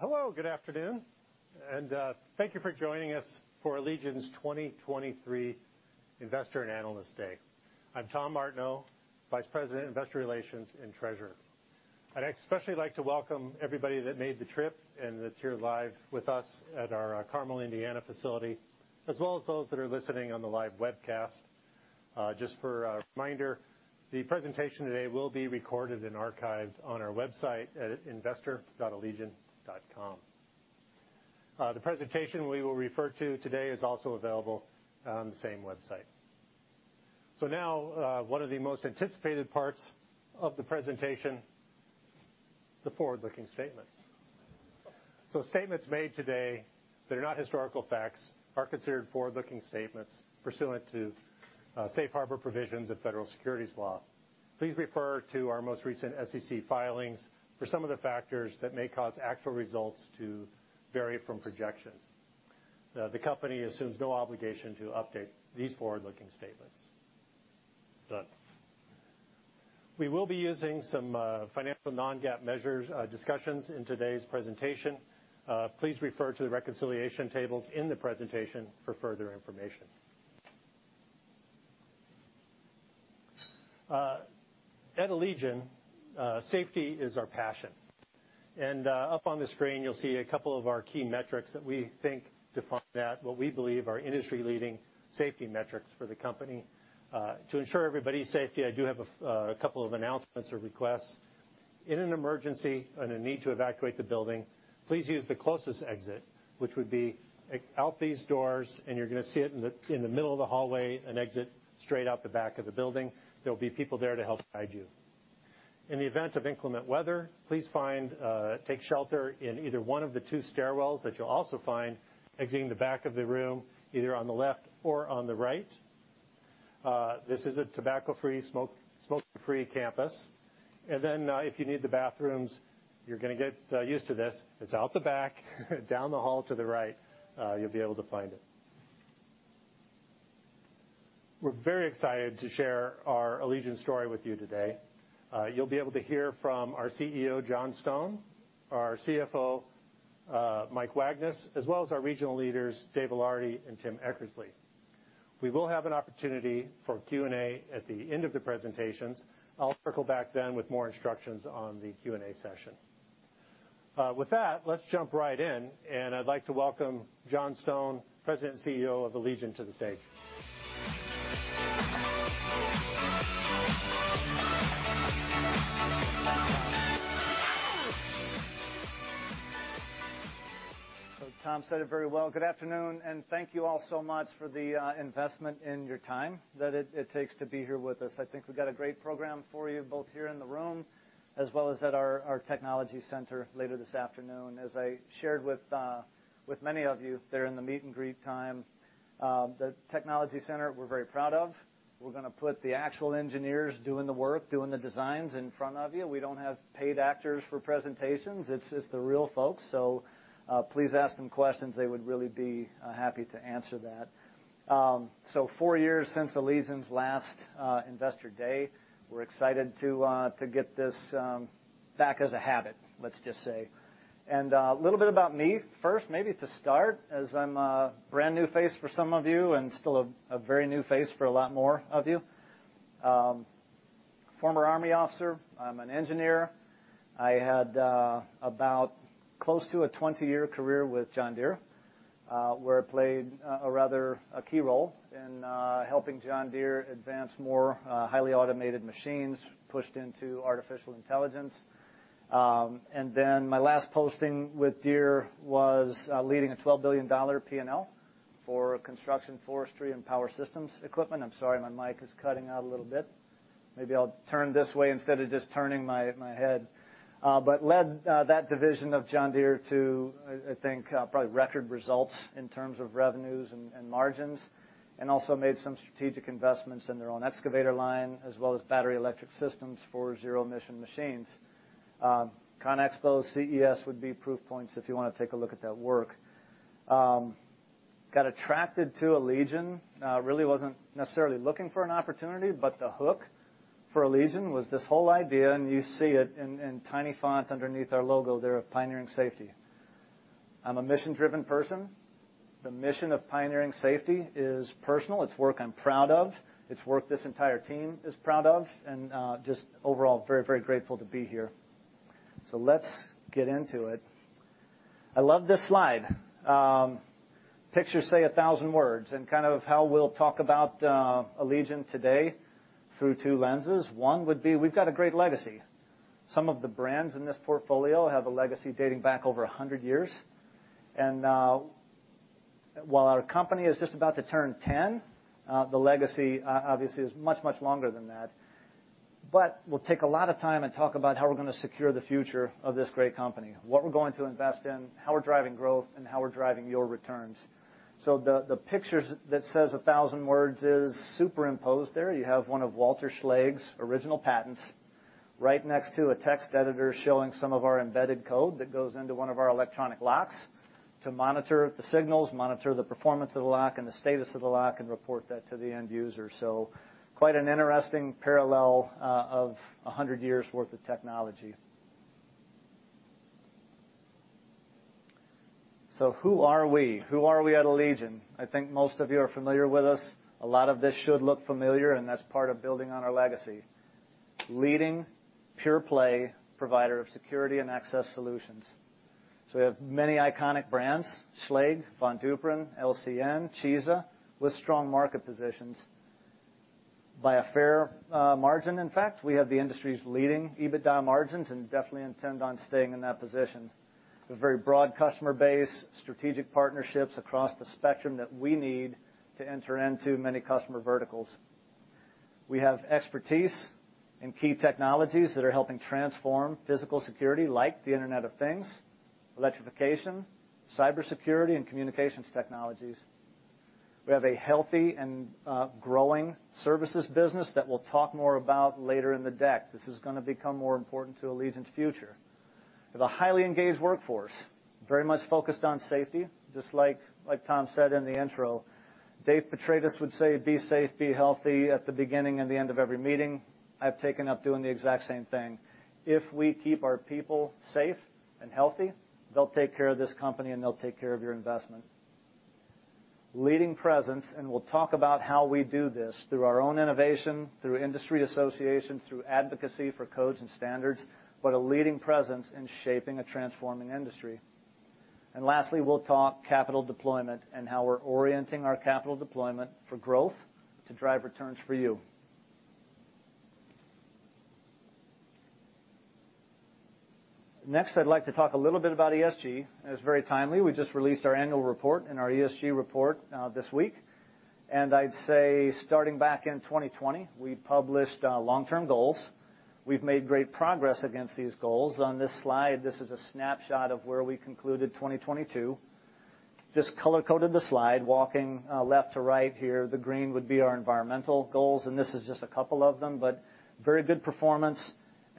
Hello, good afternoon, and thank you for joining us for Allegion's 2023 Investor and Analyst Day. I'm Tom Martineau, Vice President, Investor Relations and Treasurer. I'd especially like to welcome everybody that made the trip and that's here live with us at our Carmel, Indiana facility, as well as those that are listening on the live webcast. Just for a reminder, the presentation today will be recorded and archived on our website at investor.allegion.com. The presentation we will refer to today is also available on the same website. Now, one of the most anticipated parts of the presentation, the forward-looking statements. Statements made today that are not historical facts are considered forward-looking statements pursuant to safe harbor provisions of federal securities law. Please refer to our most recent SEC filings for some of the factors that may cause actual results to vary from projections. The company assumes no obligation to update these forward-looking statements. Done. We will be using some financial non-GAAP measures, discussions in today's presentation. Please refer to the reconciliation tables in the presentation for further information. At Allegion, safety is our passion. Up on the screen, you'll see a couple of our key metrics that we think define that, what we believe are industry-leading safety metrics for the company. To ensure everybody's safety, I do have a couple of announcements or requests. In an emergency and a need to evacuate the building, please use the closest exit, which would be out these doors, and you're gonna see it in the, in the middle of the hallway, an exit straight out the back of the building. There'll be people there to help guide you. In the event of inclement weather, please find, take shelter in either one of the two stairwells that you'll also find exiting the back of the room, either on the left or on the right. This is a tobacco-free, smoke-free campus. If you need the bathrooms, you're gonna get used to this. It's out the back, down the hall to the right. You'll be able to find it. We're very excited to share our Allegion story with you today. You'll be able to hear from our CEO, John Stone, our CFO, Mike Wagnes, as well as our regional leaders, Dave Ilardi and Tim Eckersley. We will have an opportunity for Q&A at the end of the presentations. I'll circle back then with more instructions on the Q&A session. With that, let's jump right in, and I'd like to welcome John Stone, President and CEO of Allegion, to the stage. Tom said it very well. Good afternoon. Thank you all so much for the investment and your time that it takes to be here with us. I think we've got a great program for you both here in the room as well as at our Technology Center later this afternoon. As I shared with many of you there in the meet and greet time, the Technology Center, we're very proud of. We're gonna put the actual engineers doing the work, doing the designs in front of you. We don't have paid actors for presentations. It's just the real folks. Please ask them questions. They would really be happy to answer that. Four years since Allegion's last Investor Day. We're excited to get this back as a habit, let's just say. A little bit about me first, maybe to start, as I'm a brand-new face for some of you and still a very new face for a lot more of you. Former Army officer. I'm an engineer. I had about close to a 20-year career with John Deere, where I played a rather key role in helping John Deere advance more highly automated machines, pushed into artificial intelligence. Then my last posting with Deere was leading a $12 billion P&L for construction, forestry, and power systems equipment. I'm sorry, my mic is cutting out a little bit. Maybe I'll turn this way instead of just turning my head. Led that division of John Deere to, I think, probably record results in terms of revenues and margins, and also made some strategic investments in their own excavator line as well as battery electric systems for zero emission machines. ConExpo, CES would be proof points if you wanna take a look at that work. Got attracted to Allegion. Really wasn't necessarily looking for an opportunity, but the hook for Allegion was this whole idea, and you see it in tiny font underneath our logo there of pioneering safety. I'm a mission-driven person. The mission of pioneering safety is personal. It's work I'm proud of. It's work this entire team is proud of, just overall very, very grateful to be here. Let's get into it. I love this slide. Pictures say 1,000 words and kind of how we'll talk about Allegion today through two lenses. One would be we've got a great legacy. Some of the brands in this portfolio have a legacy dating back over 100 years. While our company is just about to turn 10, the legacy obviously is much, much longer than that. We'll take a lot of time and talk about how we're gonna secure the future of this great company, what we're going to invest in, how we're driving growth, and how we're driving your returns. The pictures that says 1,000 words is superimposed there. You have one of Walter Schlage's original patents right next to a text editor showing some of our embedded code that goes into one of our electronic locks. To monitor the signals, monitor the performance of the lock and the status of the lock, and report that to the end user. Quite an interesting parallel of 100 years worth of technology. Who are we? Who are we at Allegion? I think most of you are familiar with us. A lot of this should look familiar, and that's part of building on our legacy. Leading pure-play provider of security and access solutions. We have many iconic brands, Schlage, Von Duprin, LCN, Cisa, with strong market positions. By a fair margin, in fact, we have the industry's leading EBITDA margins and definitely intend on staying in that position. A very broad customer base, strategic partnerships across the spectrum that we need to enter into many customer verticals. We have expertise in key technologies that are helping transform physical security like the Internet of Things, electrification, cybersecurity and communications technologies. We have a healthy and growing services business that we'll talk more about later in the deck. This is gonna become more important to Allegion's future. We have a highly engaged workforce, very much focused on safety. Just like Tom said in the intro, Dave Petratis would say, "Be safe, be healthy," at the beginning and the end of every meeting. I've taken up doing the exact same thing. If we keep our people safe and healthy, they'll take care of this company, and they'll take care of your investment. Leading presence, we'll talk about how we do this through our own innovation, through industry association, through advocacy for codes and standards, but a leading presence in shaping a transforming industry. Lastly, we'll talk capital deployment and how we're orienting our capital deployment for growth to drive returns for you. Next, I'd like to talk a little bit about ESG, it's very timely. We just released our annual report and our ESG report this week. I'd say starting back in 2020, we published long-term goals. We've made great progress against these goals. On this slide, this is a snapshot of where we concluded 2022. Just color-coded the slide. Walking left to right here, the green would be our environmental goals, this is just a couple of them, but very good performance.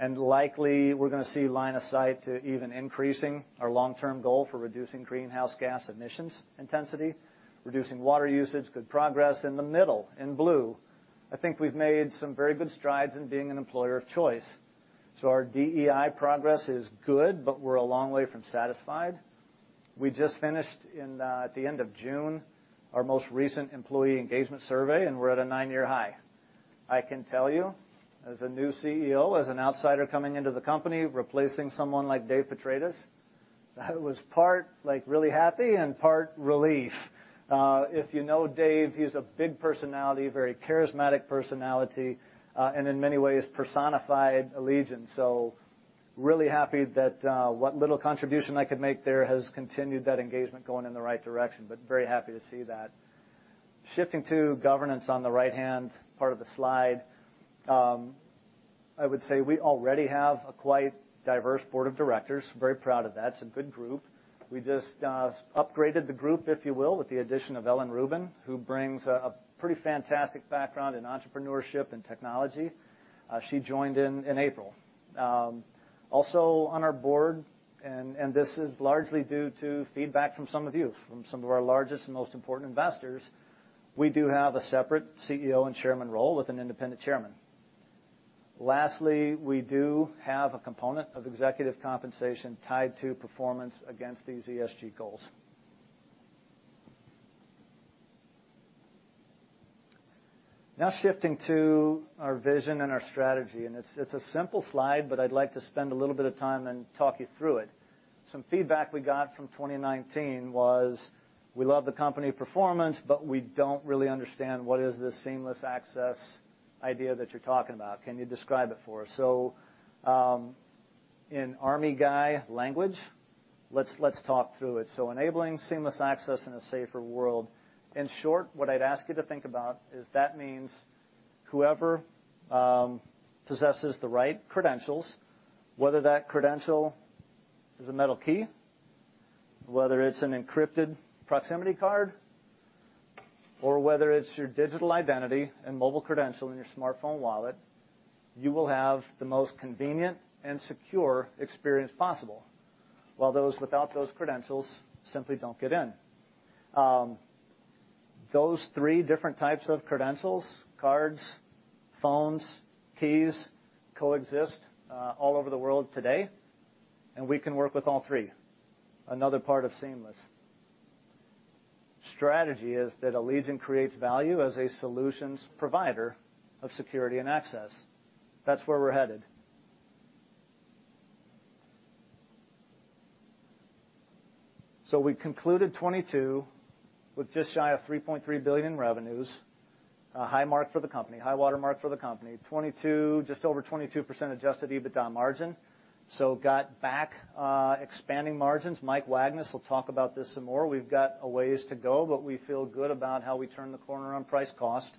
Likely, we're gonna see line of sight to even increasing our long-term goal for reducing greenhouse gas emissions intensity, reducing water usage, good progress. In the middle, in blue, I think we've made some very good strides in being an employer of choice. Our DEI progress is good, but we're a long way from satisfied. We just finished in at the end of June, our most recent employee engagement survey, and we're at a nine-year high. I can tell you as a new CEO, as an outsider coming into the company, replacing someone like Dave Petratis, that was part, like, really happy and part relief. If you know Dave, he's a big personality, very charismatic personality, and in many ways personified Allegion. Really happy that what little contribution I could make there has continued that engagement going in the right direction, but very happy to see that. Shifting to governance on the right-hand part of the slide, I would say we already have a quite diverse board of directors. Very proud of that. It's a good group. We just upgraded the group, if you will, with the addition of Ellen Rubin, who brings a pretty fantastic background in entrepreneurship and technology. She joined in April. Also on our board, and this is largely due to feedback from some of you, from some of our largest and most important investors, we do have a separate CEO and chairman role with an independent chairman. Lastly, we do have a component of executive compensation tied to performance against these ESG goals. Shifting to our vision and our strategy, and it's a simple slide, but I'd like to spend a little bit of time and talk you through it. Some feedback we got from 2019 was, "We love the company performance, but we don't really understand what is this seamless access idea that you're talking about. Can you describe it for us?" In army guy language, let's talk through it. Enabling seamless access in a safer world. In short, what I'd ask you to think about is that means whoever possesses the right credentials, whether that credential is a metal key, whether it's an encrypted proximity card, or whether it's your digital identity and mobile credential in your smartphone wallet, you will have the most convenient and secure experience possible, while those without those credentials simply don't get in. Those three different types of credentials, cards, phones, keys, coexist all over the world today, we can work with all three. Another part of seamless. Strategy is that Allegion creates value as a solutions provider of security and access. That's where we're headed. We concluded 22 with just shy of $3.3 billion in revenues, a high mark for the company, high watermark for the company. 22, just over 22% adjusted EBITDA margin. Got back, expanding margins. Mike Wagnes will talk about this some more. We've got a ways to go, but we feel good about how we turn the corner on price cost.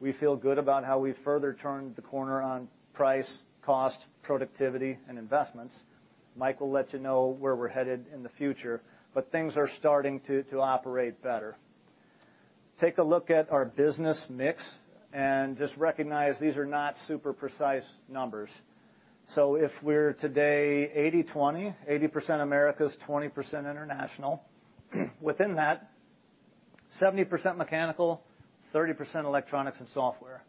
We feel good about how we further turned the corner on price, cost, productivity, and investments. Mike will let you know where we're headed in the future. Things are starting to operate better. Take a look at our business mix. Just recognize these are not super precise numbers. If we're today 80/20, 80% Americas, 20% international. Within that, 70% mechanical, 30% electronics and software.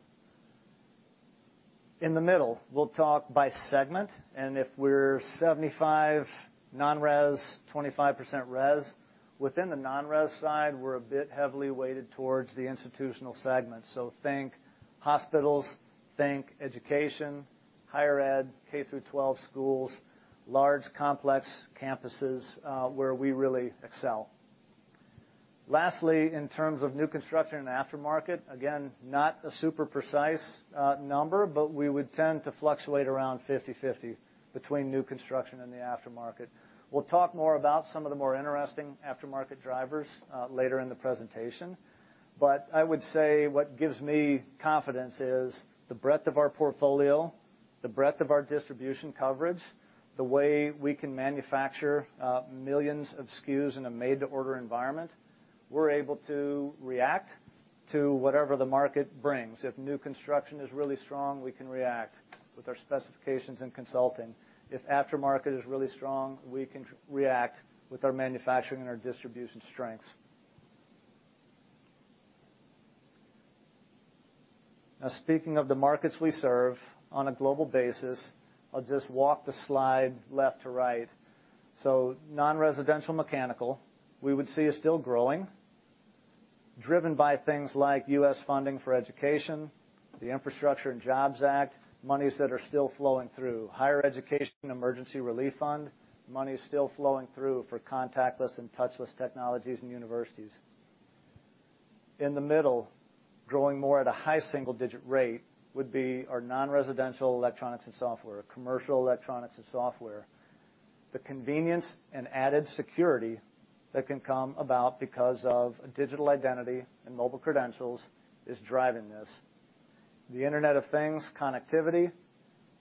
In the middle, we'll talk by segment. If we're 75% non-res, 25% res. Within the non-res side, we're a bit heavily weighted towards the institutional segment. Think hospitals, think education, higher ed, K-12 schools, large, complex campuses, where we really excel. Lastly, in terms of new construction and aftermarket, again, not a super precise number, we would tend to fluctuate around 50/50 between new construction and the aftermarket. We'll talk more about some of the more interesting aftermarket drivers later in the presentation. I would say what gives me confidence is the breadth of our portfolio, the breadth of our distribution coverage, the way we can manufacture millions of SKUs in a made-to-order environment. We're able to react to whatever the market brings. If new construction is really strong, we can react with our specifications and consulting. If aftermarket is really strong, we can react with our manufacturing and our distribution strengths. Now, speaking of the markets we serve on a global basis, I'll just walk the slide left to right. Non-residential mechanical, we would see is still growing, driven by things like U.S. funding for education, the Infrastructure Investment and Jobs Act, monies that are still flowing through. Higher Education Emergency Relief Fund, money is still flowing through for contactless and touchless technologies in universities. In the middle, growing more at a high single-digit rate would be our non-residential electronics and software, commercial electronics and software. The convenience and added security that can come about because of a digital identity and mobile credentials is driving this. The Internet of Things, connectivity,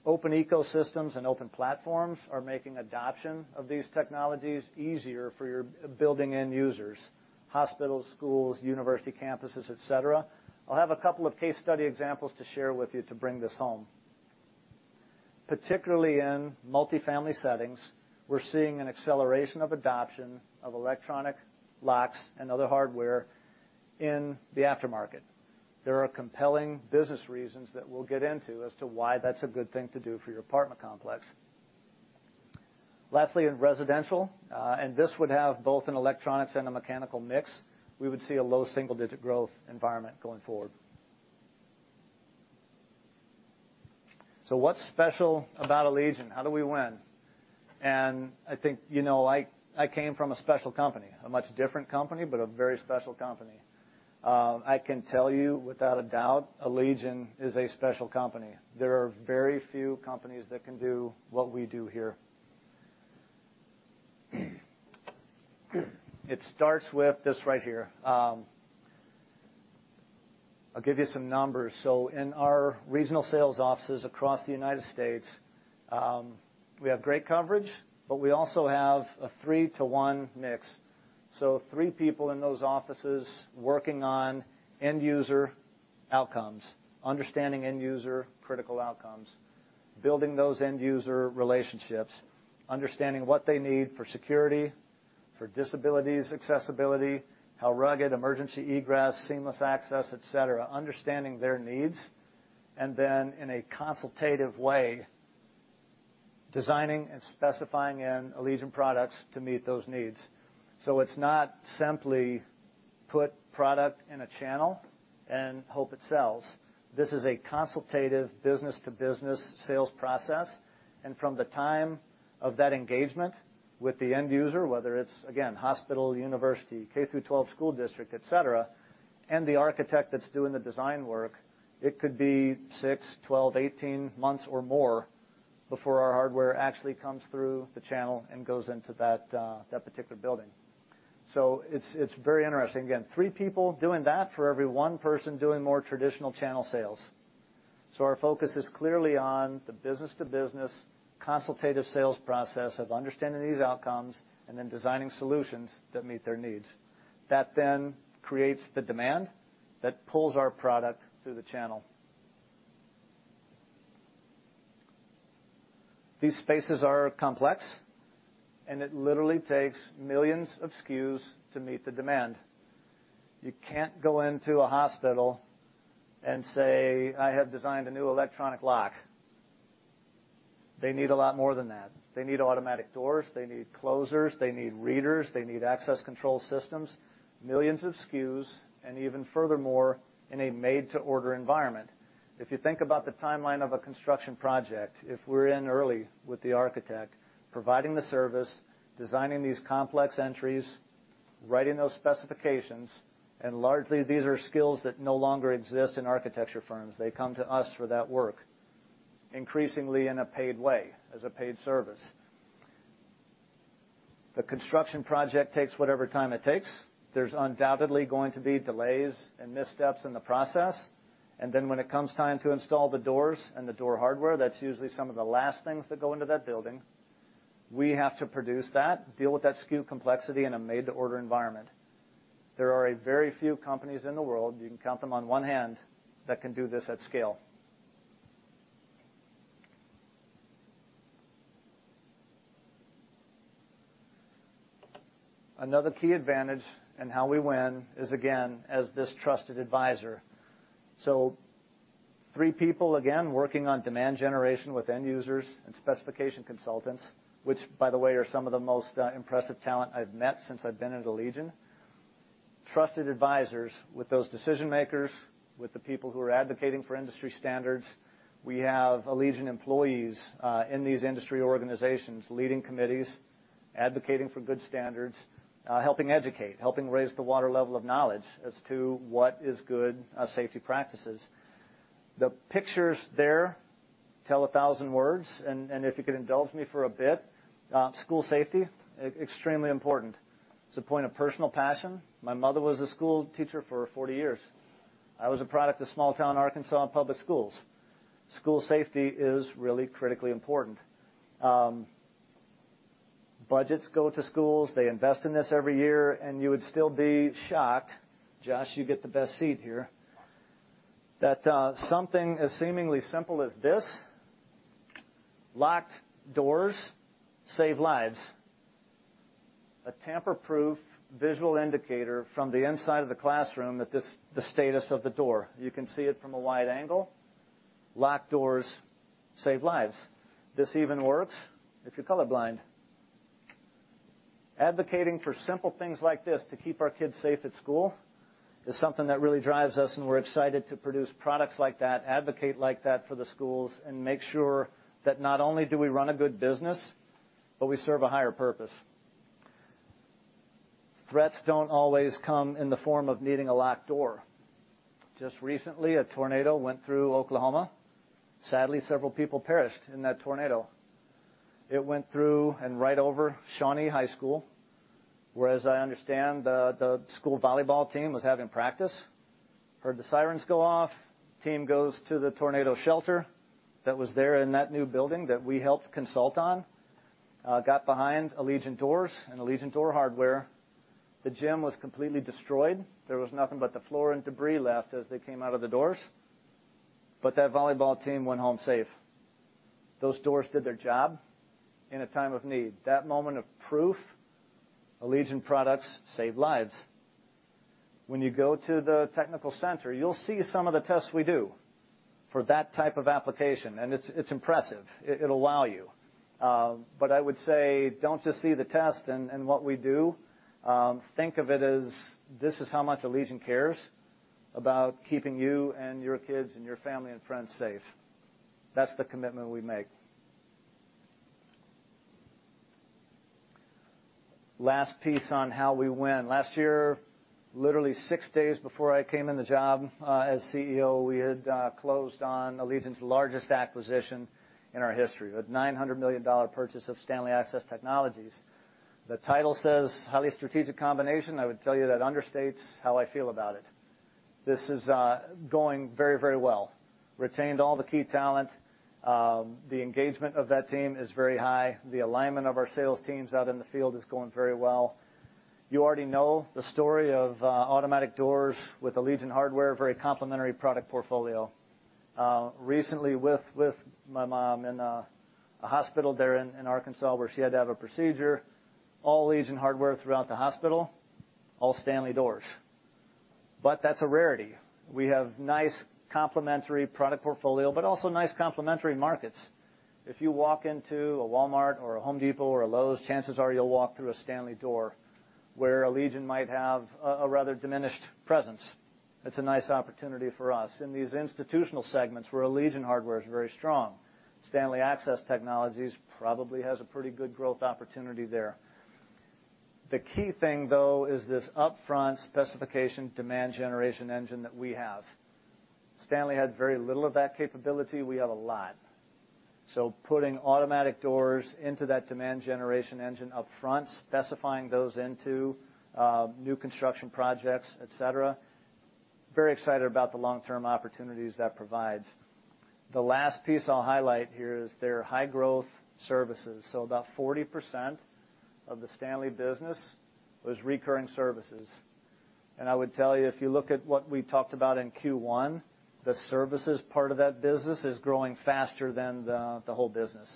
open ecosystems and open platforms are making adoption of these technologies easier for your building end users, hospitals, schools, university campuses, et cetera. I'll have a couple of case study examples to share with you to bring this home. Particularly in multifamily settings, we're seeing an acceleration of adoption of electronic locks and other hardware in the aftermarket. There are compelling business reasons that we'll get into as to why that's a good thing to do for your apartment complex. Lastly, in residential, and this would have both an electronics and a mechanical mix, we would see a low single-digit growth environment going forward. What's special about Allegion? How do we win? I think, you know, I came from a special company, a much different company, but a very special company. I can tell you without a doubt, Allegion is a special company. There are very few companies that can do what we do here. It starts with this right here. I'll give you some numbers. In our regional sales offices across the United States, we have great coverage, but we also have a three-to-one mix. Three people in those offices working on end user outcomes, understanding end user critical outcomes, building those end user relationships, understanding what they need for security, for disabilities accessibility, how rugged, emergency egress, seamless access, et cetera, understanding their needs, and then in a consultative way, designing and specifying in Allegion products to meet those needs. It's not simply put product in a channel and hope it sells. This is a consultative business-to-business sales process. From the time of that engagement with the end user, whether it's again, hospital, university, K-12 school district, et cetera, and the architect that's doing the design work, it could be six, 12, 18 months or more before our hardware actually comes through the channel and goes into that particular building. It's very interesting. Again, three people doing that for every one person doing more traditional channel sales. Our focus is clearly on the business-to-business consultative sales process of understanding these outcomes and then designing solutions that meet their needs. That then creates the demand that pulls our product through the channel. These spaces are complex, and it literally takes millions of SKUs to meet the demand. You can't go into a hospital and say, "I have designed a new electronic lock." They need a lot more than that. They need automatic doors, they need closers, they need readers, they need access control systems, millions of SKUs, and even furthermore, in a made-to-order environment. If you think about the timeline of a construction project, if we're in early with the architect, providing the service, designing these complex entries, writing those specifications, largely these are skills that no longer exist in architecture firms, they come to us for that work, increasingly in a paid way, as a paid service. The construction project takes whatever time it takes. There's undoubtedly going to be delays and missteps in the process. When it comes time to install the doors and the door hardware, that's usually some of the last things that go into that building. We have to produce that, deal with that SKU complexity in a made-to-order environment. There are a very few companies in the world, you can count them on one hand, that can do this at scale. Another key advantage in how we win is, again, as this trusted advisor. Three people, again, working on demand generation with end users and specification consultants, which by the way, are some of the most impressive talent I've met since I've been at Allegion. Trusted advisors with those decision-makers, with the people who are advocating for industry standards. We have Allegion employees in these industry organizations, leading committees, advocating for good standards, helping educate, helping raise the water level of knowledge as to what is good safety practices. The pictures there tell 1,000 words, and if you could indulge me for a bit, school safety, extremely important. It's a point of personal passion. My mother was a school teacher for 40 years. I was a product of small-town Arkansas public schools. School safety is really critically important. Budgets go to schools, they invest in this every year, and you would still be shocked, Josh, you get the best seat here, that something as seemingly simple as this, locked doors save lives. A tamper-proof visual indicator from the inside of the classroom that the status of the door. You can see it from a wide angle. Locked doors save lives. This even works if you're color blind. Advocating for simple things like this to keep our kids safe at school is something that really drives us, and we're excited to produce products like that, advocate like that for the schools, and make sure that not only do we run a good business, but we serve a higher purpose. Threats don't always come in the form of needing a locked door. Just recently, a tornado went through Oklahoma. Sadly, several people perished in that tornado. It went through and right over Shawnee High School, where as I understand, the school volleyball team was having practice. Heard the sirens go off, team goes to the tornado shelter that was there in that new building that we helped consult on. Got behind Allegion doors and Allegion door hardware. The gym was completely destroyed. There was nothing but the floor and debris left as they came out of the doors. That volleyball team went home safe. Those doors did their job in a time of need. That moment of proof, Allegion products save lives. When you go to the technical center, you'll see some of the tests we do for that type of application, and it'll wow you. I would say, don't just see the test and what we do, think of it as this is how much Allegion cares about keeping you and your kids and your family and friends safe. That's the commitment we make. Last piece on how we win. Last year, literally six days before I came in the job, as CEO, we had closed on Allegion's largest acquisition in our history, the $900 million purchase of Stanley Access Technologies. The title says highly strategic combination. I would tell you that understates how I feel about it. This is going very, very well. Retained all the key talent. The engagement of that team is very high. The alignment of our sales teams out in the field is going very well. You already know the story of automatic doors with Allegion hardware, very complementary product portfolio. Recently with my mom in a hospital there in Arkansas, where she had to have a procedure, all Allegion hardware throughout the hospital, all Stanley doors. That's a rarity. We have nice complementary product portfolio, but also nice complementary markets. If you walk into a Walmart or a Home Depot or a Lowe's, chances are you'll walk through a Stanley door where Allegion might have a rather diminished presence. It's a nice opportunity for us. In these institutional segments where Allegion hardware is very strong, Stanley Access Technologies probably has a pretty good growth opportunity there. The key thing, though, is this upfront specification demand generation engine that we have. Stanley had very little of that capability. We have a lot. Putting automatic doors into that demand generation engine upfront, specifying those into new construction projects, et cetera, very excited about the long-term opportunities that provides. The last piece I'll highlight here is their high-growth services. About 40% of the Stanley business was recurring services. I would tell you, if you look at what we talked about in Q1, the services part of that business is growing faster than the whole business.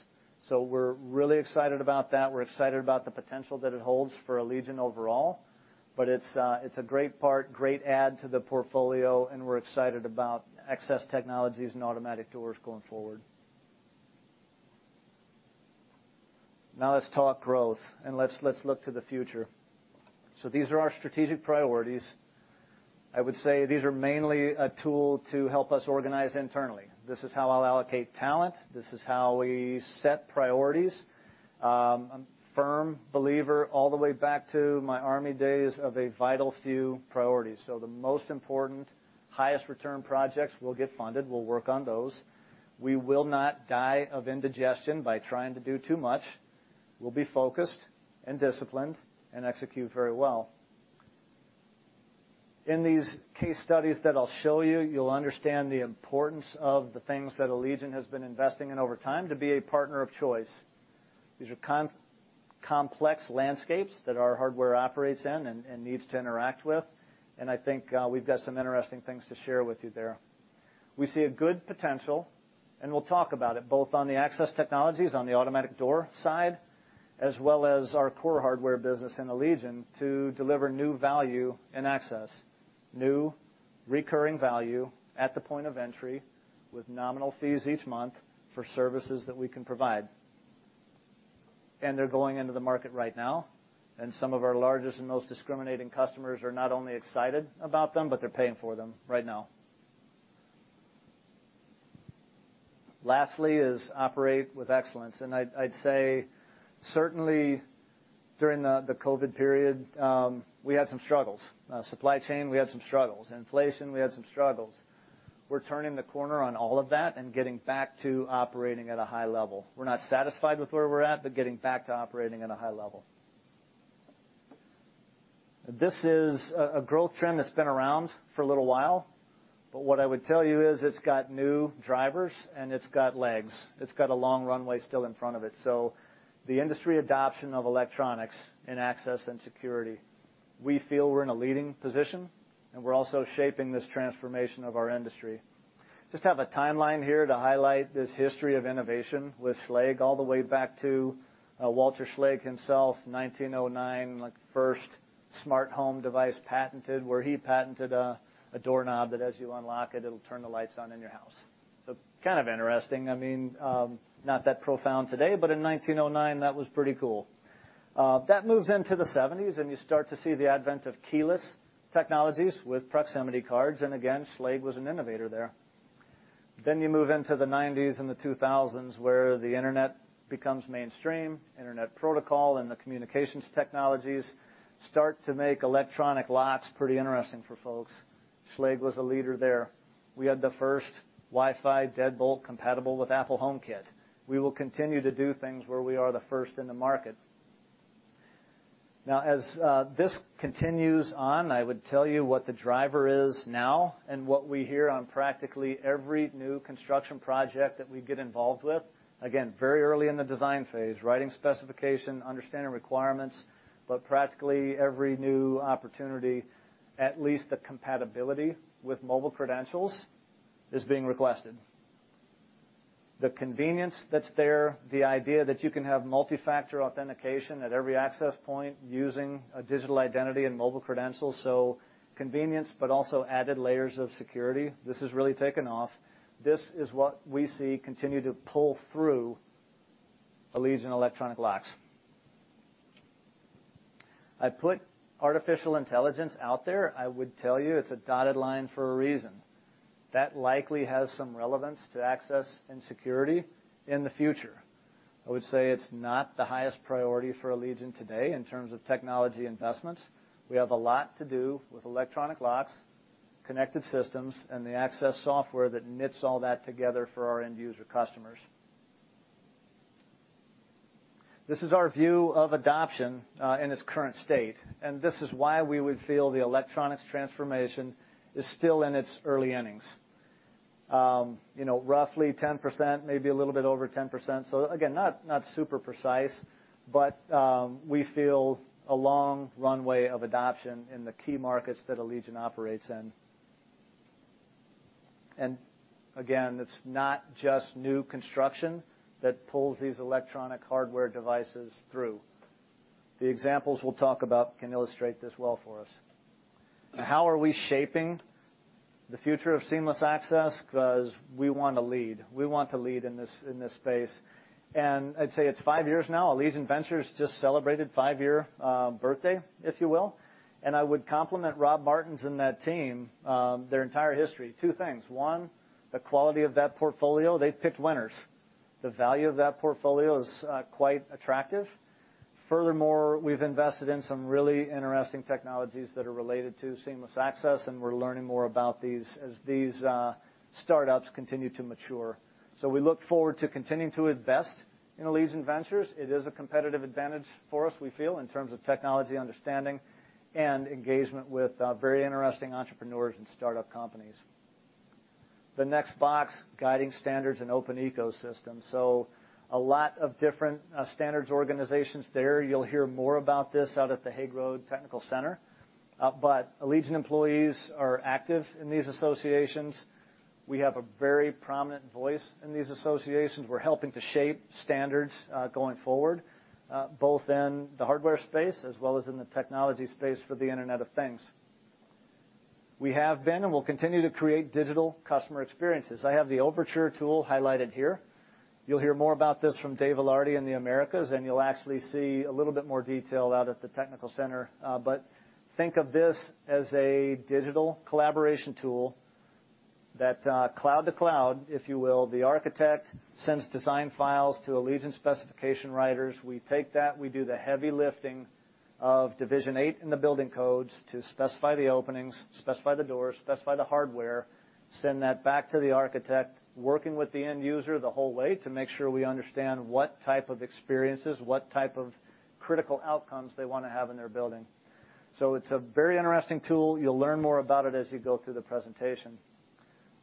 We're really excited about that. We're excited about the potential that it holds for Allegion overall, but it's a great part, great add to the portfolio, and we're excited about Access Technologies and automatic doors going forward. Now let's talk growth, and let's look to the future. These are our strategic priorities. I would say these are mainly a tool to help us organize internally. This is how I'll allocate talent. This is how we set priorities. I'm a firm believer all the way back to my Army days of a vital few priorities. The most important, highest return projects will get funded. We'll work on those. We will not die of indigestion by trying to do too much. We'll be focused and disciplined and execute very well. In these case studies that I'll show you'll understand the importance of the things that Allegion has been investing in over time to be a partner of choice. These are complex landscapes that our hardware operates in and needs to interact with. I think we've got some interesting things to share with you there. We see a good potential, we'll talk about it, both on the access technologies on the automatic door side, as well as our core hardware business in Allegion to deliver new value and access, new recurring value at the point of entry with nominal fees each month for services that we can provide. They're going into the market right now, and some of our largest and most discriminating customers are not only excited about them, but they're paying for them right now. Lastly is operate with excellence, I'd say certainly during the COVID period, we had some struggles. Supply chain, we had some struggles. Inflation, we had some struggles. We're turning the corner on all of that and getting back to operating at a high level. We're not satisfied with where we're at, but getting back to operating at a high level. This is a growth trend that's been around for a little while, but what I would tell you is it's got new drivers and it's got legs. It's got a long runway still in front of it. The industry adoption of electronics in access and security, we feel we're in a leading position, and we're also shaping this transformation of our industry. Just have a timeline here to highlight this history of innovation with Schlage all the way back to Walter Schlage himself, 1909, like, first smart home device patented, where he patented a doorknob that as you unlock it'll turn the lights on in your house. Kind of interesting. I mean, not that profound today, but in 1909, that was pretty cool. That moves into the 1970s, and you start to see the advent of keyless technologies with proximity cards, and again, Schlage was an innovator there. You move into the 1990s and the 2000s, where the internet becomes mainstream. Internet protocol and the communications technologies start to make electronic locks pretty interesting for folks. Schlage was a leader there. We had the first Wi-Fi deadbolt compatible with Apple HomeKit. We will continue to do things where we are the first in the market. Now as this continues on, I would tell you what the driver is now and what we hear on practically every new construction project that we get involved with. Again, very early in the design phase, writing specification, understanding requirements, but practically every new opportunity, at least the compatibility with mobile credentials is being requested. The convenience that's there, the idea that you can have multi-factor authentication at every access point using a digital identity and mobile credentials, so convenience but also added layers of security, this has really taken off. This is what we see continue to pull through Allegion electronic locks. I put artificial intelligence out there. I would tell you it's a dotted line for a reason. That likely has some relevance to access and security in the future. I would say it's not the highest priority for Allegion today in terms of technology investments. We have a lot to do with electronic locks, connected systems, and the access software that knits all that together for our end user customers. This is our view of adoption, in its current state, and this is why we would feel the electronics transformation is still in its early innings. You know, roughly 10%, maybe a little bit over 10%, again, not super precise, we feel a long runway of adoption in the key markets that Allegion operates in. Again, it's not just new construction that pulls these electronic hardware devices through. The examples we'll talk about can illustrate this well for us. How are we shaping the future of seamless access? We want to lead. We want to lead in this space. I'd say it's five years now. Allegion Ventures just celebrated five-year birthday, if you will. I would compliment Rob Martens and that team, their entire history. Two things: One, the quality of that portfolio, they've picked winners. The value of that portfolio is quite attractive. Furthermore, we've invested in some really interesting technologies that are related to seamless access, and we're learning more about these as these startups continue to mature. We look forward to continuing to invest in Allegion Ventures. It is a competitive advantage for us, we feel, in terms of technology understanding and engagement with very interesting entrepreneurs and startup companies. The next box, guiding standards and open ecosystems. A lot of different standards organizations there. You'll hear more about this out at the Hague Road Technical Center. Allegion employees are active in these associations. We have a very prominent voice in these associations. We're helping to shape standards going forward, both in the hardware space as well as in the technology space for the Internet of Things. We have been and will continue to create digital customer experiences. I have the Overtur tool highlighted here. You'll hear more about this from Dave Ilardi in the Americas, and you'll actually see a little bit more detail out at the technical center. But think of this as a digital collaboration tool that, cloud to cloud, if you will, the architect sends design files to Allegion specification writers. We take that, we do the heavy lifting of Division 8 in the building codes to specify the openings, specify the doors, specify the hardware. Send that back to the architect, working with the end user the whole way to make sure we understand what type of experiences, what type of critical outcomes they want to have in their building. It's a very interesting tool. You'll learn more about it as you go through the presentation.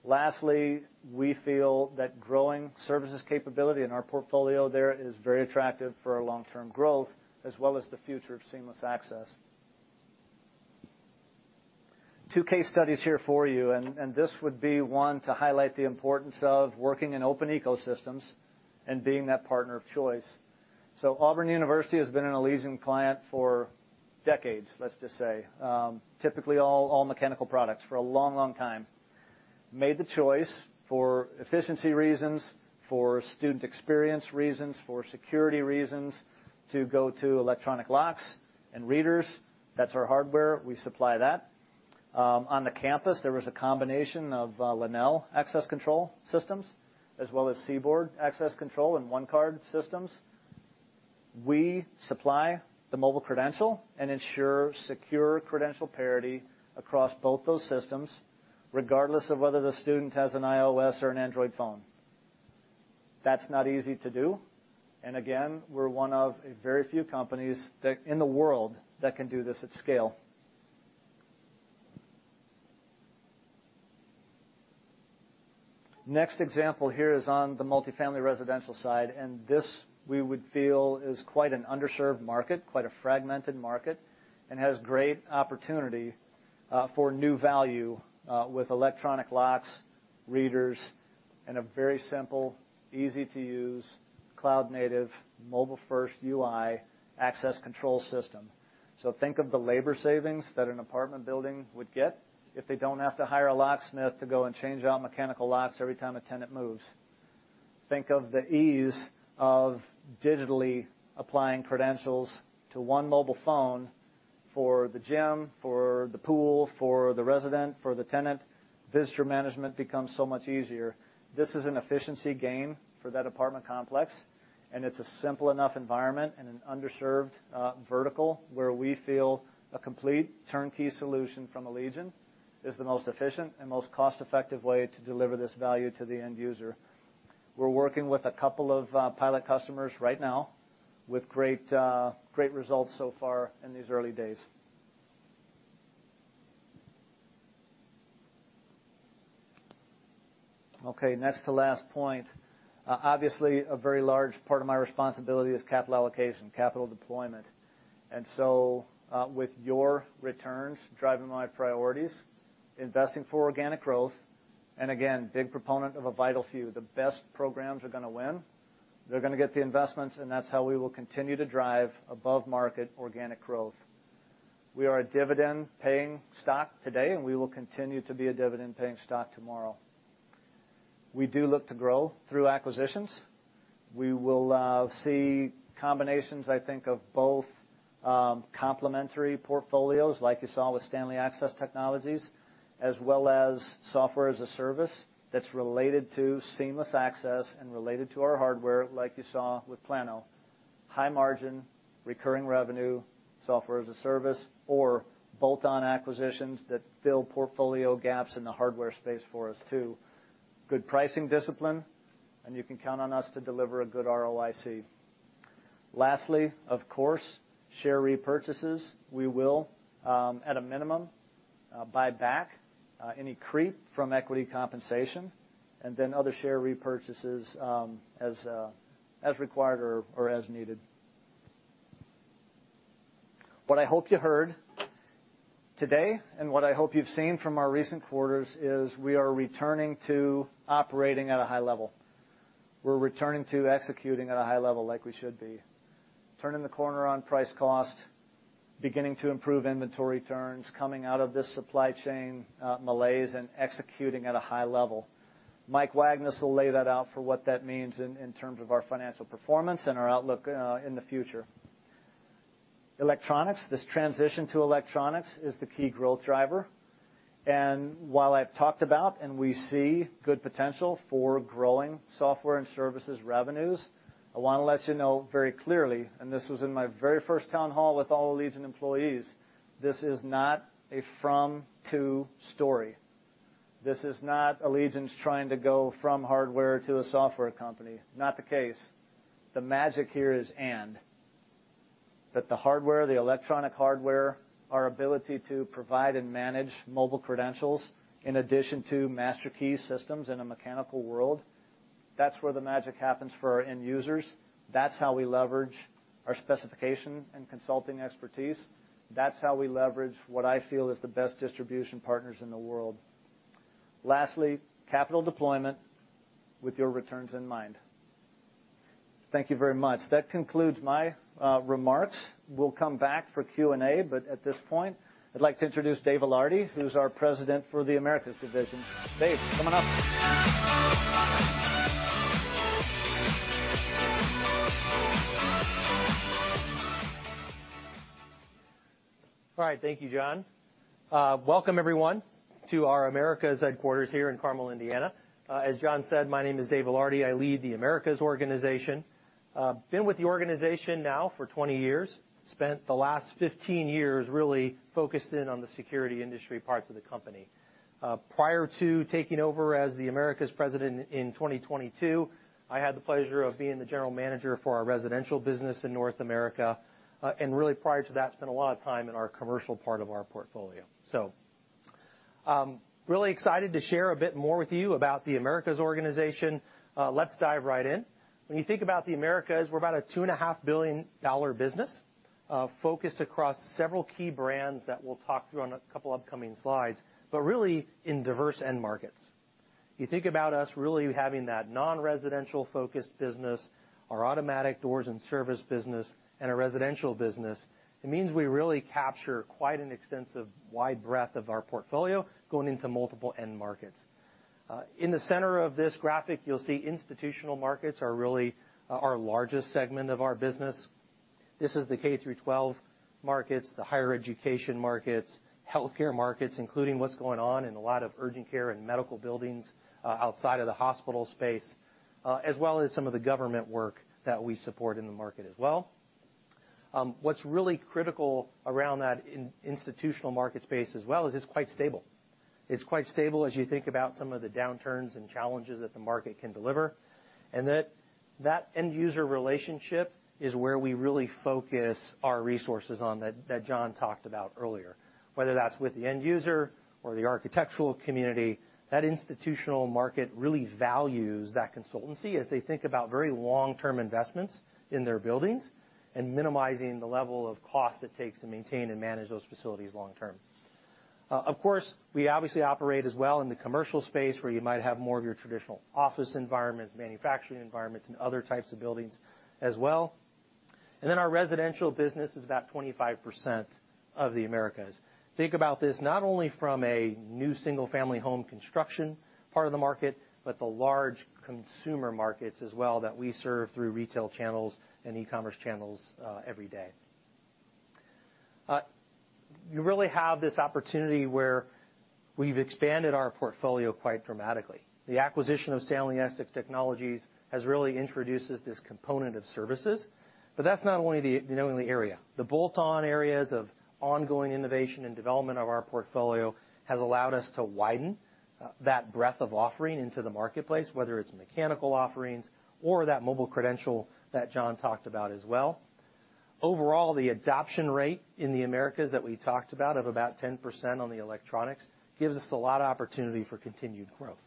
Lastly, we feel that growing services capability in our portfolio there is very attractive for our long-term growth as well as the future of seamless access. Two case studies here for you, and this would be one to highlight the importance of working in open ecosystems and being that partner of choice. Auburn University has been an Allegion client for decades, let's just say, typically all mechanical products for a long time. Made the choice for efficiency reasons, for student experience reasons, for security reasons to go to electronic locks and readers. That's our hardware. We supply that. On the campus, there was a combination of Lenel access control systems as well as CBORD access control and OneCard systems. We supply the mobile credential and ensure secure credential parity across both those systems, regardless of whether the student has an iOS or an Android phone. That's not easy to do, and again, we're one of a very few companies that in the world that can do this at scale. Next example here is on the multifamily residential side, and this we would feel is quite an underserved market, quite a fragmented market, and has great opportunity for new value with electronic locks, readers, and a very simple, easy-to-use cloud-native, mobile-first UI access control system. Think of the labor savings that an apartment building would get if they don't have to hire a locksmith to go and change out mechanical locks every time a tenant moves. Think of the ease of digitally applying credentials to one mobile phone for the gym, for the pool, for the resident, for the tenant. Visitor management becomes so much easier. This is an efficiency gain for that apartment complex, and it's a simple enough environment in an underserved vertical where we feel a complete turnkey solution from Allegion is the most efficient and most cost-effective way to deliver this value to the end user. We're working with a couple of pilot customers right now with great great results so far in these early days. Okay, next to last point, obviously a very large part of my responsibility is capital allocation, capital deployment. With your returns driving my priorities, investing for organic growth, and again, big proponent of a vital few, the best programs are gonna win. They're gonna get the investments, and that's how we will continue to drive above-market organic growth. We are a dividend-paying stock today, and we will continue to be a dividend-paying stock tomorrow. We do look to grow through acquisitions. We will see combinations, I think, of both, complementary portfolios, like you saw with Stanley Access Technologies, as well as software as a service that's related to seamless access and related to our hardware, like you saw with plano. High margin, recurring revenue, software as a service or bolt-on acquisitions that fill portfolio gaps in the hardware space for us too. Good pricing discipline, and you can count on us to deliver a good ROIC. Lastly, of course, share repurchases. We will, at a minimum, buy back any creep from equity compensation and then other share repurchases, as required or as needed. What I hope you heard today and what I hope you've seen from our recent quarters is we are returning to operating at a high level. We're returning to executing at a high level like we should be. Turning the corner on price cost, beginning to improve inventory turns, coming out of this supply chain malaise, and executing at a high level. Mike Wagnes will lay that out for what that means in terms of our financial performance and our outlook in the future. Electronics, this transition to electronics is the key growth driver. While I've talked about and we see good potential for growing software and services revenues, I want to let you know very clearly, and this was in my very first town hall with all Allegion employees, this is not a from-to story. This is not Allegion's trying to go from hardware to a software company. Not the case. The magic here is. That the hardware, the electronic hardware, our ability to provide and manage mobile credentials in addition to master key systems in a mechanical world, that's where the magic happens for our end users. That's how we leverage our specification and consulting expertise. That's how we leverage what I feel is the best distribution partners in the world. Lastly, capital deployment with your returns in mind. Thank you very much. That concludes my remarks. At this point, I'd like to introduce Dave Ilardi, who's our president for the Americas division. Dave, come on up. All right. Thank you, John. Welcome everyone to our Americas headquarters here in Carmel, Indiana. As John said, my name is Dave Ilardi. I lead the Americas organization. Been with the organization now for 20 years. Spent the last 15 years really focused in on the security industry parts of the company. Prior to taking over as the Americas president in 2022, I had the pleasure of being the general manager for our residential business in North America. Really prior to that, spent a lot of time in our commercial part of our portfolio. Really excited to share a bit more with you about the Americas organization. Let's dive right in. When you think about the Americas, we're about a $2.5 billion business, focused across several key brands that we'll talk through on a couple upcoming slides, but really in diverse end markets. You think about us really having that non-residential-focused business, our automatic doors and service business, and a residential business. It means we really capture quite an extensive wide breadth of our portfolio going into multiple end markets. In the center of this graphic, you'll see institutional markets are really our largest segment of our business. This is the K-12 markets, the higher education markets, healthcare markets, including what's going on in a lot of urgent care and medical buildings, outside of the hospital space, as well as some of the government work that we support in the market as well. What's really critical around that institutional market space as well is it's quite stable. It's quite stable as you think about some of the downturns and challenges that the market can deliver, and that end user relationship is where we really focus our resources on that John talked about earlier. Whether that's with the end user or the architectural community, that institutional market really values that consultancy as they think about very long-term investments in their buildings and minimizing the level of cost it takes to maintain and manage those facilities long term. Of course, we obviously operate as well in the commercial space where you might have more of your traditional office environments, manufacturing environments, and other types of buildings as well. Our residential business is about 25% of the Americas. Think about this not only from a new single-family home construction part of the market, but the large consumer markets as well that we serve through retail channels and e-commerce channels, every day. You really have this opportunity where we've expanded our portfolio quite dramatically. The acquisition of Stanley Access Technologies has really introduces this component of services. That's not only the only area. The bolt-on areas of ongoing innovation and development of our portfolio has allowed us to widen that breadth of offering into the marketplace, whether it's mechanical offerings or that mobile credential that John talked about as well. Overall, the adoption rate in the Americas that we talked about of about 10% on the electronics gives us a lot of opportunity for continued growth.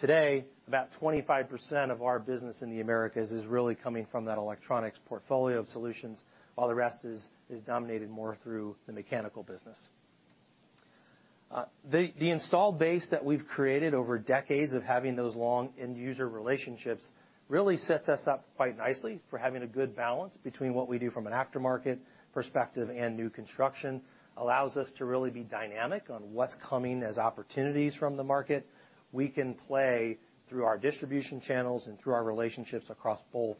Today, about 25% of our business in the Americas is really coming from that electronics portfolio of solutions, while the rest is dominated more through the mechanical business. The installed base that we've created over decades of having those long end user relationships really sets us up quite nicely for having a good balance between what we do from an aftermarket perspective and new construction, allows us to really be dynamic on what's coming as opportunities from the market. We can play through our distribution channels and through our relationships across both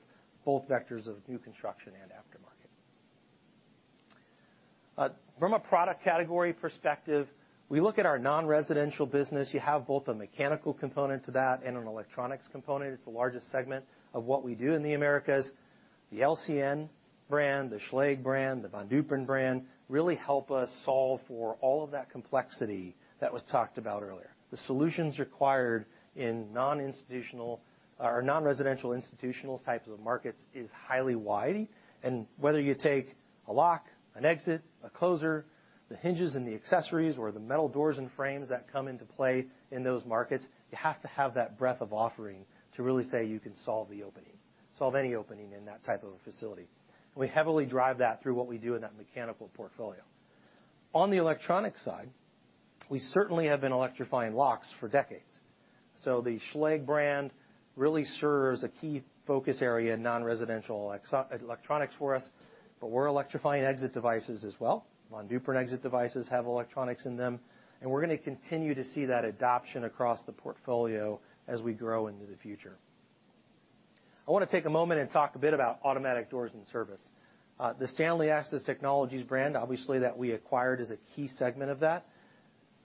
vectors of new construction and aftermarket. From a product category perspective, we look at our non-residential business. You have both a mechanical component to that and an electronics component. It's the largest segment of what we do in the Americas. The LCN brand, the Schlage brand, the Von Duprin brand, really help us solve for all of that complexity that was talked about earlier. The solutions required in non-institutional or non-residential institutional types of markets is highly wide, and whether you take a lock, an exit, a closer, the hinges and the accessories or the metal doors and frames that come into play in those markets, you have to have that breadth of offering to really say you can solve the opening, solve any opening in that type of a facility. We heavily drive that through what we do in that mechanical portfolio. On the electronic side, we certainly have been electrifying locks for decades. The Schlage brand really serves a key focus area in non-residential electronics for us, but we're electrifying exit devices as well. Von Duprin exit devices have electronics in them, and we're gonna continue to see that adoption across the portfolio as we grow into the future. I wanna take a moment and talk a bit about automatic doors and service. The Stanley Access Technologies brand, obviously, that we acquired is a key segment of that.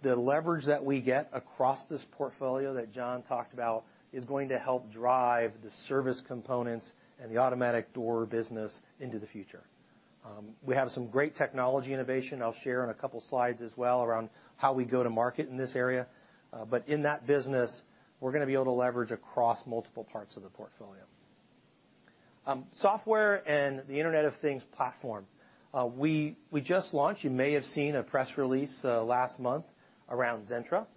The leverage that we get across this portfolio that John talked about is going to help drive the service components and the automatic door business into the future. We have some great technology innovation I'll share in a couple slides as well around how we go to market in this area, but in that business, we're gonna be able to leverage across multiple parts of the portfolio. Software and the Internet of Things platform. We just launched, you may have seen a press release, last month around Zentra.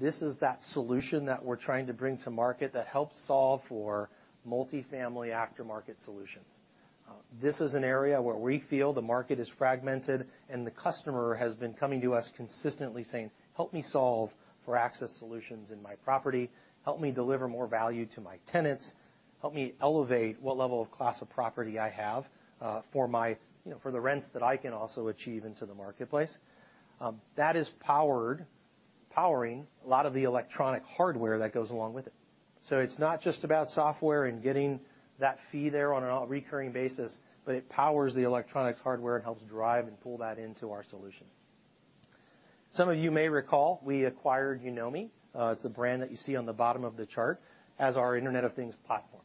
This is that solution that we're trying to bring to market that helps solve for multifamily aftermarket solutions. This is an area where we feel the market is fragmented and the customer has been coming to us consistently saying, "Help me solve for access solutions in my property. Help me deliver more value to my tenants. Help me elevate what level of class of property I have, for my, you know, for the rents that I can also achieve into the marketplace." That is powering a lot of the electronic hardware that goes along with it. It's not just about software and getting that fee there on a recurring basis, but it powers the electronics hardware and helps drive and pull that into our solution. Some of you may recall, we acquired Yonomi, it's a brand that you see on the bottom of the chart, as our Internet of Things platform.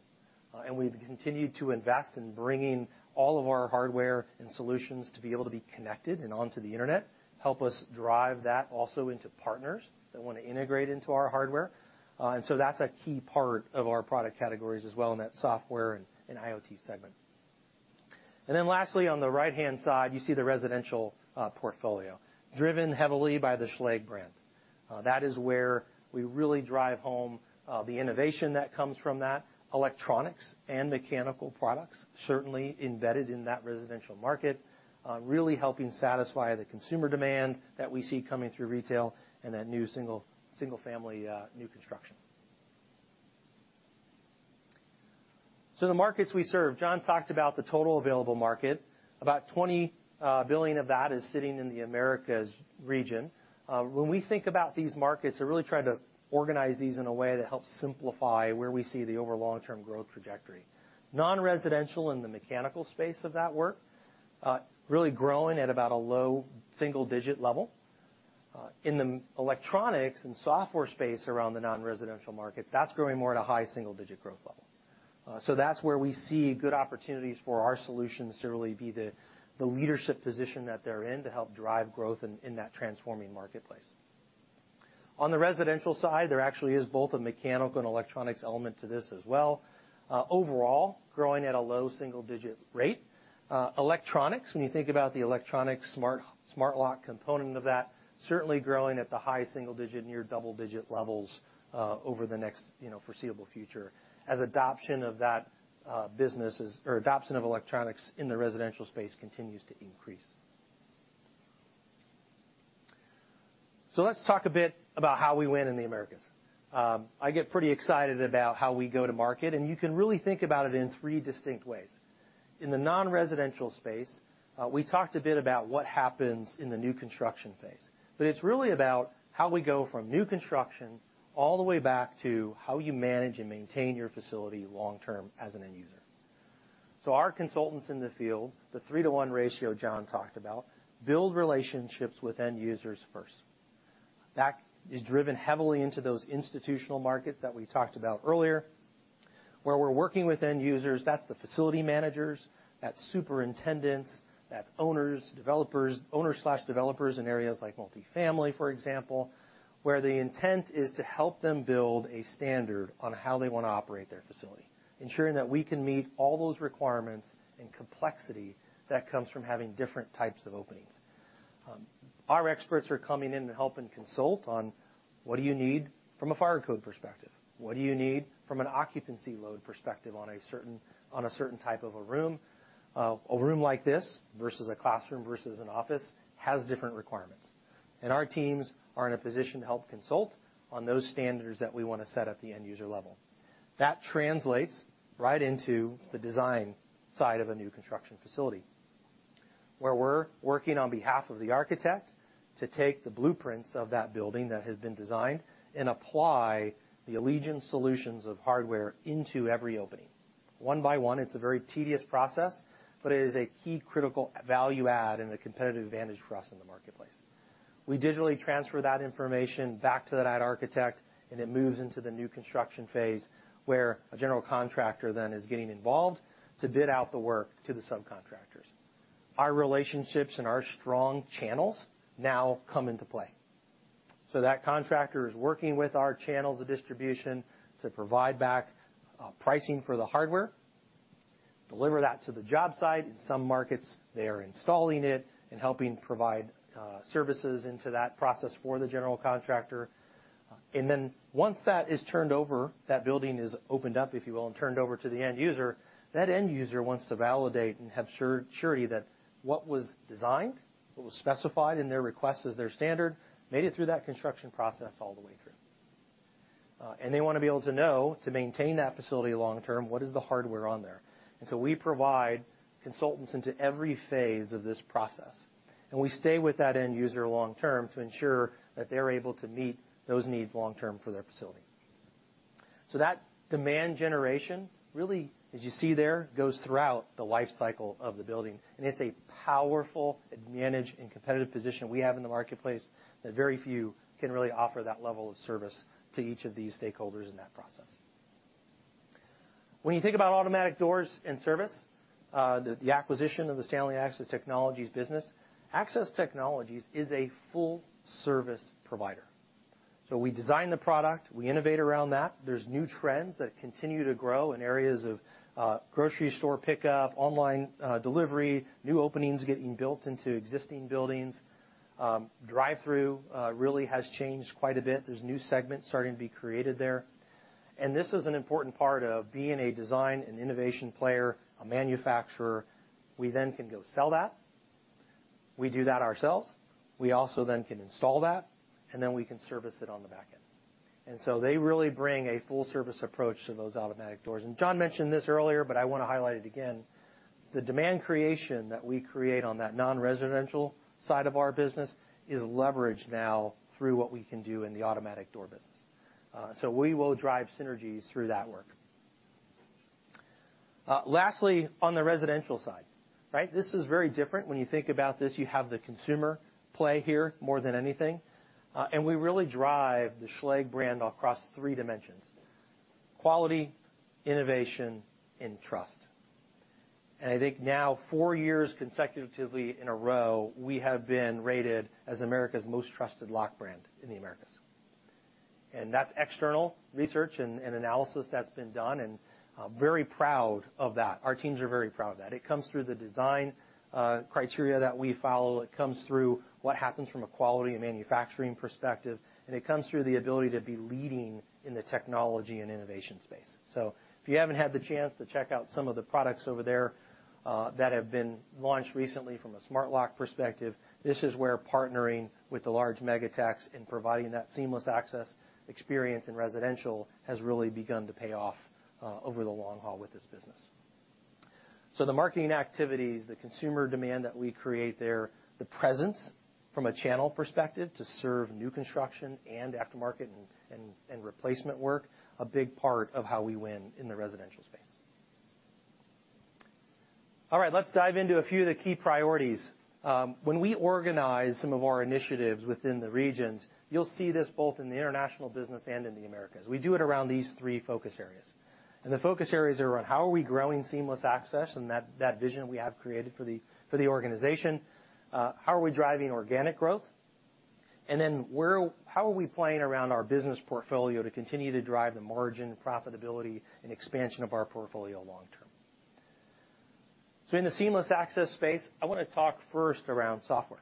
We've continued to invest in bringing all of our hardware and solutions to be able to be connected and onto the Internet, help us drive that also into partners that wanna integrate into our hardware. That's a key part of our product categories as well in that software and IoT segment. Lastly, on the right-hand side, you see the residential portfolio driven heavily by the Schlage brand. That is where we really drive home the innovation that comes from that, electronics and mechanical products certainly embedded in that residential market, really helping satisfy the consumer demand that we see coming through retail and that new single-family new construction. The markets we serve, John talked about the total available market. About $20 billion of that is sitting in the Americas region. When we think about these markets to really try to organize these in a way that helps simplify where we see the over long-term growth trajectory. Non-residential in the mechanical space of that work, really growing at about a low double single-digit level. In the electronics and software space around the non-residential markets, that's growing more at a high single-digit growth level. That's where we see good opportunities for our solutions to really be the leadership position that they're in to help drive growth in that transforming marketplace. On the residential side, there actually is both a mechanical and electronics element to this as well. Overall, growing at a low single-digit rate. Electronics, when you think about the electronic smart lock component of that, certainly growing at the high single-digit, near double-digit levels, over the next, you know, foreseeable future as adoption of that, businesses or adoption of electronics in the residential space continues to increase. Let's talk a bit about how we win in the Americas. I get pretty excited about how we go to market, and you can really think about it in three distinct ways. In the non-residential space, we talked a bit about what happens in the new construction phase, but it's really about how we go from new construction all the way back to how you manage and maintain your facility long term as an end user. Our consultants in the field, the 3-to-1 ratio John talked about, build relationships with end users first. That is driven heavily into those institutional markets that we talked about earlier, where we're working with end users. That's the facility managers, that's superintendents, that's owners, developers, owner/developers in areas like multifamily, for example, where the intent is to help them build a standard on how they wanna operate their facility, ensuring that we can meet all those requirements and complexity that comes from having different types of openings. Our experts are coming in to help and consult on what do you need from a fire code perspective? What do you need from an occupancy load perspective on a certain type of a room? A room like this versus a classroom versus an office has different requirements, and our teams are in a position to help consult on those standards that we wanna set at the end user level. That translates right into the design side of a new construction facility, where we're working on behalf of the architect to take the blueprints of that building that has been designed and apply the Allegion solutions of hardware into every opening. One by one, it's a very tedious process, but it is a key critical value add and a competitive advantage for us in the marketplace. We digitally transfer that information back to that architect, and it moves into the new construction phase, where a general contractor then is getting involved to bid out the work to the subcontractors. Our relationships and our strong channels now come into play. That contractor is working with our channels of distribution to provide back pricing for the hardware, deliver that to the job site. In some markets, they are installing it and helping provide services into that process for the general contractor. Once that is turned over, that building is opened up, if you will, and turned over to the end user, that end user wants to validate and have surety that what was designed, what was specified in their request as their standard, made it through that construction process all the way through. And they wanna be able to know to maintain that facility long term what is the hardware on there. We provide consultants into every phase of this process, and we stay with that end user long term to ensure that they're able to meet those needs long term for their facility. That demand generation, really, as you see there, goes throughout the life cycle of the building, and it's a powerful advantage and competitive position we have in the marketplace that very few can really offer that level of service to each of these stakeholders in that process. When you think about automatic doors and service, the acquisition of the Stanley Access Technologies business, Access Technologies is a full-service provider. We design the product, we innovate around that. There's new trends that continue to grow in areas of grocery store pickup, online delivery, new openings getting built into existing buildings. Drive-through really has changed quite a bit. There's new segments starting to be created there. This is an important part of being a design and innovation player, a manufacturer. We then can go sell that. We do that ourselves. We also then can install that, and then we can service it on the back end. They really bring a full-service approach to those automatic doors. John mentioned this earlier, but I wanna highlight it again. The demand creation that we create on that non-residential side of our business is leveraged now through what we can do in the automatic door business. We will drive synergies through that work. Lastly, on the residential side, right? This is very different. When you think about this, you have the consumer play here more than anything. We really drive the Schlage brand across three dimensions: quality, innovation, and trust. I think now, four years consecutively in a row, we have been rated as America's most trusted lock brand in the Americas. That's external research and analysis that's been done, and very proud of that. Our teams are very proud of that. It comes through the design criteria that we follow. It comes through what happens from a quality and manufacturing perspective, and it comes through the ability to be leading in the technology and innovation space. If you haven't had the chance to check out some of the products over there, that have been launched recently from a smart lock perspective, this is where partnering with the large mega techs in providing that seamless access experience in residential has really begun to pay off over the long haul with this business. The marketing activities, the consumer demand that we create there, the presence from a channel perspective to serve new construction and aftermarket and replacement work, a big part of how we win in the residential space. All right, let's dive into a few of the key priorities. When we organize some of our initiatives within the regions, you'll see this both in the international business and in the Americas. We do it around these three focus areas, and the focus areas are around how are we growing seamless access and that vision we have created for the organization? How are we driving organic growth? How are we playing around our business portfolio to continue to drive the margin, profitability and expansion of our portfolio long term? In the seamless access space, I wanna talk first around software.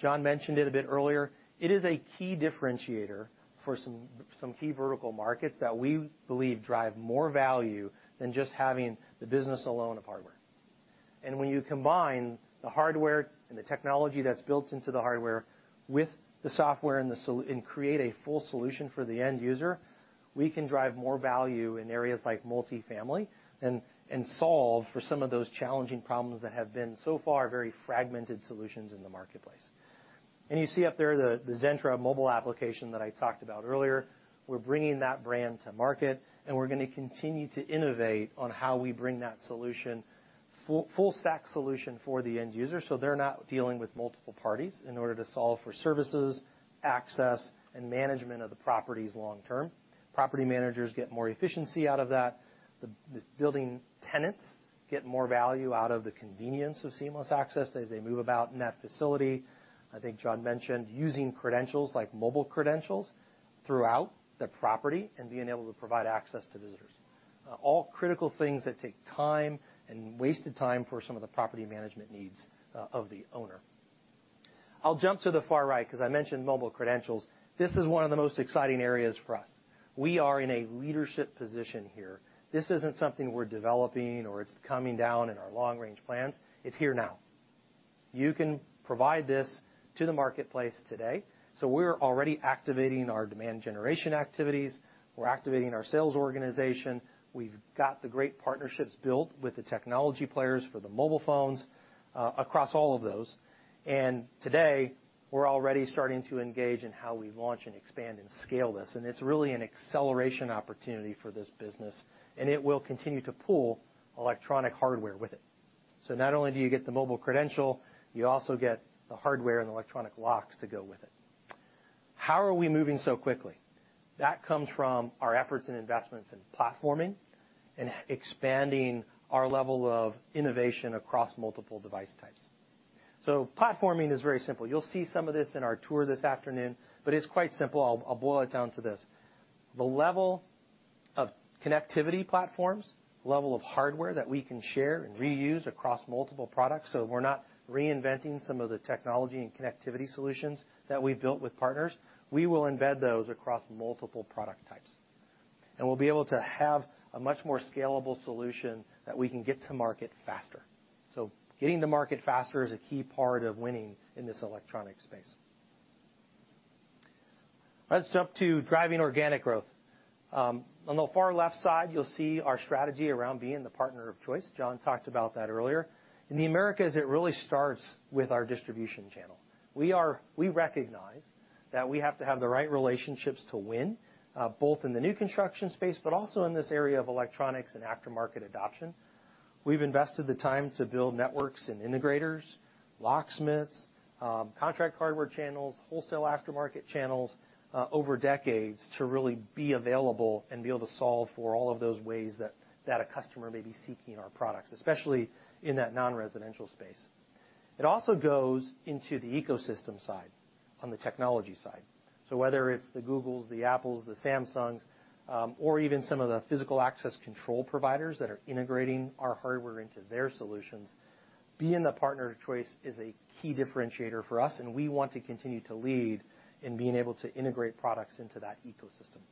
John mentioned it a bit earlier. It is a key differentiator for some key vertical markets that we believe drive more value than just having the business alone of hardware. When you combine the hardware and the technology that's built into the hardware with the software and create a full solution for the end user, we can drive more value in areas like multifamily and solve for some of those challenging problems that have been, so far, very fragmented solutions in the marketplace. You see up there the Zentra mobile application that I talked about earlier. We're bringing that brand to market. We're gonna continue to innovate on how we bring that solution, full stack solution for the end user. They're not dealing with multiple parties in order to solve for services, access and management of the properties long term. Property managers get more efficiency out of that. The building tenants get more value out of the convenience of seamless access as they move about in that facility. I think John mentioned using credentials like mobile credentials throughout the property and being able to provide access to visitors. All critical things that take time and wasted time for some of the property management needs of the owner. I'll jump to the far right, 'cause I mentioned mobile credentials. This is one of the most exciting areas for us. We are in a leadership position here. This isn't something we're developing or it's coming down in our long-range plans. It's here now. You can provide this to the marketplace today. We're already activating our demand generation activities. We're activating our sales organization. We've got the great partnerships built with the technology players for the mobile phones across all of those. Today, we're already starting to engage in how we launch and expand and scale this, and it's really an acceleration opportunity for this business, and it will continue to pull electronic hardware with it. Not only do you get the mobile credential, you also get the hardware and electronic locks to go with it. How are we moving so quickly? That comes from our efforts and investments in platforming and expanding our level of innovation across multiple device types. Platforming is very simple. You'll see some of this in our tour this afternoon, but it's quite simple. I'll boil it down to this. The level of connectivity platforms, level of hardware that we can share and reuse across multiple products, so we're not reinventing some of the technology and connectivity solutions that we've built with partners, we will embed those across multiple product types. We'll be able to have a much more scalable solution that we can get to market faster. Getting to market faster is a key part of winning in this electronic space. Let's jump to driving organic growth. On the far left side, you'll see our strategy around being the partner of choice. John talked about that earlier. In the Americas, it really starts with our distribution channel. We recognize that we have to have the right relationships to win, both in the new construction space, but also in this area of electronics and aftermarket adoption. We've invested the time to build networks and integrators, locksmiths, contract hardware channels, wholesale aftermarket channels, over decades to really be available and be able to solve for all of those ways that a customer may be seeking our products, especially in that non-residential space. It also goes into the ecosystem side on the technology side. Whether it's the Googles, the Apples, the Samsungs, or even some of the physical access control providers that are integrating our hardware into their solutions, being the partner of choice is a key differentiator for us. We want to continue to lead in being able to integrate products into that ecosystem.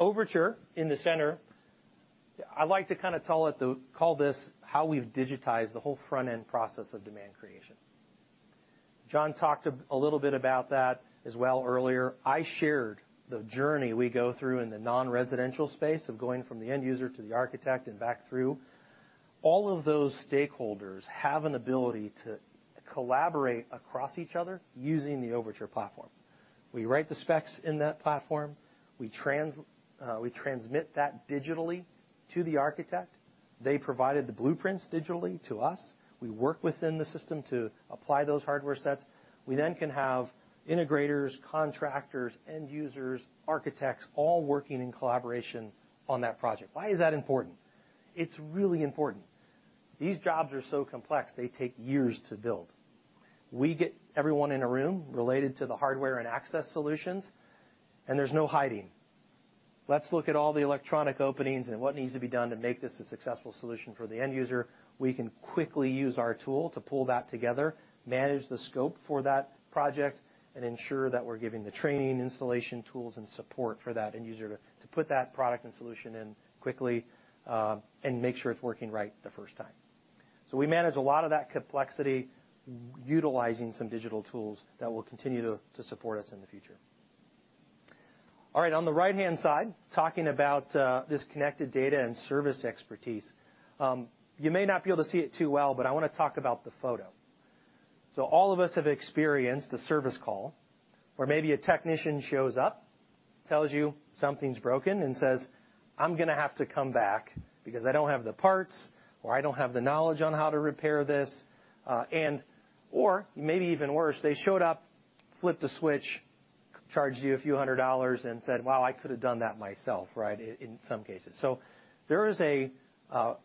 Overtur in the center, I like to kind of call this how we've digitized the whole front-end process of demand creation. John talked a little bit about that as well earlier. I shared the journey we go through in the non-residential space of going from the end user to the architect and back through. All of those stakeholders have an ability to collaborate across each other using the Overtur platform. We write the specs in that platform, we transmit that digitally to the architect. They provided the blueprints digitally to us. We work within the system to apply those hardware sets. We then can have integrators, contractors, end users, architects, all working in collaboration on that project. Why is that important? It's really important. These jobs are so complex, they take years to build. We get everyone in a room related to the hardware and access solutions. There's no hiding. Let's look at all the electronic openings and what needs to be done to make this a successful solution for the end user. We can quickly use our tool to pull that together, manage the scope for that project, and ensure that we're giving the training, installation tools, and support for that end user to put that product and solution in quickly and make sure it's working right the first time. We manage a lot of that complexity utilizing some digital tools that will continue to support us in the future. All right, on the right-hand side, talking about this connected data and service expertise. You may not be able to see it too well, I wanna talk about the photo. All of us have experienced a service call where maybe a technician shows up, tells you something's broken and says, "I'm gonna have to come back because I don't have the parts," or, "I don't have the knowledge on how to repair this." Or maybe even worse, they showed up, flipped a switch, charged you a few hundred dollars and said, "Wow, I could have done that myself," right? In some cases. There is a...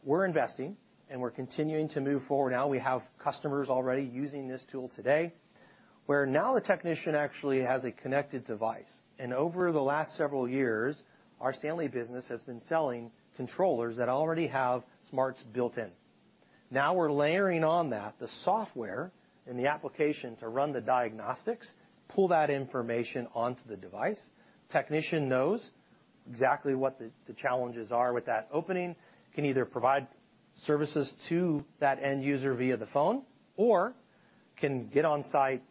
We're investing, and we're continuing to move forward. Now we have customers already using this tool today, where now the technician actually has a connected device, and over the last several years, our Stanley business has been selling controllers that already have smarts built in. Now we're layering on that the software and the application to run the diagnostics, pull that information onto the device. Technician knows exactly what the challenges are with that opening, can either provide services to that end user via the phone, or can get on site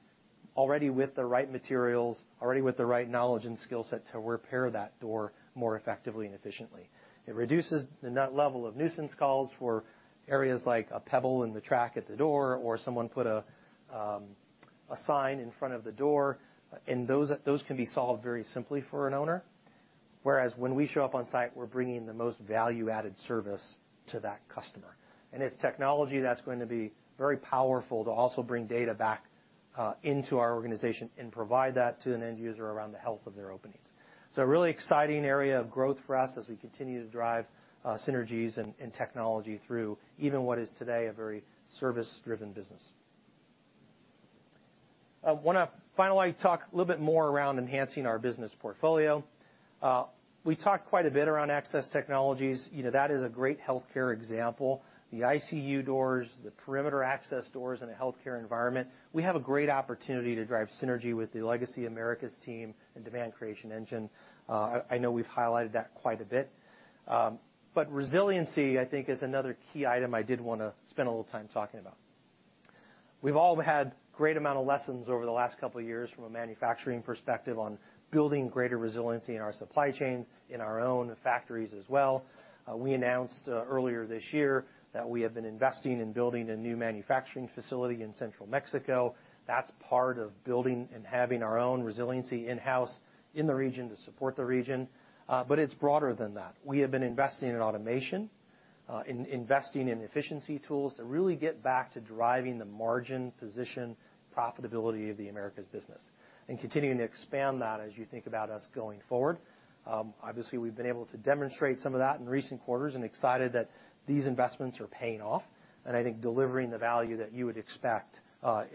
already with the right materials, already with the right knowledge and skill set to repair that door more effectively and efficiently. It reduces the level of nuisance calls for areas like a pebble in the track at the door or someone put a sign in front of the door, and those can be solved very simply for an owner. Whereas when we show up on site, we're bringing the most value-added service to that customer. It's technology that's going to be very powerful to also bring data back into our organization and provide that to an end user around the health of their openings. A really exciting area of growth for us as we continue to drive synergies and technology through even what is today a very service-driven business. I wanna finally talk a little bit more around enhancing our business portfolio. We talked quite a bit around access technologies. You know, that is a great healthcare example. The ICU doors, the perimeter access doors in a healthcare environment. We have a great opportunity to drive synergy with the legacy Americas team and demand creation engine. I know we've highlighted that quite a bit. But resiliency, I think, is another key item I did wanna spend a little time talking about. We've all had great amount of lessons over the last couple of years from a manufacturing perspective on building greater resiliency in our supply chains, in our own factories as well. We announced earlier this year that we have been investing in building a new manufacturing facility in central Mexico. That's part of building and having our own resiliency in-house in the region to support the region. It's broader than that. We have been investing in automation, investing in efficiency tools that really get back to driving the margin position profitability of the Americas business and continuing to expand that as you think about us going forward. Obviously, we've been able to demonstrate some of that in recent quarters and excited that these investments are paying off and I think delivering the value that you would expect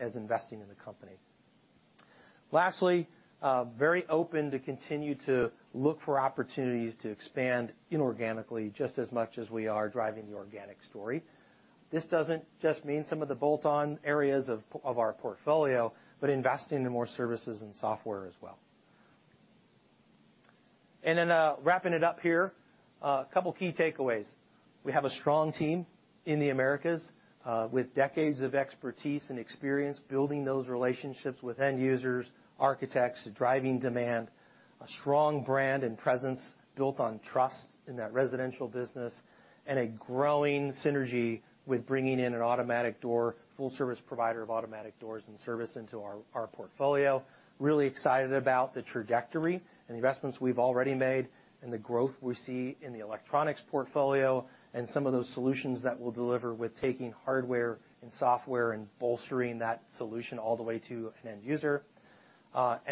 as investing in the company. Lastly, very open to continue to look for opportunities to expand inorganically just as much as we are driving the organic story. This doesn't just mean some of the bolt-on areas of our portfolio, but investing in more services and software as well. Wrapping it up here, a couple key takeaways. We have a strong team in the Americas with decades of expertise and experience building those relationships with end users, architects, driving demand. A strong brand and presence built on trust in that residential business, and a growing synergy with bringing in an automatic door, full service provider of automatic doors and service into our portfolio. Really excited about the trajectory and the investments we've already made and the growth we see in the electronics portfolio and some of those solutions that we'll deliver with taking hardware and software and bolstering that solution all the way to an end user.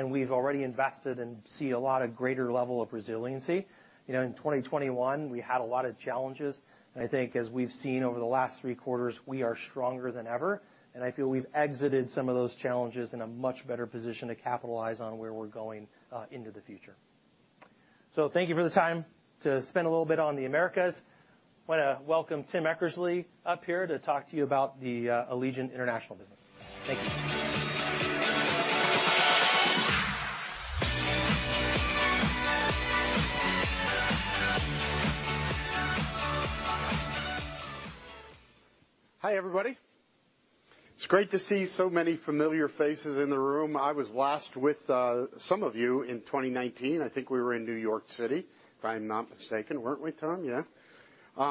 We've already invested and see a lot of greater level of resiliency. You know, in 2021, we had a lot of challenges. I think as we've seen over the last three quarters, we are stronger than ever, and I feel we've exited some of those challenges in a much better position to capitalize on where we're going into the future. Thank you for the time to spend a little bit on the Americas. Wanna welcome Tim Eckersley up here to talk to you about the Allegion International business. Thank you. Hi, everybody. It's great to see so many familiar faces in the room. I was last with some of you in 2019. I think we were in New York City, if I'm not mistaken. Weren't we, Tom? Yeah.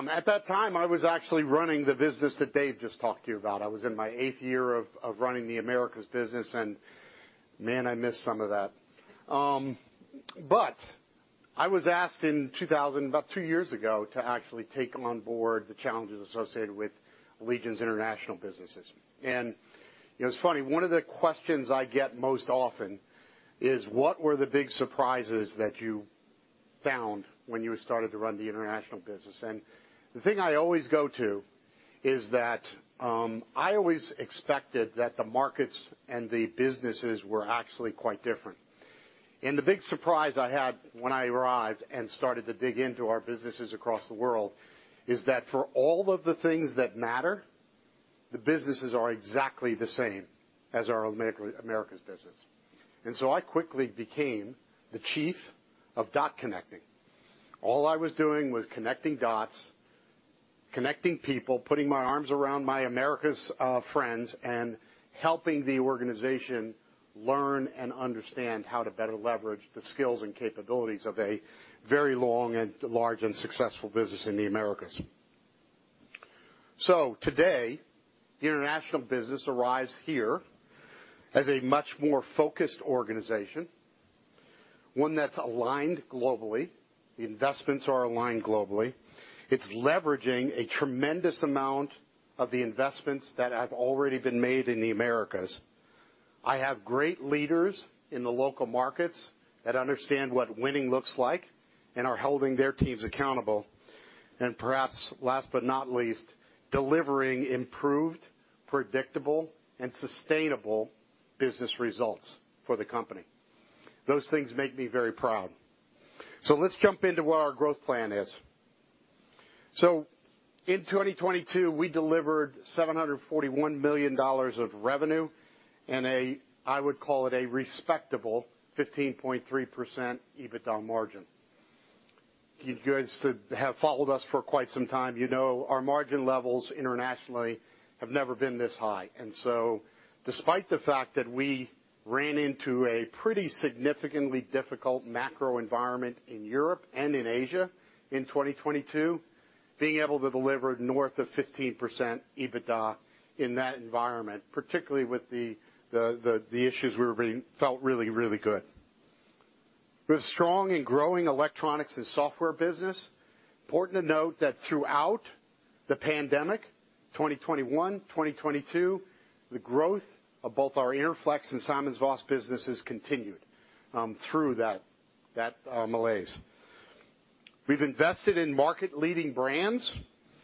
At that time, I was actually running the business that Dave just talked to you about. I was in my eight year of running the Americas business. Man, I miss some of that. I was asked about two years ago to actually take on board the challenges associated with Allegion's international businesses. You know, it's funny, one of the questions I get most often is, what were the big surprises that you found when you started to run the international business? The thing I always go to is that I always expected that the markets and the businesses were actually quite different. The big surprise I had when I arrived and started to dig into our businesses across the world is that for all of the things that matter, the businesses are exactly the same as our Americas business. I quickly became the chief of dot connecting. All I was doing was connecting dots, connecting people, putting my arms around my Americas friends, and helping the organization learn and understand how to better leverage the skills and capabilities of a very long and large and successful business in the Americas. Today, the international business arrives here as a much more focused organization, one that's aligned globally. The investments are aligned globally. It's leveraging a tremendous amount of the investments that have already been made in the Americas. I have great leaders in the local markets that understand what winning looks like and are holding their teams accountable, and perhaps last but not least, delivering improved, predictable, and sustainable business results for the company. Those things make me very proud. Let's jump into what our growth plan is. In 2022, we delivered $741 million of revenue in a, I would call it, a respectable 15.3% EBITDA margin. You guys that have followed us for quite some time, you know our margin levels internationally have never been this high. Despite the fact that we ran into a pretty significantly difficult macro environment in Europe and in Asia in 2022, being able to deliver north of 15% EBITDA in that environment, particularly with the issues we were bringing, felt really, really good. With strong and growing electronics and software business, important to note that throughout the pandemic, 2021, 2022, the growth of both our Interflex and SimonsVoss businesses continued through that malaise. We've invested in market-leading brands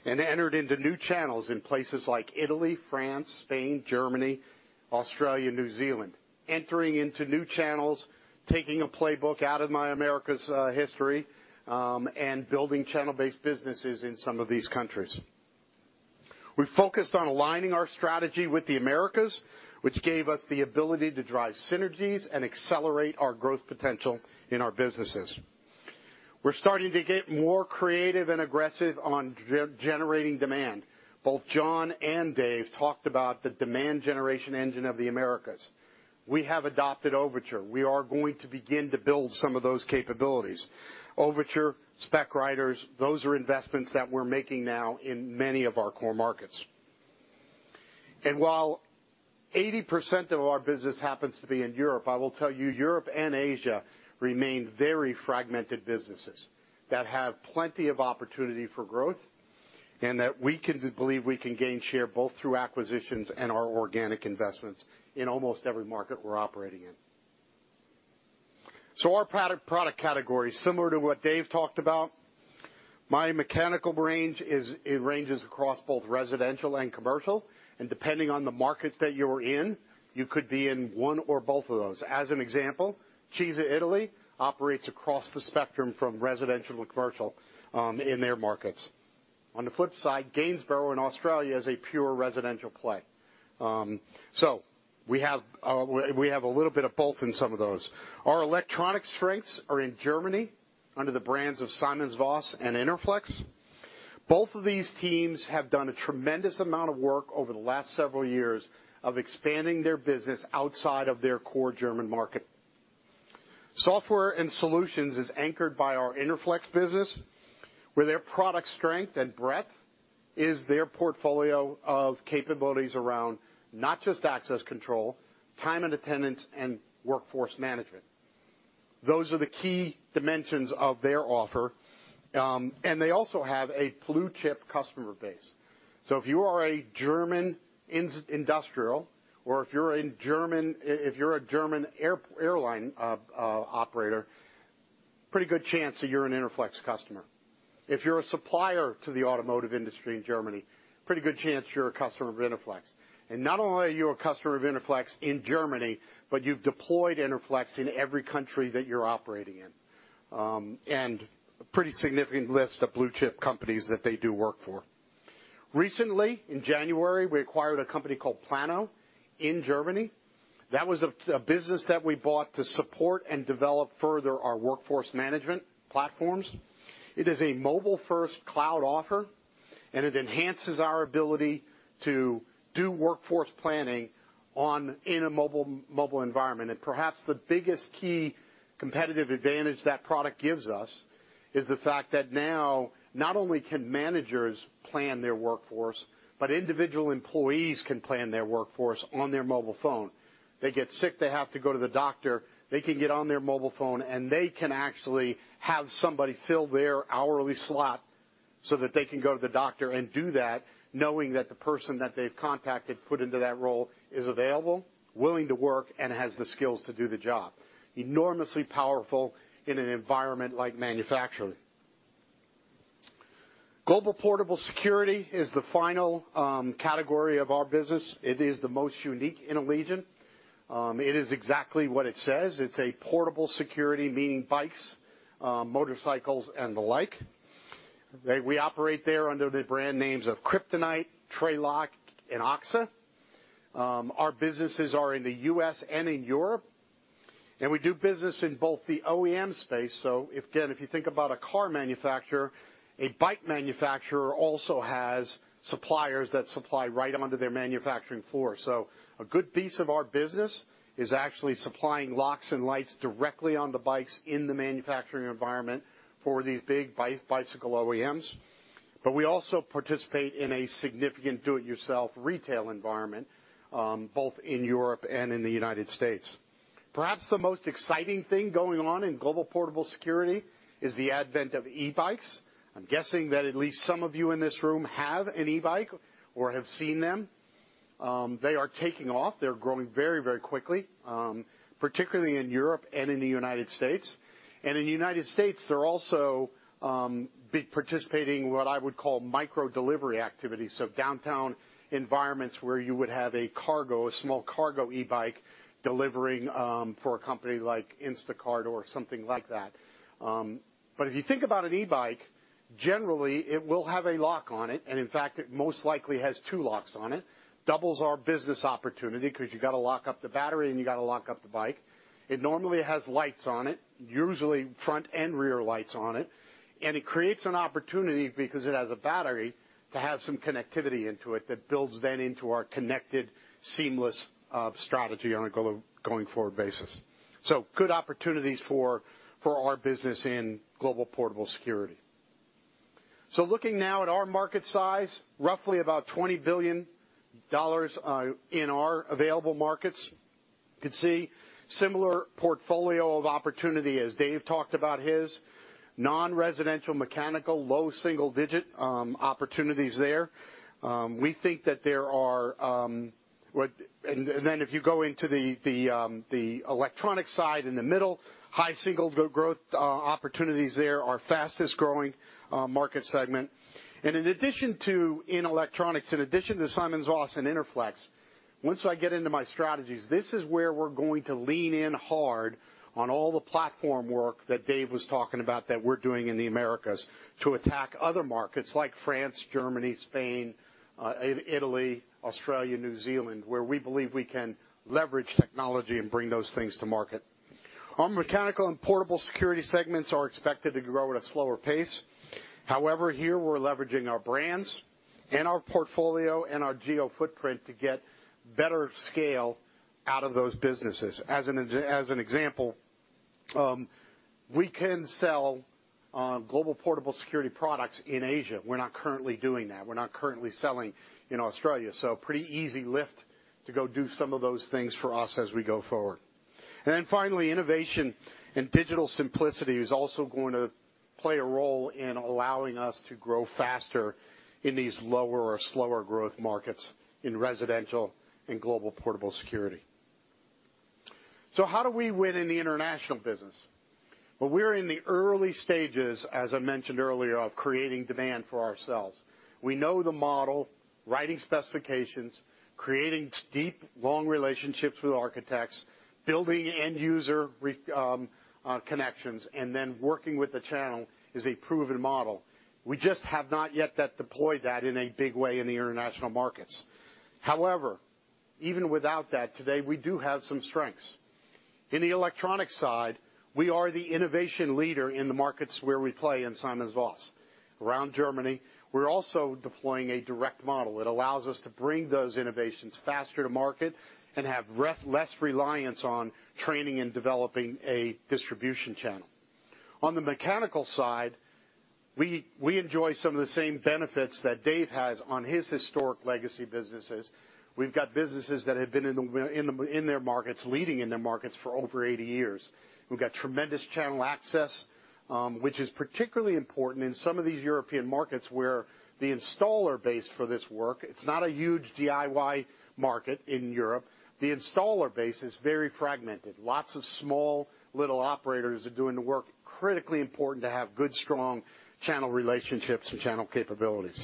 and entered into new channels in places like Italy, France, Spain, Germany, Australia, New Zealand. Entering into new channels, taking a playbook out of my Americas history and building channel-based businesses in some of these countries. We focused on aligning our strategy with the Americas, which gave us the ability to drive synergies and accelerate our growth potential in our businesses. We're starting to get more creative and aggressive on generating demand. Both John and Dave talked about the demand generation engine of the Americas. We have adopted Overtur. We are going to begin to build some of those capabilities. Overtur, spec Riders, those are investments that we're making now in many of our core markets. While 80% of our business happens to be in Europe, I will tell you, Europe and Asia remain very fragmented businesses that have plenty of opportunity for growth and that we can believe we can gain share both through acquisitions and our organic investments in almost every market we're operating in. Our product category, similar to what Dave talked about, my mechanical range it ranges across both residential and commercial, and depending on the markets that you're in, you could be in one or both of those. As an example, CISA Italy operates across the spectrum from residential to commercial, in their markets. On the flip side, Gainsborough in Australia is a pure residential play. We have a little bit of both in some of those. Our electronic strengths are in Germany under the brands of SimonsVoss and Interflex. Both of these teams have done a tremendous amount of work over the last several years of expanding their business outside of their core German market. Software and solutions is anchored by our Interflex business, where their product strength and breadth is their portfolio of capabilities around not just access control, time and attendance, and workforce management. Those are the key dimensions of their offer. They also have a blue-chip customer base. If you are a German industrial or if you're a German airline operator, pretty good chance that you're an Interflex customer. If you're a supplier to the automotive industry in Germany, pretty good chance you're a customer of Interflex. Not only are you a customer of Interflex in Germany, but you've deployed Interflex in every country that you're operating in. A pretty significant list of blue-chip companies that they do work for. Recently, in January, we acquired a company called plano in Germany. That was a business that we bought to support and develop further our workforce management platforms. It is a mobile first cloud offer, and it enhances our ability to do workforce planning in a mobile environment. Perhaps the biggest key competitive advantage that product gives us is the fact that now not only can managers plan their workforce, but individual employees can plan their workforce on their mobile phone. They get sick, they have to go to the doctor, they can get on their mobile phone, they can actually have somebody fill their hourly slot so that they can go to the doctor and do that knowing that the person that they've contacted put into that role is available, willing to work, and has the skills to do the job. Enormously powerful in an environment like manufacturing. Global portable security is the final category of our business. It is the most unique in Allegion. It is exactly what it says. It's a portable security, meaning bikes, motorcycles, and the like. We operate there under the brand names of Kryptonite, Trelock, and AXA. Our businesses are in the U.S. and in Europe, we do business in both the OEM space. If, again, if you think about a car manufacturer, a bike manufacturer also has suppliers that supply right onto their manufacturing floor. A good piece of our business is actually supplying locks and lights directly on the bikes in the manufacturing environment for these big bicycle OEMs. We also participate in a significant do-it-yourself retail environment, both in Europe and in the United States. Perhaps the most exciting thing going on in global portable security is the advent of e-bikes. I'm guessing that at least some of you in this room have an e-bike or have seen them. They are taking off. They're growing very, very quickly, particularly in Europe and in the United States. In the United States, they're also be participating in what I would call micro-delivery activities, so downtown environments where you would have a cargo, a small cargo e-bike delivering for a company like Instacart or something like that. If you think about an e-bike, generally, it will have a lock on it, and in fact, it most likely has two locks on it. Doubles our business opportunity because you gotta lock up the battery, and you gotta lock up the bike. It normally has lights on it, usually front and rear lights on it. It creates an opportunity because it has a battery to have some connectivity into it that builds then into our connected, seamless, strategy on a going forward basis. Good opportunities for our business in global portable security. Looking now at our market size, roughly about $20 billion in our available markets. You can see similar portfolio of opportunity as Dave talked about his. Non-residential mechanical, low single digit opportunities there. We think that there are if you go into the electronic side in the middle, high single growth opportunities there, our fastest-growing market segment. In addition to in electronics, in addition to SimonsVoss and Interflex, once I get into my strategies, this is where we're going to lean in hard on all the platform work that Dave was talking about that we're doing in the Americas to attack other markets like France, Germany, Spain, Italy, Australia, New Zealand, where we believe we can leverage technology and bring those things to market. Our mechanical and portable security segments are expected to grow at a slower pace. However, here we're leveraging our brands and our portfolio and our geo footprint to get better scale out of those businesses. As an example, we can sell global portable security products in Asia. We're not currently doing that. We're not currently selling in Australia, so pretty easy lift to go do some of those things for us as we go forward. Finally, innovation and digital simplicity is also going to play a role in allowing us to grow faster in these lower or slower growth markets in residential and global portable security. How do we win in the international business? Well, we're in the early stages, as I mentioned earlier, of creating demand for ourselves. We know the model, writing specifications, creating steep, long relationships with architects, building end user connections, and then working with the channel is a proven model. We just have not yet that deployed that in a big way in the international markets. Even without that, today, we do have some strengths. In the electronic side, we are the innovation leader in the markets where we play in SimonsVoss. Around Germany, we're also deploying a direct model. It allows us to bring those innovations faster to market and have less reliance on training and developing a distribution channel. On the mechanical side, we enjoy some of the same benefits that Dave has on his historic legacy businesses. We've got businesses that have been in their markets, leading in their markets for over 80 years. We've got tremendous channel access, which is particularly important in some of these European markets where the installer base for this work, it's not a huge DIY market in Europe. The installer base is very fragmented. Lots of small little operators are doing the work. Critically important to have good, strong channel relationships and channel capabilities.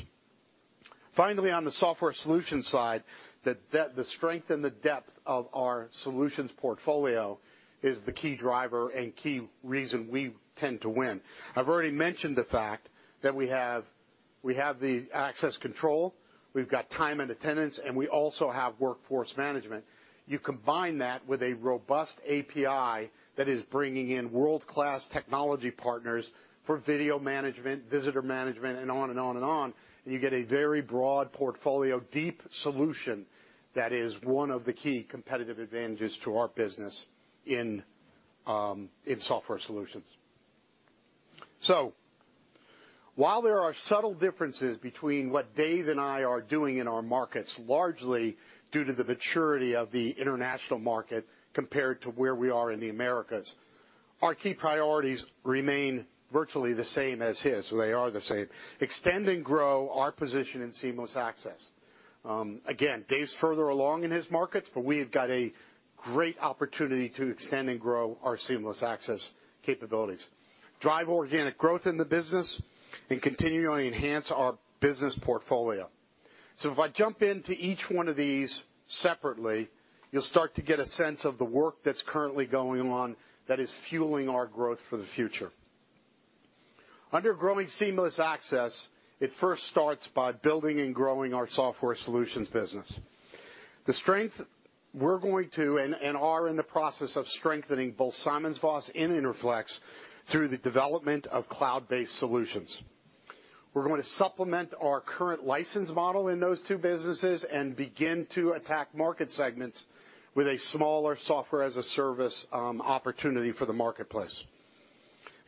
Finally, on the software solution side, the strength and the depth of our solutions portfolio is the key driver and key reason we tend to win. I've already mentioned the fact that we have the access control, we've got time and attendance, and we also have workforce management. You combine that with a robust API that is bringing in world-class technology partners for video management, visitor management, and on and on and on, you get a very broad portfolio, deep solution that is one of the key competitive advantages to our business in software solutions. While there are subtle differences between what Dave and I are doing in our markets, largely due to the maturity of the international market compared to where we are in the Americas, our key priorities remain virtually the same as his. They are the same. Extend and grow our position in seamless access. Again, Dave's further along in his markets, we have got a great opportunity to extend and grow our seamless access capabilities, drive organic growth in the business, and continually enhance our business portfolio. If I jump into each one of these separately, you will start to get a sense of the work that is currently going on that is fueling our growth for the future. Under growing seamless access, it first starts by building and growing our software solutions business. The strength we are going to and are in the process of strengthening both SimonsVoss and Interflex through the development of cloud-based solutions. We are going to supplement our current license model in those two businesses and begin to attack market segments with a smaller software-as-a-service opportunity for the marketplace.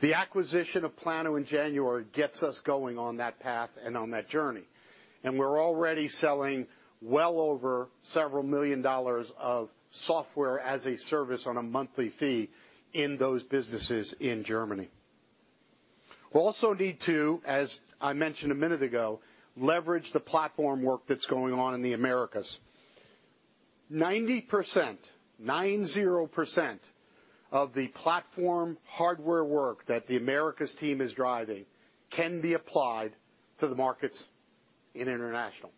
The acquisition of plano in January gets us going on that path and on that journey, and we are already selling well over several million dollars of software as a service on a monthly fee in those businesses in Germany. We'll also need to, as I mentioned a minute ago, leverage the platform work that's going on in the Americas. 90%, 90%, of the platform hardware work that the Americas team is driving can be applied to the markets in international.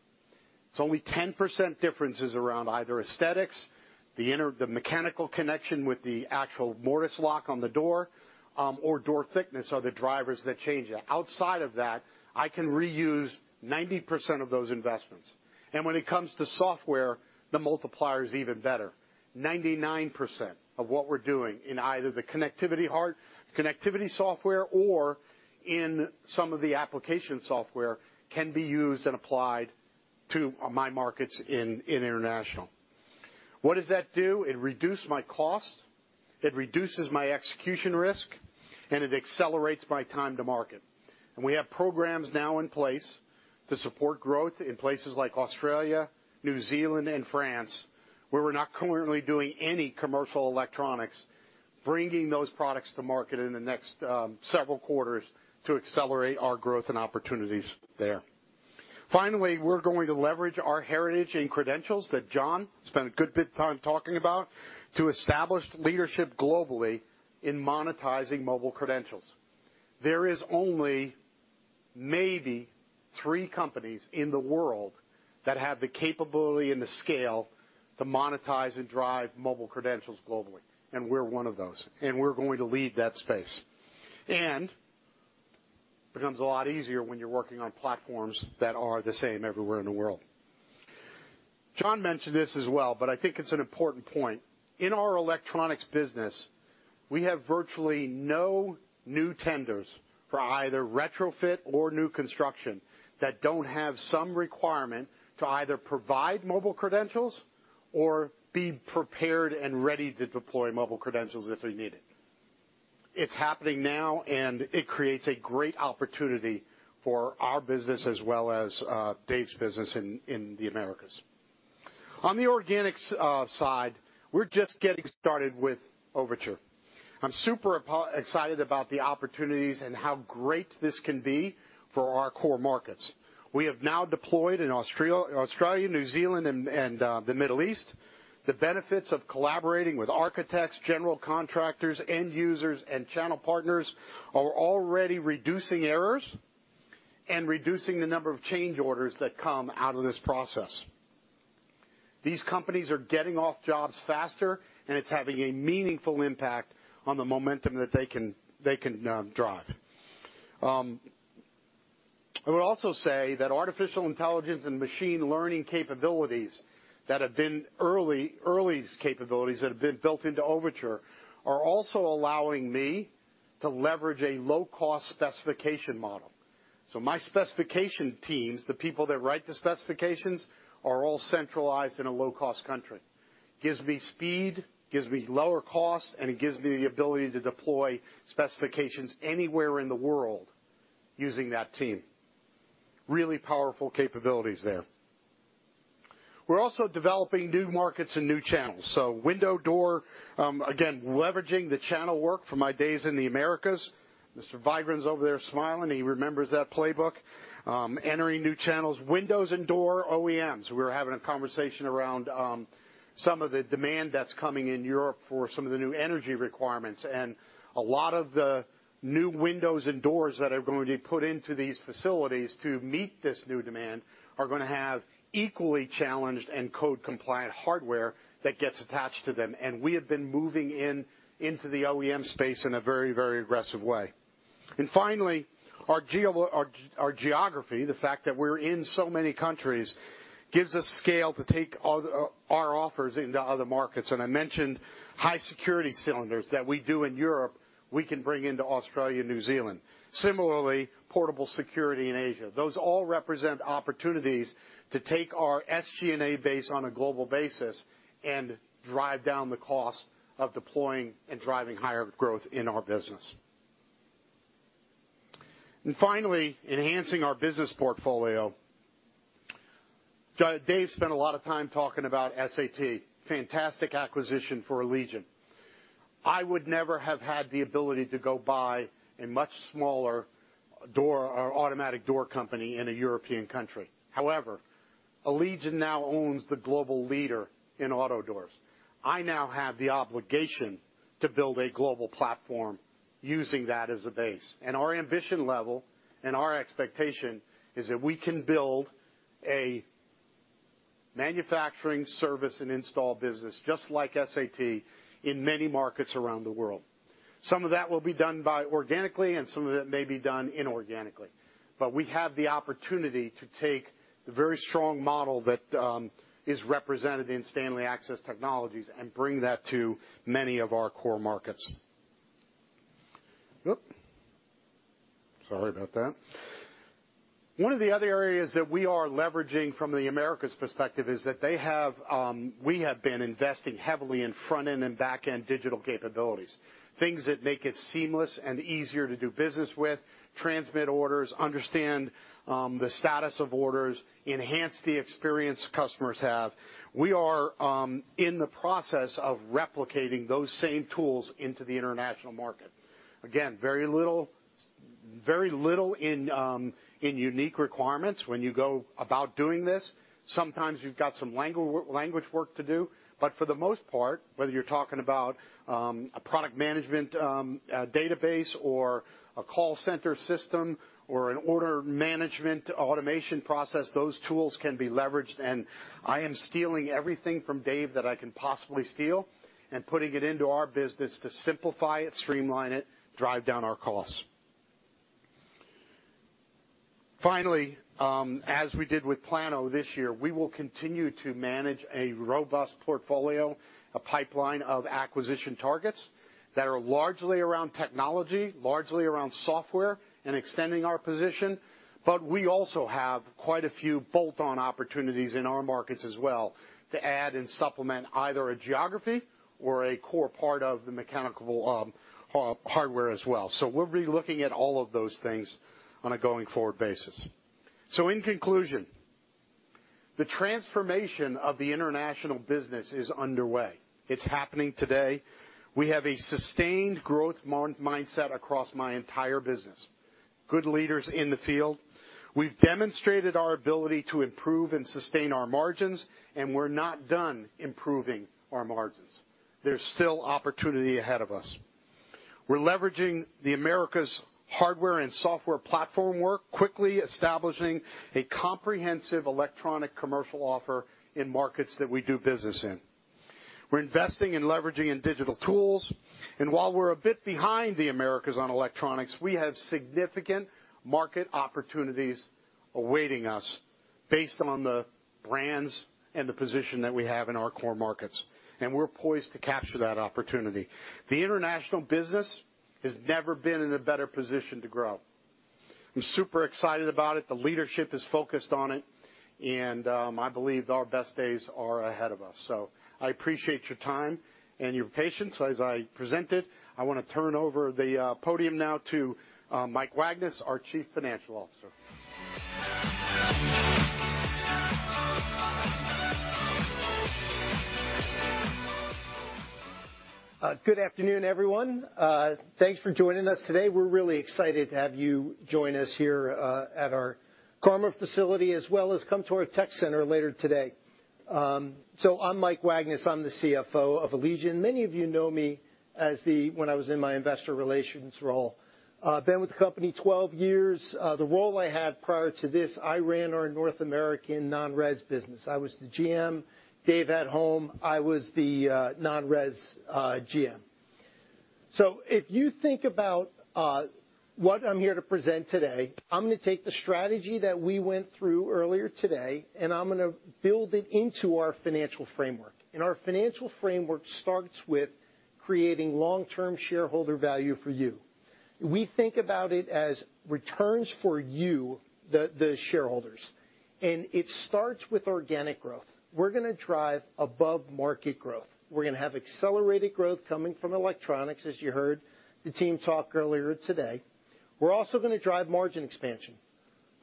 It's only 10% differences around either aesthetics, the mechanical connection with the actual mortise lock on the door, or door thickness are the drivers that change that. Outside of that, I can reuse 90% of those investments. When it comes to software, the multiplier is even better. 99% of what we're doing in either the connectivity software or in some of the application software can be used and applied to my markets in international. What does that do? It reduced my cost, it reduces my execution risk, and it accelerates my time to market. We have programs now in place to support growth in places like Australia, New Zealand, and France, where we're not currently doing any commercial electronics, bringing those products to market in the next several quarters to accelerate our growth and opportunities there. Finally, we're going to leverage our heritage and credentials that John spent a good bit of time talking about to establish leadership globally in monetizing mobile credentials. There is only maybe three companies in the world that have the capability and the scale to monetize and drive mobile credentials globally, and we're one of those, and we're going to lead that space. becomes a lot easier when you're working on platforms that are the same everywhere in the world. John mentioned this as well, but I think it's an important point. In our electronics business, we have virtually no new tenders for either retrofit or new construction that don't have some requirement to either provide mobile credentials or be prepared and ready to deploy mobile credentials if they're needed. It's happening now, and it creates a great opportunity for our business as well as, Dave's business in the Americas. On the organics side, we're just getting started with Overtur. I'm super excited about the opportunities and how great this can be for our core markets. We have now deployed in Australia, New Zealand and the Middle East. The benefits of collaborating with architects, general contractors, end users, and channel partners are already reducing errors and reducing the number of change orders that come out of this process. These companies are getting off jobs faster, it's having a meaningful impact on the momentum that they can drive. I would also say that artificial intelligence and machine learning capabilities that have been early capabilities that have been built into Overtur are also allowing me to leverage a low-cost specification model. My specification teams, the people that write the specifications, are all centralized in a low-cost country. Gives me speed, gives me lower cost, and it gives me the ability to deploy specifications anywhere in the world using that team. Really powerful capabilities there. We're also developing new markets and new channels, window, door, again, leveraging the channel work from my days in the Americas. Mr. Vigran's over there smiling. He remembers that playbook. Entering new channels, windows and door OEMs. We're having a conversation around some of the demand that's coming in Europe for some of the new energy requirements, a lot of the new windows and doors that are going to be put into these facilities to meet this new demand are going to have equally challenged and code-compliant hardware that gets attached to them. We have been moving into the OEM space in a very, very aggressive way. Finally, our geography, the fact that we're in so many countries, gives us scale to take our offers into other markets. I mentioned high security cylinders that we do in Europe, we can bring into Australia, New Zealand. Similarly, portable security in Asia. Those all represent opportunities to take our SG&A base on a global basis and drive down the cost of deploying and driving higher growth in our business. Finally, enhancing our business portfolio. Dave spent a lot of time talking about SAT, fantastic acquisition for Allegion. I would never have had the ability to go buy a much smaller door or automatic door company in a European country. Allegion now owns the global leader in auto doors. I now have the obligation to build a global platform using that as a base. Our ambition level and our expectation is that we can build a manufacturing service and install business, just like SAT, in many markets around the world. Some of that will be done by organically and some of it may be done inorganically. We have the opportunity to take the very strong model that is represented in Stanley Access Technologies and bring that to many of our core markets. Sorry about that. One of the other areas that we are leveraging from the Americas perspective is that they have, we have been investing heavily in front-end and back-end digital capabilities, things that make it seamless and easier to do business with, transmit orders, understand, the status of orders, enhance the experience customers have. We are in the process of replicating those same tools into the international market. Again, very little in unique requirements when you go about doing this. Sometimes you've got some language work to do, but for the most part, whether you're talking about a product management database or a call center system or an order management automation process, those tools can be leveraged. I am stealing everything from Dave that I can possibly steal and putting it into our business to simplify it, streamline it, drive down our costs. Finally, as we did with plano this year, we will continue to manage a robust portfolio, a pipeline of acquisition targets that are largely around technology, largely around software and extending our position. We also have quite a few bolt-on opportunities in our markets as well to add and supplement either a geography or a core part of the mechanical, hardware as well. We'll be looking at all of those things on a going-forward basis. In conclusion, the transformation of the international business is underway. It's happening today. We have a sustained growth mindset across my entire business, good leaders in the field. We've demonstrated our ability to improve and sustain our margins, and we're not done improving our margins. There's still opportunity ahead of us. We're leveraging the Americas hardware and software platform work, quickly establishing a comprehensive electronic commercial offer in markets that we do business in. We're investing in leveraging in digital tools, and while we're a bit behind the Americas on electronics, we have significant market opportunities awaiting us based on the brands and the position that we have in our core markets, and we're poised to capture that opportunity. The international business has never been in a better position to grow. I'm super excited about it, the leadership is focused on it, and I believe our best days are ahead of us. I appreciate your time and your patience as I presented. I wanna turn over the podium now to Mike Wagnes, our Chief Financial Officer. Good afternoon, everyone. Thanks for joining us today. We're really excited to have you join us here, at our Carmel facility, as well as come to our tech center later today. I'm Mike Wagnes, I'm the CFO of Allegion. Many of you know me as when I was in my investor relations role. Been with the company 12 years. The role I had prior to this, I ran our North American non-res business. I was the GM. Dave at home, I was the non-res GM. If you think about what I'm here to present today, I'm gonna take the strategy that we went through earlier today, and I'm gonna build it into our financial framework. Our financial framework starts with creating long-term shareholder value for you. We think about it as returns for you, the shareholders. It starts with organic growth. We're gonna drive above-market growth. We're gonna have accelerated growth coming from electronics, as you heard the team talk earlier today. We're also gonna drive margin expansion.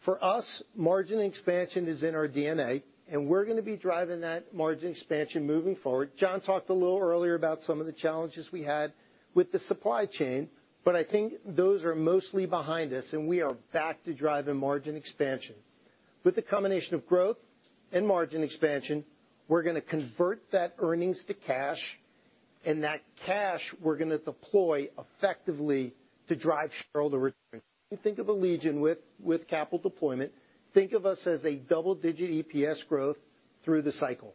For us, margin expansion is in our DNA, and we're gonna be driving that margin expansion moving forward. John talked a little earlier about some of the challenges we had with the supply chain, but I think those are mostly behind us, and we are back to driving margin expansion. With the combination of growth and margin expansion, we're gonna convert that earnings to cash, and that cash we're gonna deploy effectively to drive shareholder return. When you think of Allegion with capital deployment, think of us as a double-digit EPS growth through the cycle.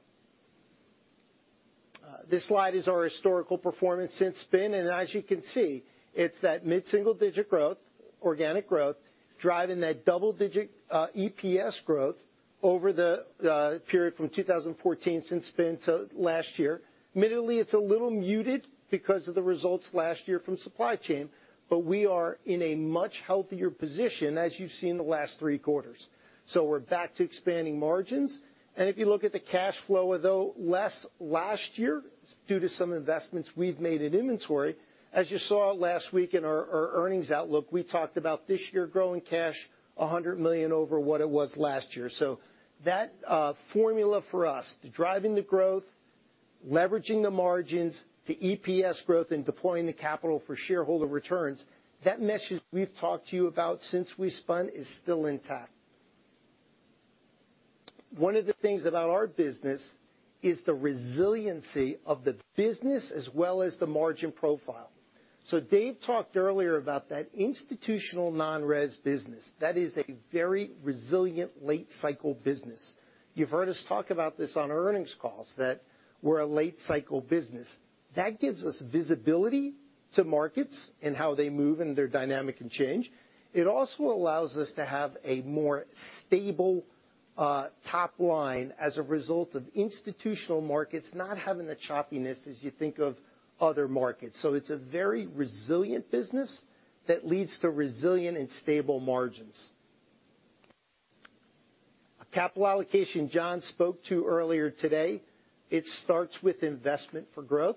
This slide is our historical performance since spin, and as you can see, it's that mid-single-digit growth, organic growth, driving that double-digit EPS growth over the period from 2014 since spin 'til last year. Admittedly, it's a little muted because of the results last year from supply chain, but we are in a much healthier position as you've seen the last three quarters. We're back to expanding margins. If you look at the cash flow, although less last year due to some investments we've made in inventory, as you saw last week in our earnings outlook, we talked about this year growing cash $100 million over what it was last year. That formula for us, driving the growth, leveraging the margins, the EPS growth, and deploying the capital for shareholder returns, that message we've talked to you about since we spun is still intact. One of the things about our business is the resiliency of the business as well as the margin profile. Dave talked earlier about that institutional non-res business. That is a very resilient late-cycle business. You've heard us talk about this on earnings calls, that we're a late-cycle business. That gives us visibility to markets and how they move and their dynamic and change. It also allows us to have a more stable top line as a result of institutional markets not having the choppiness as you think of other markets. It's a very resilient business that leads to resilient and stable margins. A capital allocation John spoke to earlier today, it starts with investment for growth,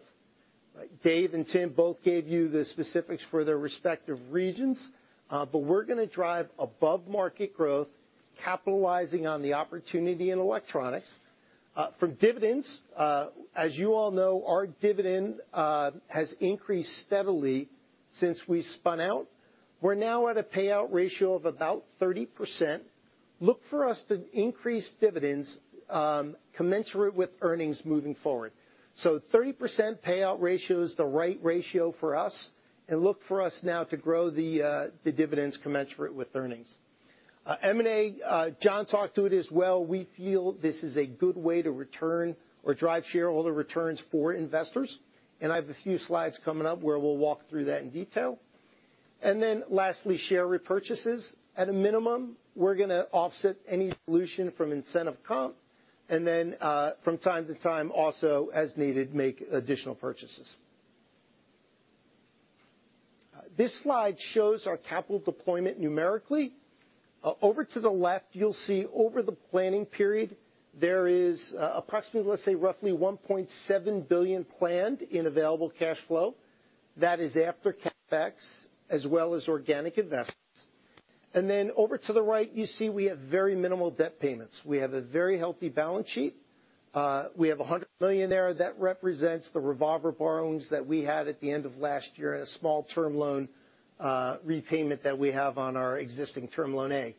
right? Dave and Tim both gave you the specifics for their respective regions, but we're gonna drive above-market growth, capitalizing on the opportunity in electronics. From dividends, as you all know, our dividend has increased steadily since we spun out. We're now at a payout ratio of about 30%. Look for us to increase dividends, commensurate with earnings moving forward. 30% payout ratio is the right ratio for us, and look for us now to grow the dividends commensurate with earnings. M&A, John talked to it as well. We feel this is a good way to return or drive shareholder returns for investors, and I have a few slides coming up where we'll walk through that in detail. Lastly, share repurchases. At a minimum, we're gonna offset any dilution from incentive comp, and then from time to time also as needed, make additional purchases. This slide shows our capital deployment numerically. Over to the left, you'll see over the planning period, there is approximately, let's say roughly $1.7 billion planned in available cash flow. That is after CapEx as well as organic investments. Over to the right, you see we have very minimal debt payments. We have a very healthy balance sheet. We have $100 million there. That represents the revolver borrowings that we had at the end of last year and a small term loan repayment that we have on our existing term loan A.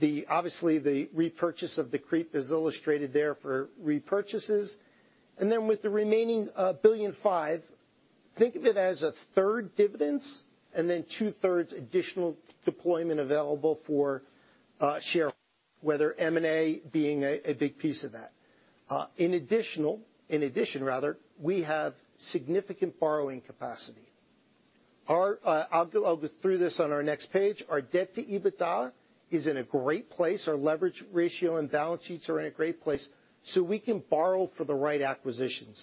The, obviously, the repurchase of the creep is illustrated there for repurchases. Then with the remaining $1.5 billion, think of it as a third dividends and then two-thirds additional deployment available for shareholders, whether M&A being a big piece of that. In addition rather, we have significant borrowing capacity. Our I'll go through this on our next page. Our debt to EBITDA is in a great place. Our leverage ratio and balance sheets are in a great place, so we can borrow for the right acquisitions.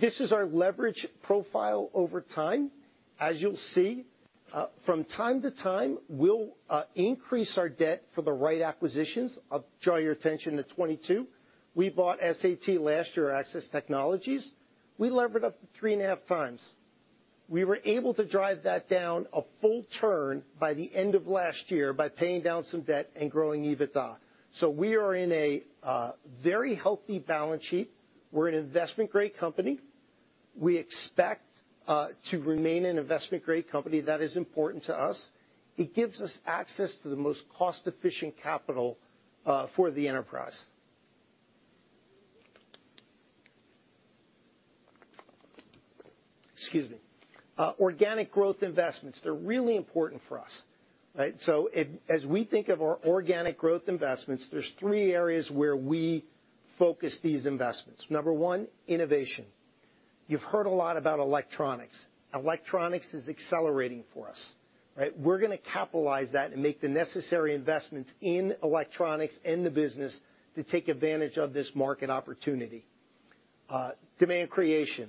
This is our leverage profile over time. As you'll see, from time-to-time, we'll increase our debt for the right acquisitions. I'll draw your attention to 2022. We bought SAT last year, Access Technologies. We levered up to 3.5x. We were able to drive that down a full turn by the end of last year by paying down some debt and growing EBITDA. We are in a very healthy balance sheet. We're an investment-grade company. We expect to remain an investment-grade company. That is important to us. It gives us access to the most cost-efficient capital for the enterprise. Excuse me. Organic growth investments, they're really important for us, right? As we think of our organic growth investments, there's three areas where we focus these investments. Number one, innovation. You've heard a lot about electronics. Electronics is accelerating for us, right? We're gonna capitalize that and make the necessary investments in electronics in the business to take advantage of this market opportunity. Demand creation.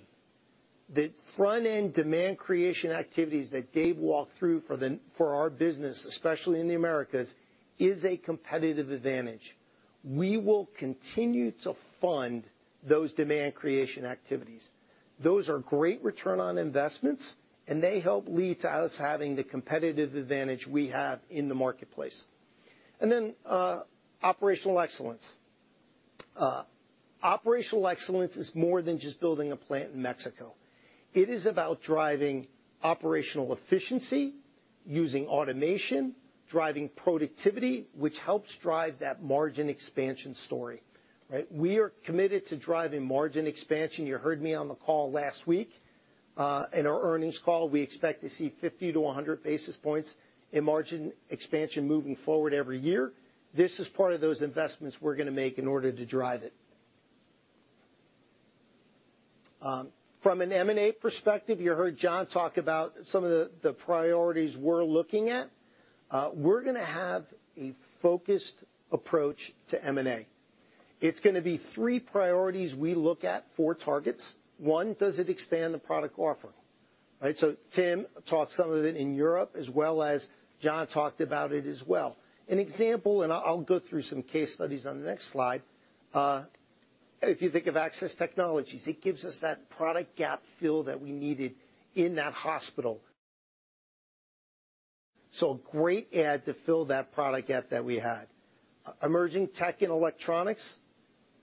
The front-end demand creation activities that Dave walked through for the, for our business, especially in the Americas, is a competitive advantage. We will continue to fund those demand creation activities. Those are great return on investments, and they help lead to us having the competitive advantage we have in the marketplace. Then operational excellence. Operational excellence is more than just building a plant in Mexico. It is about driving operational efficiency using automation, driving productivity, which helps drive that margin expansion story, right? We are committed to driving margin expansion. You heard me on the call last week. In our earnings call, we expect to see 50-100 basis points in margin expansion moving forward every year. This is part of those investments we're gonna make in order to drive it. From an M&A perspective, you heard John talk about some of the priorities we're looking at. We're gonna have a focused approach to M&A. It's gonna be three priorities we look at four targets. One, does it expand the product offering? Right? Tim talked some of it in Europe as well as John talked about it as well. An example, I'll go through some case studies on the next slide. If you think of Access Technologies, it gives us that product gap fill that we needed in that hospital. A great add to fill that product gap that we had. Emerging tech and electronics,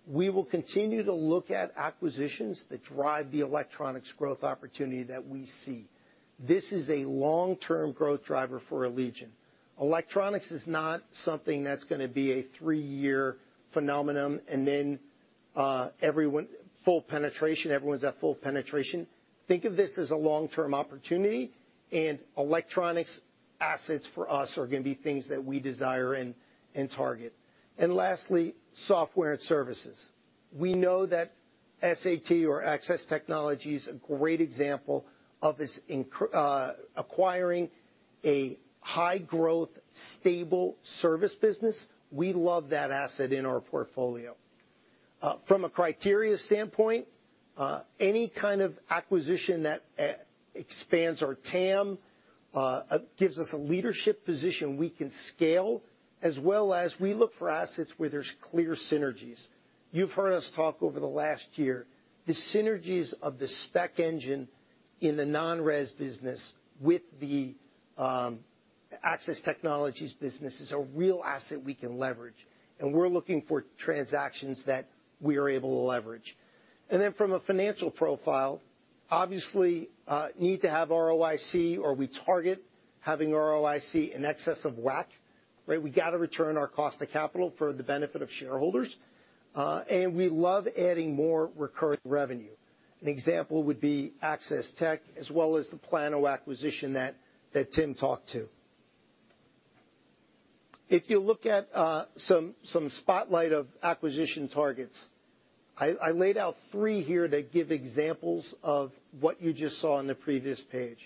we will continue to look at acquisitions that drive the electronics growth opportunity that we see. This is a long-term growth driver for Allegion. Electronics is not something that's gonna be a three-year phenomenon, and then everyone full penetration, everyone's at full penetration. Think of this as a long-term opportunity, and electronics assets for us are gonna be things that we desire and target. Lastly, software and services. We know that SAT or Access Technology is a great example of this acquiring a high growth, stable service business. We love that asset in our portfolio. From a criteria standpoint, any kind of acquisition that expands our TAM, gives us a leadership position we can scale, as well as we look for assets where there's clear synergies. You've heard us talk over the last year, the synergies of the spec engine in the non-res business with the Access Technologies business is a real asset we can leverage. We're looking for transactions that we are able to leverage. Then from a financial profile, obviously, need to have ROIC, or we target having ROIC in excess of WACC. Right? We gotta return our cost to capital for the benefit of shareholders. We love adding more recurring revenue. An example would be Access Tech as well as the plano acquisition that Tim talked to. If you look at some spotlight of acquisition targets, I laid out three here that give examples of what you just saw on the previous page.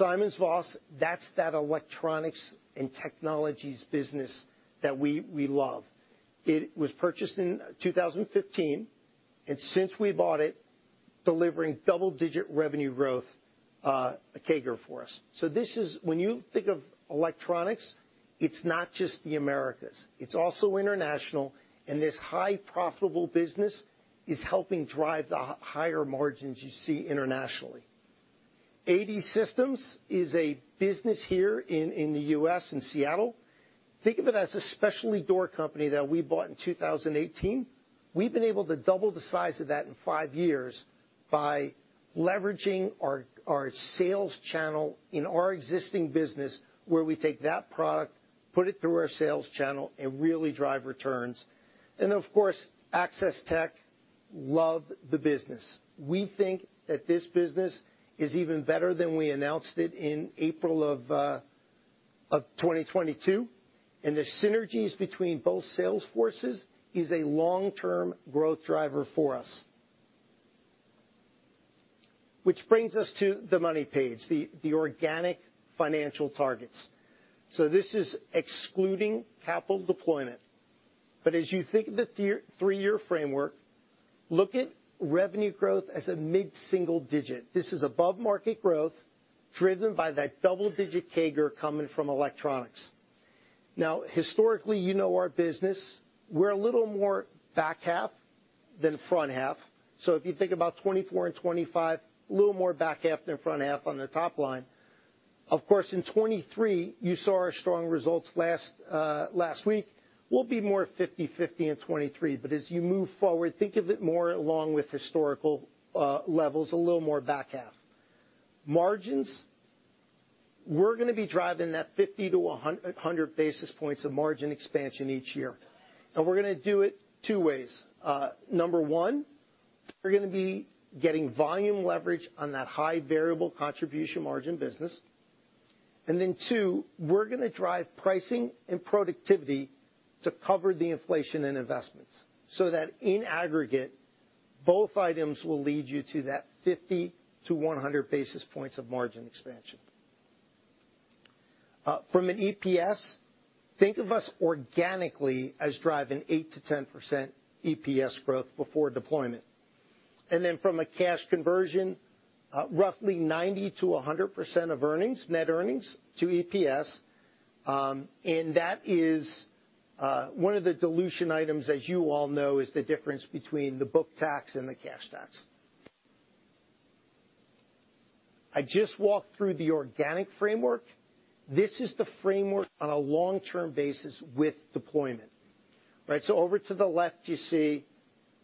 SimonsVoss, that's that electronics and technologies business that we love. It was purchased in 2015, since we bought it, delivering double-digit revenue growth, CAGR for us. This is when you think of electronics, it's not just the Americas. It's also international, and this high profitable business is helping drive the higher margins you see internationally. AD Systems is a business here in the U.S. in Seattle. Think of it as a specialty door company that we bought in 2018. We've been able to double the size of that in five years by leveraging our sales channel in our existing business, where we take that product, put it through our sales channel and really drive returns. Of course, Access Tech love the business. We think that this business is even better than we announced it in April of 2022, the synergies between both sales forces is a long-term growth driver for us. This brings us to the money page, the organic financial targets. This is excluding capital deployment. As you think of the three-year framework, look at revenue growth as a mid-single-digit. This is above-market growth driven by that double-digit CAGR coming from electronics. Historically, you know our business. We're a little more back half than front half. If you think about 2024 and 2025, a little more back half than front half on the top line. Of course, in 2023, you saw our strong results last week. We'll be more 50/50 in 2023. As you move forward, think of it more along with historical levels, a little more back half. Margins, we're gonna be driving that 50-00 basis points of margin expansion each year. We're gonna do it twoways. Number one, we're gonna be getting volume leverage on that high variable contribution margin business. two, we're gonna drive pricing and productivity to cover the inflation and investments so that in aggregate, both items will lead you to that 50-100 basis points of margin expansion. From an EPS, think of us organically as driving 8%-10% EPS growth before deployment. From a cash conversion, roughly 90%-100% of earnings, net earnings to EPS. And that is one of the dilution items, as you all know, is the difference between the book tax and the cash tax. I just walked through the organic framework. This is the framework on a long-term basis with deployment. Right? Over to the left, you see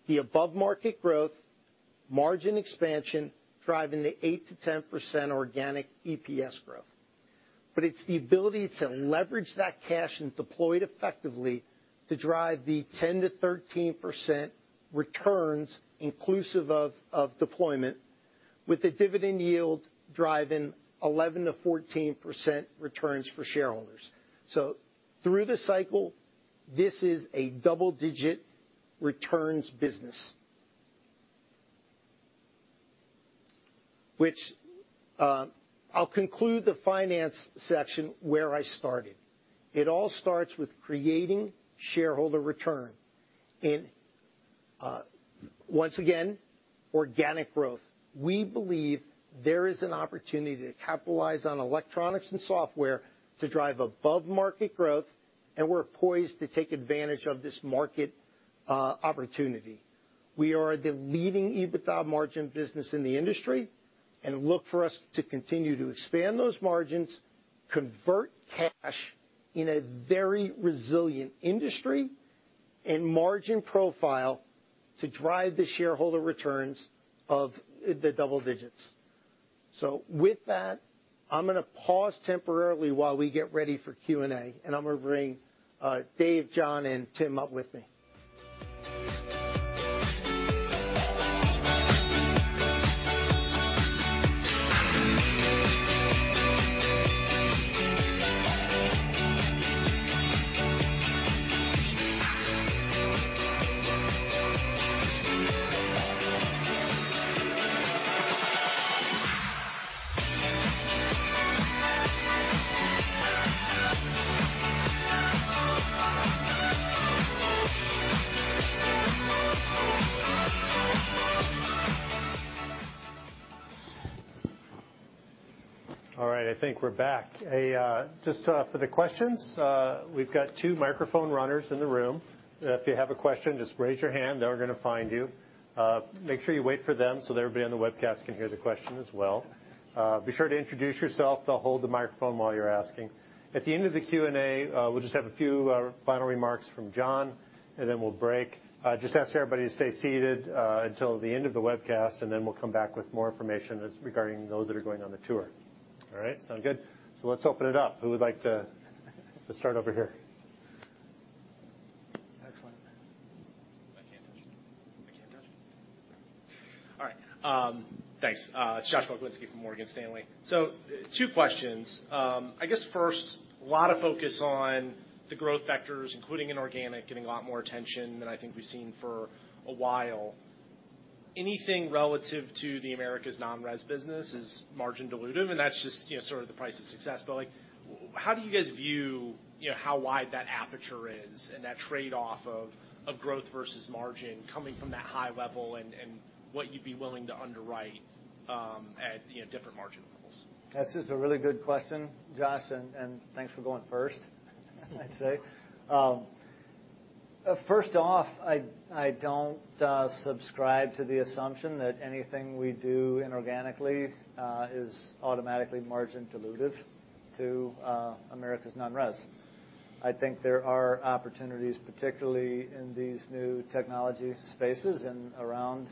the above market growth, margin expansion, driving the 8%-10% organic EPS growth. It's the ability to leverage that cash and deploy it effectively to drive the 10%-13% returns inclusive of deployment, with the dividend yield driving 11%-14% returns for shareholders. Through the cycle, this is a double-digit returns business. Which I'll conclude the finance section where I started. It all starts with creating shareholder return. Once again, organic growth. We believe there is an opportunity to capitalize on electronics and software to drive above-market growth, and we're poised to take advantage of this market opportunity. We are the leading EBITDA margin business in the industry, and look for us to continue to expand those margins, convert cash in a very resilient industry and margin profile to drive the shareholder returns of the double digits. With that, I'm gonna pause temporarily while we get ready for Q&A, and I'm gonna bring Dave, John, and Tim up with me. All right, I think we're back. Just for the questions, we've got two microphone runners in the room. If you have a question, just raise your hand, they are going to find you. Make sure you wait for them so that everybody on the webcast can hear the question as well. Be sure to introduce yourself. They'll hold the microphone while you're asking. At the end of the Q&A, we'll just have a few final remarks from John, and then we'll break. I just ask everybody to stay seated until the end of the webcast, and then we'll come back with more information as regarding those that are going on the tour. All right? Sound good? Let's open it up. Who would like to... Let's start over here. Excellent. I can't touch. I can't touch. All right. Thanks. Josh Pokrzywinski from Morgan Stanley. Two questions. I guess first, a lot of focus on the growth vectors, including inorganic, getting a lot more attention than I think we've seen for a while. Anything relative to the Americas non-res business is margin dilutive, and that's just, you know, sort of the price of success. Like, how do you guys view, you know, how wide that aperture is and that trade-off of growth versus margin coming from that high level and what you'd be willing to underwrite, at, you know, different margin levels? That's just a really good question, Josh, and thanks for going first, I'd say. First off, I don't subscribe to the assumption that anything we do inorganically is automatically margin dilutive to Americas non-res. I think there are opportunities, particularly in these new technology spaces and around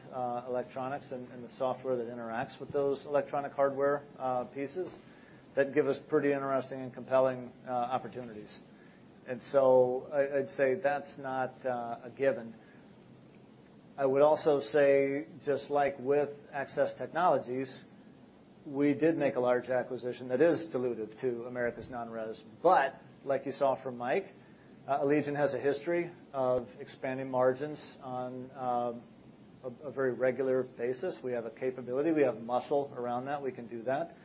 electronics and the software that interacts with those electronic hardware pieces that give us pretty interesting and compelling opportunities. I'd say that's not a given. I would also say, just like with Access Technologies, we did make a large acquisition that is dilutive to Americas non-res. Like you saw from Mike, Allegion has a history of expanding margins on a very regular basis. We have a capability, we have muscle around that, we can do that.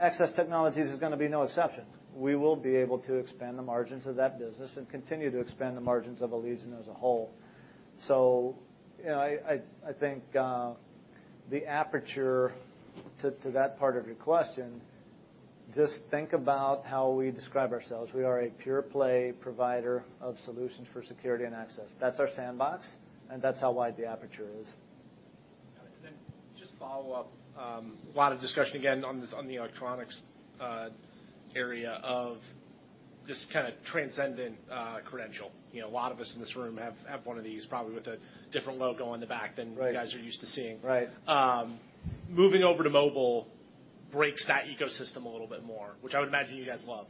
Access Technologies is gonna be no exception. We will be able to expand the margins of that business and continue to expand the margins of Allegion as a whole. You know, I think the aperture to that part of your question, just think about how we describe ourselves. We are a pure play provider of solutions for security and access. That's our sandbox, and that's how wide the aperture is. Just follow up, a lot of discussion again on the electronics area of this kind of transcendent credential. You know, a lot of us in this room have one of these, probably with a different logo on the back than. Right. you guys are used to seeing. Right. Moving over to mobile breaks that ecosystem a little bit more, which I would imagine you guys love.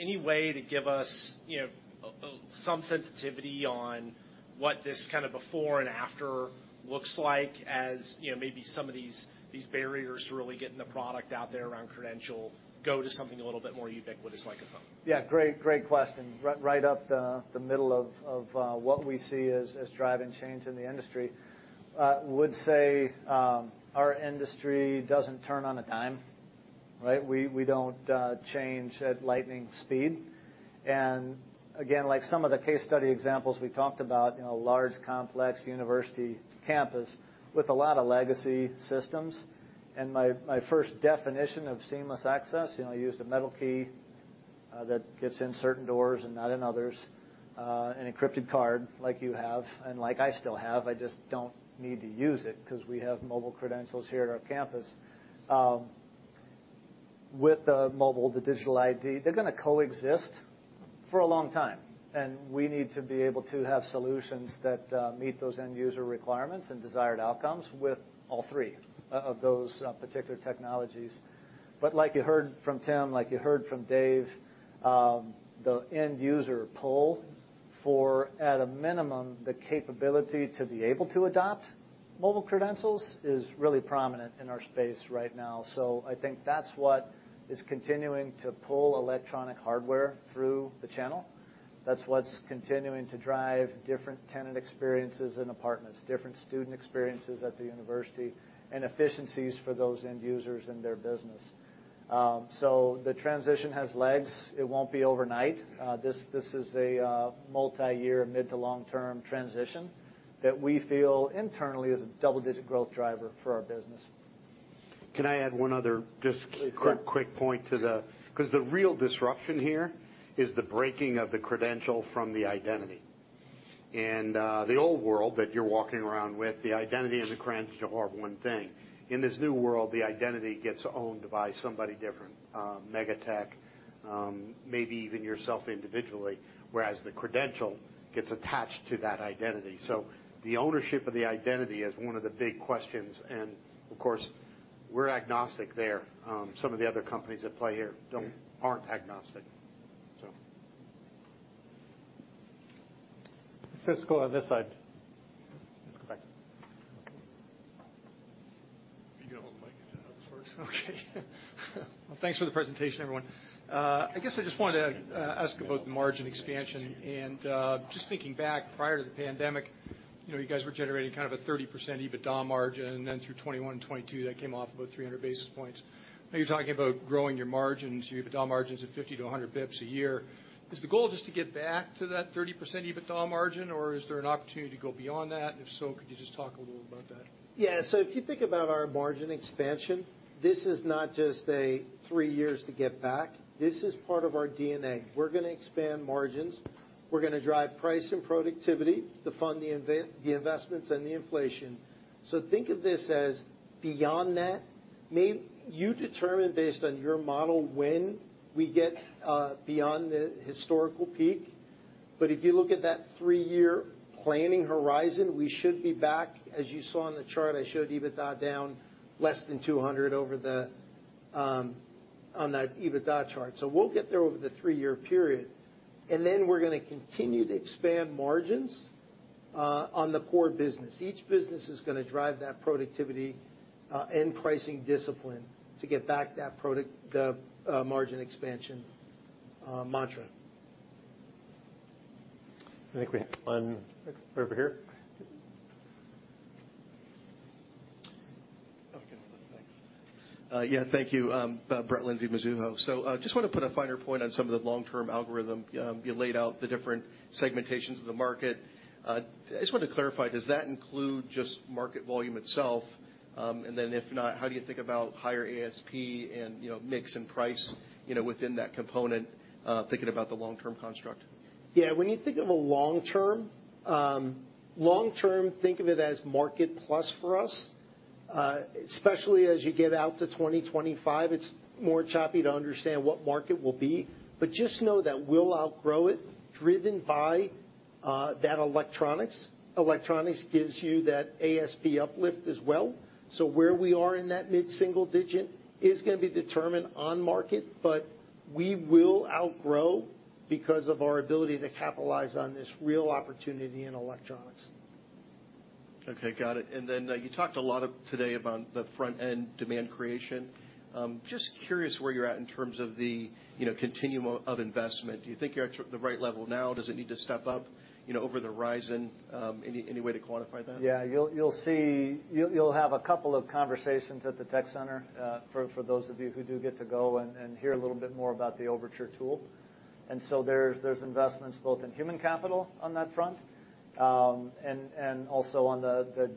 Any way to give us, you know, some sensitivity on what this kind of before and after looks like as, you know, maybe some of these barriers to really getting the product out there around credential go to something a little bit more ubiquitous like a phone? Yeah. Great, great question. Right up the middle of what we see as driving change in the industry. Would say our industry doesn't turn on a dime, right? We don't change at lightning speed. Again, like some of the case study examples we talked about, you know, a large, complex university campus with a lot of legacy systems. My first definition of seamless access, you know, you use the metal key that gets in certain doors and not in others, an encrypted card like you have and like I still have. I just don't need to use it 'cause we have mobile credentials here at our campus. With the mobile, the digital ID, they're gonna coexist for a long time. We need to be able to have solutions that meet those end user requirements and desired outcomes with all three of those particular technologies. Like you heard from Tim, like you heard from Dave, the end user pull for, at a minimum, the capability to be able to adopt mobile credentials is really prominent in our space right now. I think that's what is continuing to pull electronic hardware through the channel. That's what's continuing to drive different tenant experiences in apartments, different student experiences at the university, and efficiencies for those end users in their business. The transition has legs. It won't be overnight. This is a multi-year, mid to long-term transition that we feel internally is a double-digit growth driver for our business. Can I add one other? Please, sure.... quick point to the. The real disruption here is the breaking of the credential from the identity. The old world that you're walking around with, the identity and the credential are one thing. In this new world, the identity gets owned by somebody different, mega tech, maybe even yourself individually, whereas the credential gets attached to that identity. The ownership of the identity is one of the big questions, and of course, we're agnostic there. Some of the other companies that play here aren't agnostic. Let's just go on this side. Let's go back. You get a hold the mic. Is that how this works? Okay. Well, thanks for the presentation, everyone. I guess I just wanted to ask about the margin expansion. Just thinking back prior to the pandemic, you know, you guys were generating kind of a 30% EBITDA margin, and then through 2021 and 2022, that came off about 300 basis points. Now you're talking about growing your margins, your EBITDA margins of 50-100 basis points a year. Is the goal just to get back to that 30% EBITDA margin, or is there an opportunity to go beyond that? If so, could you just talk a little about that? Yeah. If you think about our margin expansion, this is not just a three years to get back. This is part of our DNA. We're gonna expand margins. We're gonna drive price and productivity to fund the investments and the inflation. Think of this as beyond that. You determine based on your model when we get beyond the historical peak. If you look at that three-year planning horizon, we should be back, as you saw on the chart, I showed EBITDA down less than 200 over the on that EBITDA chart. We'll get there over the three-year period. Then we're gonna continue to expand margins on the core business. Each business is gonna drive that productivity and pricing discipline to get back that product margin expansion mantra. I think we have one over here. Okay. Thanks. Yeah. Thank you. Brett Linzey, Mizuho. Just wanna put a finer point on some of the long-term algorithm. You laid out the different segmentations of the market. I just wanted to clarify, does that include just market volume itself? And then if not, how do you think about higher ASP and, you know, mix and price, you know, within that component, thinking about the long-term construct? When you think of a long term, think of it as market plus for us, especially as you get out to 2025, it's more choppy to understand what market will be. Just know that we'll outgrow it, driven by that electronics. Electronics gives you that ASP uplift as well. Where we are in that mid-single digit is gonna be determined on market, but we will outgrow because of our ability to capitalize on this real opportunity in electronics. Okay, got it. You talked a lot of today about the front-end demand creation. Just curious where you're at in terms of the, you know, continuum of investment. Do you think you're at the right level now? Does it need to step up, you know, over the horizon? Any way to quantify that? Yeah, you'll have a couple of conversations at the Tech Center, for those of you who do get to go and hear a little bit more about the Overtur tool. There's investments both in human capital on that front, and also on the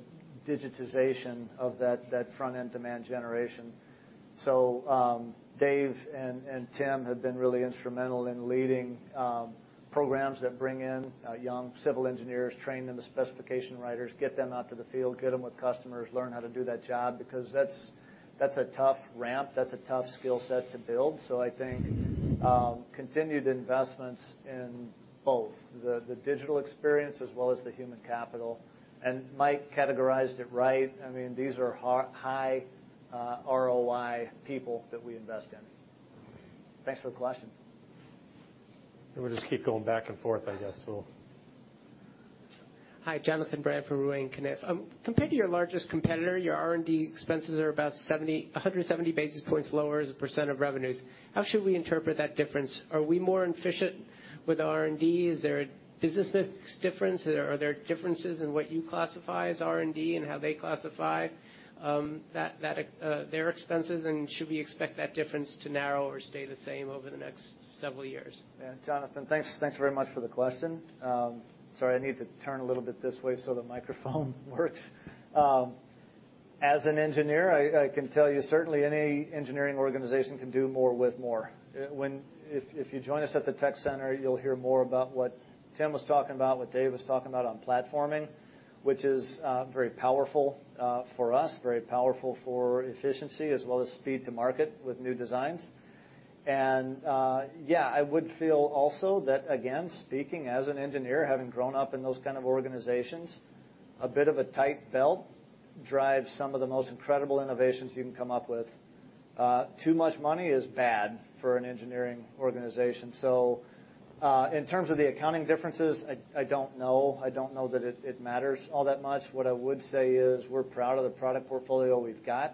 digitization of that front-end demand generation. Dave and Tim have been really instrumental in leading programs that bring in young civil engineers, train them as specification writers, get them out to the field, get them with customers, learn how to do that job, because that's a tough ramp. That's a tough skill set to build. I think continued investments in both the digital experience as well as the human capital. Mike categorized it right. I mean, these are high ROI people that we invest in. Thanks for the question. We'll just keep going back and forth, I guess. Hi, Jonathan Brandt from Ruane Cunniff LP. Compared to your largest competitor, your R&D expenses are about 170 basis points lower as a % of revenues. How should we interpret that difference? Are we more efficient with R&D? Is there a business mix difference? Are there differences in what you classify as R&D and how they classify that their expenses, should we expect that difference to narrow or stay the same over the next several years? Yeah, Jonathan, thanks very much for the question. Sorry, I need to turn a little bit this way so the microphone works. As an engineer, I can tell you, certainly any engineering organization can do more with more. If you join us at the tech center, you'll hear more about what Tim was talking about, what Dave was talking about on platforming, which is very powerful for us, very powerful for efficiency as well as speed to market with new designs. Yeah, I would feel also that again, speaking as an engineer, having grown up in those kind of organizations, a bit of a tight belt drives some of the most incredible innovations you can come up with. Too much money is bad for an engineering organization. In terms of the accounting differences, I don't know. I don't know that it matters all that much. What I would say is we're proud of the product portfolio we've got.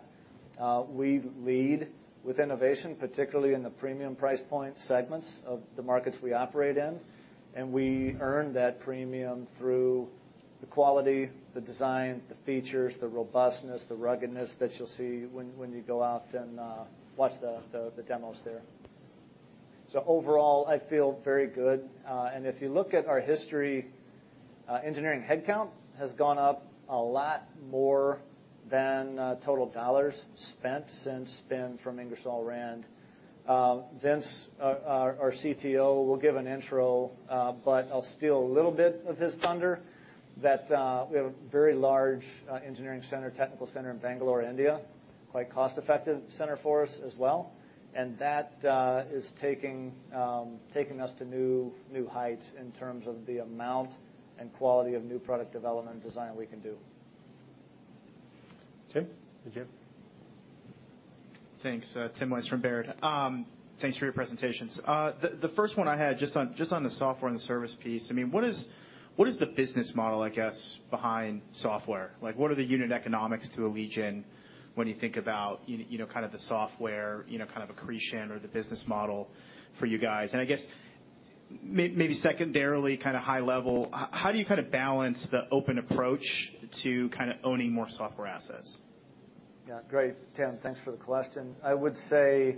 We lead with innovation, particularly in the premium price point segments of the markets we operate in, and we earn that premium through the quality, the design, the features, the robustness, the ruggedness that you'll see when you go out and watch the demos there. Overall, I feel very good. If you look at our history, engineering headcount has gone up a lot more than total dollars spent since spin from Ingersoll-Rand. Vince, our CTO, will give an intro, but I'll steal a little bit of his thunder, that we have a very large engineering center, technical center in Bangalore, India, quite cost-effective center for us as well. That is taking us to new heights in terms of the amount and quality of new product development design we can do. Tim, did you? Thanks. Tim Wojs from Baird. Thanks for your presentations. The first one I had just on, just on the software and the service piece, I mean, what is the business model, I guess, behind software? Like, what are the unit economics to Allegion when you think about, you know, kind of the software accretion or the business model for you guys? I guess maybe secondarily, kind of high level, how do you kind of balance the open approach to kind of owning more software assets? Great, Tim. Thanks for the question. I would say,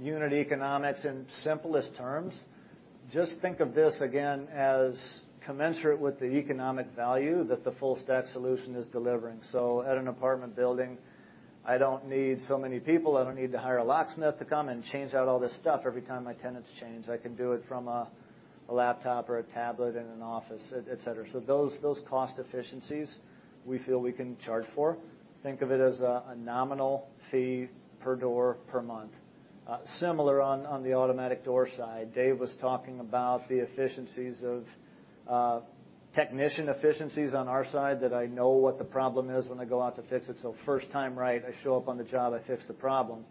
unit economics in simplest terms, just think of this again as commensurate with the economic value that the full stack solution is delivering. At an apartment building, I don't need so many people. I don't need to hire a locksmith to come and change out all this stuff every time my tenants change. I can do it from a laptop or a tablet in an office, et cetera. Those cost efficiencies we feel we can charge for. Think of it as a nominal fee per door per month. Similar on the automatic door side, Dave was talking about the efficiencies of technician efficiencies on our side that I know what the problem is when I go out to fix it. First time, right, I show up on the job, I fix the problem.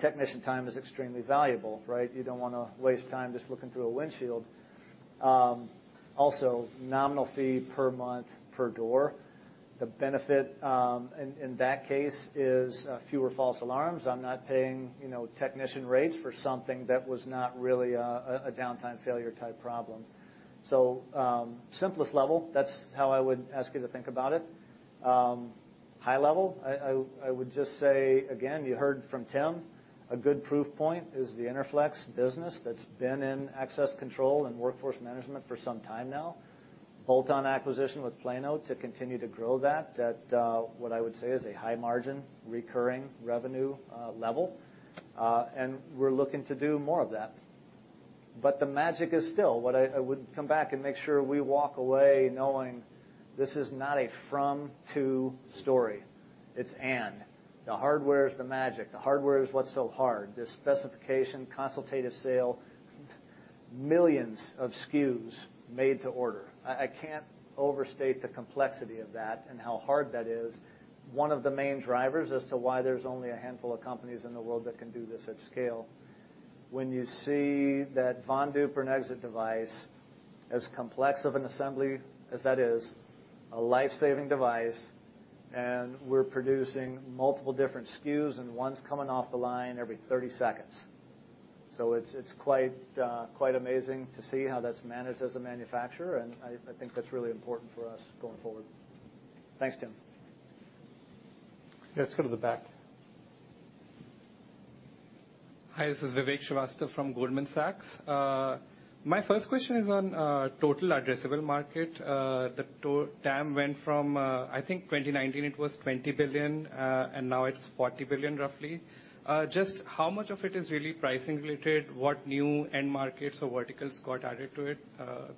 Technician time is extremely valuable, right? You don't wanna waste time just looking through a windshield. Also nominal fee per month per door. The benefit, in that case is fewer false alarms. I'm not paying, you know, technician rates for something that was not really a downtime failure type problem. Simplest level, that's how I would ask you to think about it. High level, I would just say again, you heard from Tim, a good proof point is the Interflex business that's been in access control and workforce management for some time now. Bolt-on acquisition with plano to continue to grow that, what I would say is a high margin recurring revenue level. We're looking to do more of that. The magic is still what I would come back and make sure we walk away knowing this is not a from to story. It's. The hardware is the magic. The hardware is what's so hard. The specification, consultative sale, millions of SKUs made to order. I can't overstate the complexity of that and how hard that is. One of the main drivers as to why there's only a handful of companies in the world that can do this at scale. When you see that Von Duprin exit device, as complex of an assembly as that is, a life-saving device, and we're producing multiple different SKUs and one's coming off the line every 30 seconds. It's quite amazing to see how that's managed as a manufacturer, and I think that's really important for us going forward. Thanks, Tim. Let's go to the back. Hi, this is Vivek Srivastava from Goldman Sachs. My first question is on total addressable market. The TAM went from, I think 2019, it was $20 billion, and now it's $40 billion roughly. Just how much of it is really pricing related? What new end markets or verticals got added to it?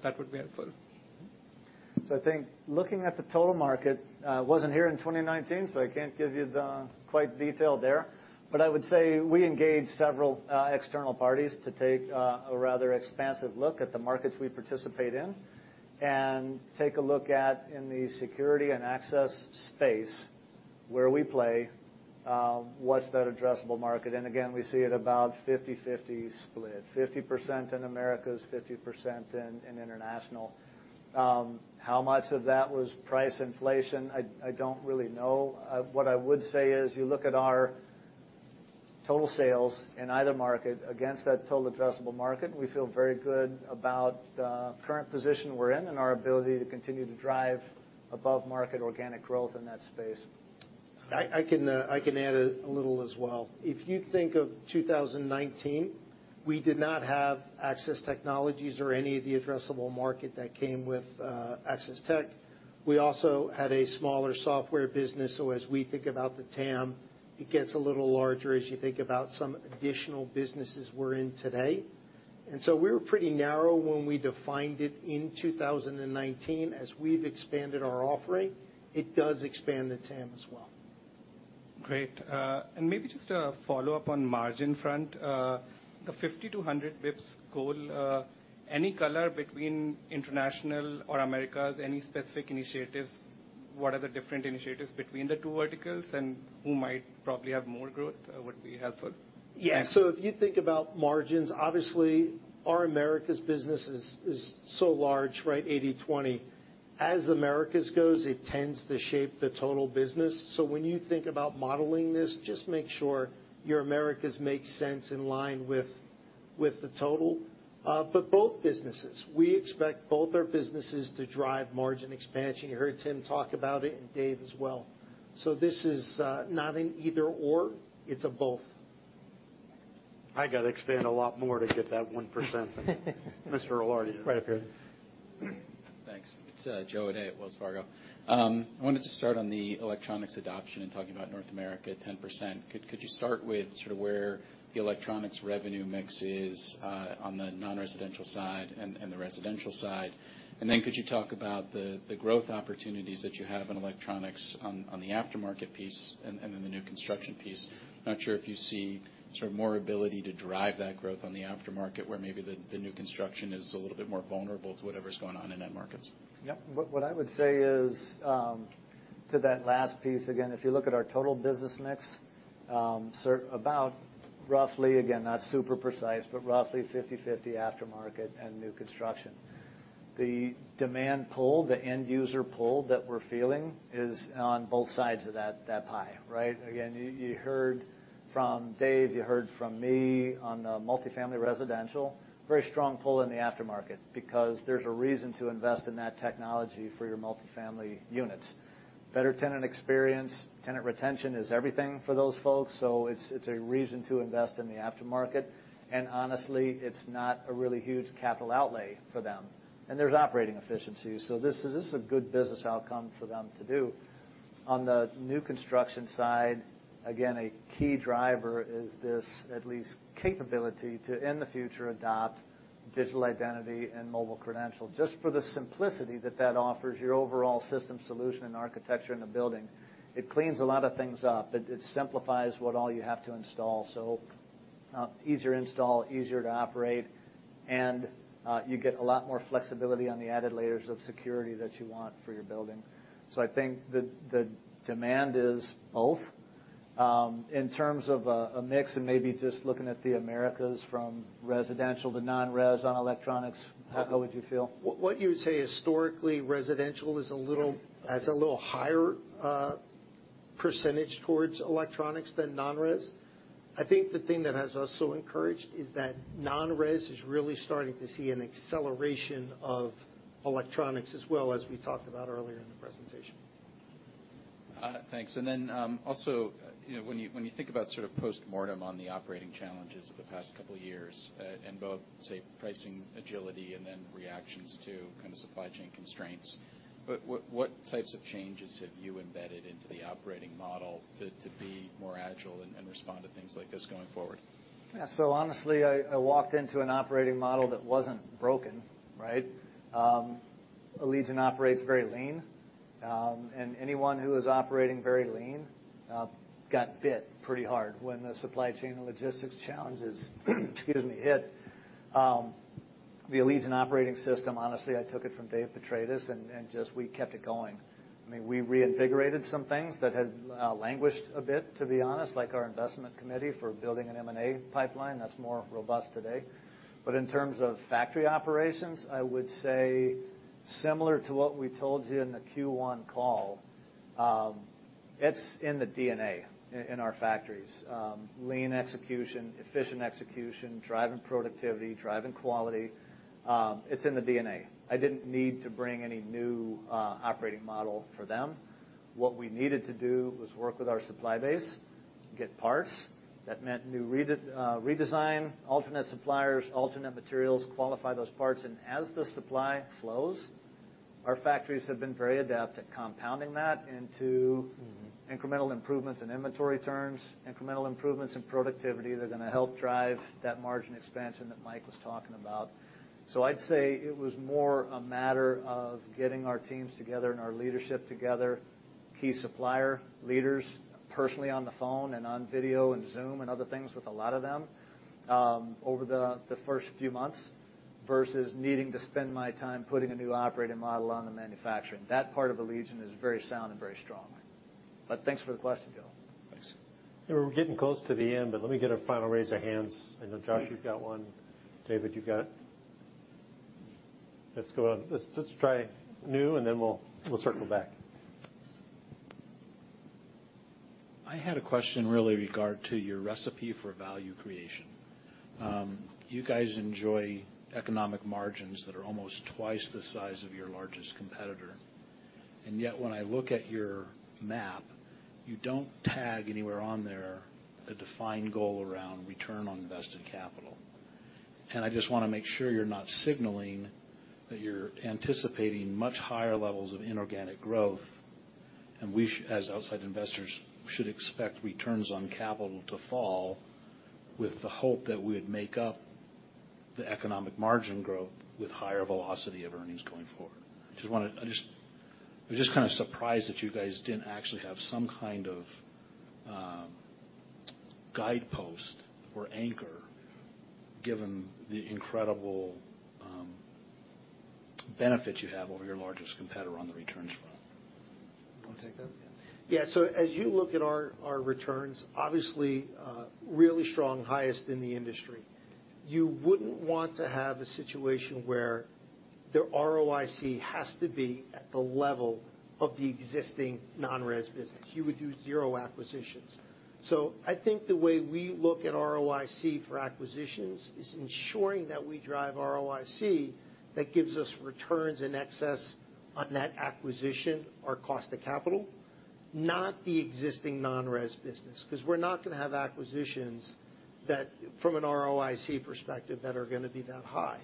That would be helpful. I think looking at the total market, wasn't here in 2019, so I can't give you the quite detail there. I would say we engaged several external parties to take a rather expansive look at the markets we participate in and take a look at in the security and access space where we play, what's that addressable market. Again, we see it about 50/50 split, 50% in Americas, 50% in international. How much of that was price inflation? I don't really know. What I would say is you look at our total sales in either market against that total addressable market, and we feel very good about the current position we're in and our ability to continue to drive above market organic growth in that space. I can add a little as well. If you think of 2019, we did not have Access Technologies or any of the addressable market that came with Access Tech. We also had a smaller software business, so as we think about the TAM, it gets a little larger as you think about some additional businesses we're in today. We were pretty narrow when we defined it in 2019. As we've expanded our offering, it does expand the TAM as well. Great. Maybe just a follow-up on margin front. The 50-100 basis points goal, any color between International or Americas, any specific initiatives? What are the different initiatives between the two verticals and who might probably have more growth would be helpful. Yeah. If you think about margins, obviously our Americas business is so large, right, 80/20. As Americas goes, it tends to shape the total business. When you think about modeling this, just make sure your Americas makes sense in line with the total. Both businesses, we expect both our businesses to drive margin expansion. You heard Tim talk about it and Dave as well. This is not an either/or, it's a both. I gotta expand a lot more to get that 1% than Mr. Ilardi. Right. Fair. Thanks. It's Joe O'Dea at Wells Fargo. I wanted to start on the electronics adoption and talking about North America, 10%. Could you start with sort of where the electronics revenue mix is on the non-residential side and the residential side? Could you talk about the growth opportunities that you have in electronics on the aftermarket piece and then the new construction piece? Not sure if you see sort of more ability to drive that growth on the aftermarket, where maybe the new construction is a little bit more vulnerable to whatever's going on in that markets. Yeah. What, what I would say is, to that last piece, again, if you look at our total business mix, sort about roughly, again, not super precise, but roughly 50/50 aftermarket and new construction. The demand pull, the end user pull that we're feeling is on both sides of that pie, right? Again, you heard from Dave, you heard from me on the multifamily residential, very strong pull in the aftermarket because there's a reason to invest in that technology for your multifamily units. Better tenant experience, tenant retention is everything for those folks, so it's a reason to invest in the aftermarket. Honestly, it's not a really huge capital outlay for them. There's operating efficiencies, so this is a good business outcome for them to do. On the new construction side, again, a key driver is this at least capability to, in the future, adopt digital identity and mobile credential, just for the simplicity that that offers your overall system solution and architecture in the building. It cleans a lot of things up. It simplifies what all you have to install. Easier install, easier to operate, and, you get a lot more flexibility on the added layers of security that you want for your building. I think the demand is both. In terms of a mix and maybe just looking at the Americas from residential to non-res on electronics, Paco, how would you feel? What you would say historically, residential is a little has a little higher percentage towards electronics than non-res. I think the thing that has us so encouraged is that non-res is really starting to see an acceleration of electronics as well, as we talked about earlier in the presentation. Thanks. Also, you know, when you think about sort of postmortem on the operating challenges of the past couple of years, in both, say, pricing agility and then reactions to kind of supply chain constraints, what types of changes have you embedded into the operating model to be more agile and respond to things like this going forward? Yeah. Honestly, I walked into an operating model that wasn't broken, right? Allegion operates very lean, and anyone who is operating very lean got bit pretty hard when the supply chain and logistics challenges, excuse me, hit. The Allegion operating system, honestly, I took it from Dave Petratis and just we kept it going. I mean, we reinvigorated some things that had languished a bit, to be honest, like our investment committee for building an M&A pipeline that's more robust today. In terms of factory operations, I would say similar to what we told you in the Q1 call, it's in the DNA in our factories. Lean execution, efficient execution, driving productivity, driving quality, it's in the DNA. I didn't need to bring any new operating model for them. What we needed to do was work with our supply base, get parts. That meant new redesign, alternate suppliers, alternate materials, qualify those parts. As the supply flows, our factories have been very adept at compounding that into- Mm-hmm... incremental improvements in inventory turns, incremental improvements in productivity. They're gonna help drive that margin expansion that Mike was talking about. I'd say it was more a matter of getting our teams together and our leadership together, key supplier leaders personally on the phone and on video and Zoom and other things with a lot of them, over the first few months versus needing to spend my time putting a new operating model on the manufacturing. That part of Allegion is very sound and very strong. Thanks for the question, Joe. Thanks. We're getting close to the end, but let me get a final raise of hands. I know, Josh, you've got one. David, you've got. Let's go on. Let's try new, and then we'll circle back. I had a question really regard to your recipe for value creation. You guys enjoy economic margins that are almost twice the size of your largest competitor. Yet, when I look at your map, you don't tag anywhere on there a defined goal around return on invested capital. I just wanna make sure you're not signaling that you're anticipating much higher levels of inorganic growth as outside investors should expect returns on capital to fall with the hope that we would make up the economic margin growth with higher velocity of earnings going forward? We're just kinda surprised that you guys didn't actually have some kind of guidepost or anchor given the incredible benefits you have over your largest competitor on the returns front. Wanna take that? Yeah. as you look at our returns, obviously, really strong, highest in the industry. You wouldn't want to have a situation where the ROIC has to be at the level of the existing non-res business. You would do zero acquisitions. I think the way we look at ROIC for acquisitions is ensuring that we drive ROIC that gives us returns in excess on net acquisition, our cost to capital, not the existing non-res business, 'cause we're not gonna have acquisitions that from an ROIC perspective, that are gonna be that high.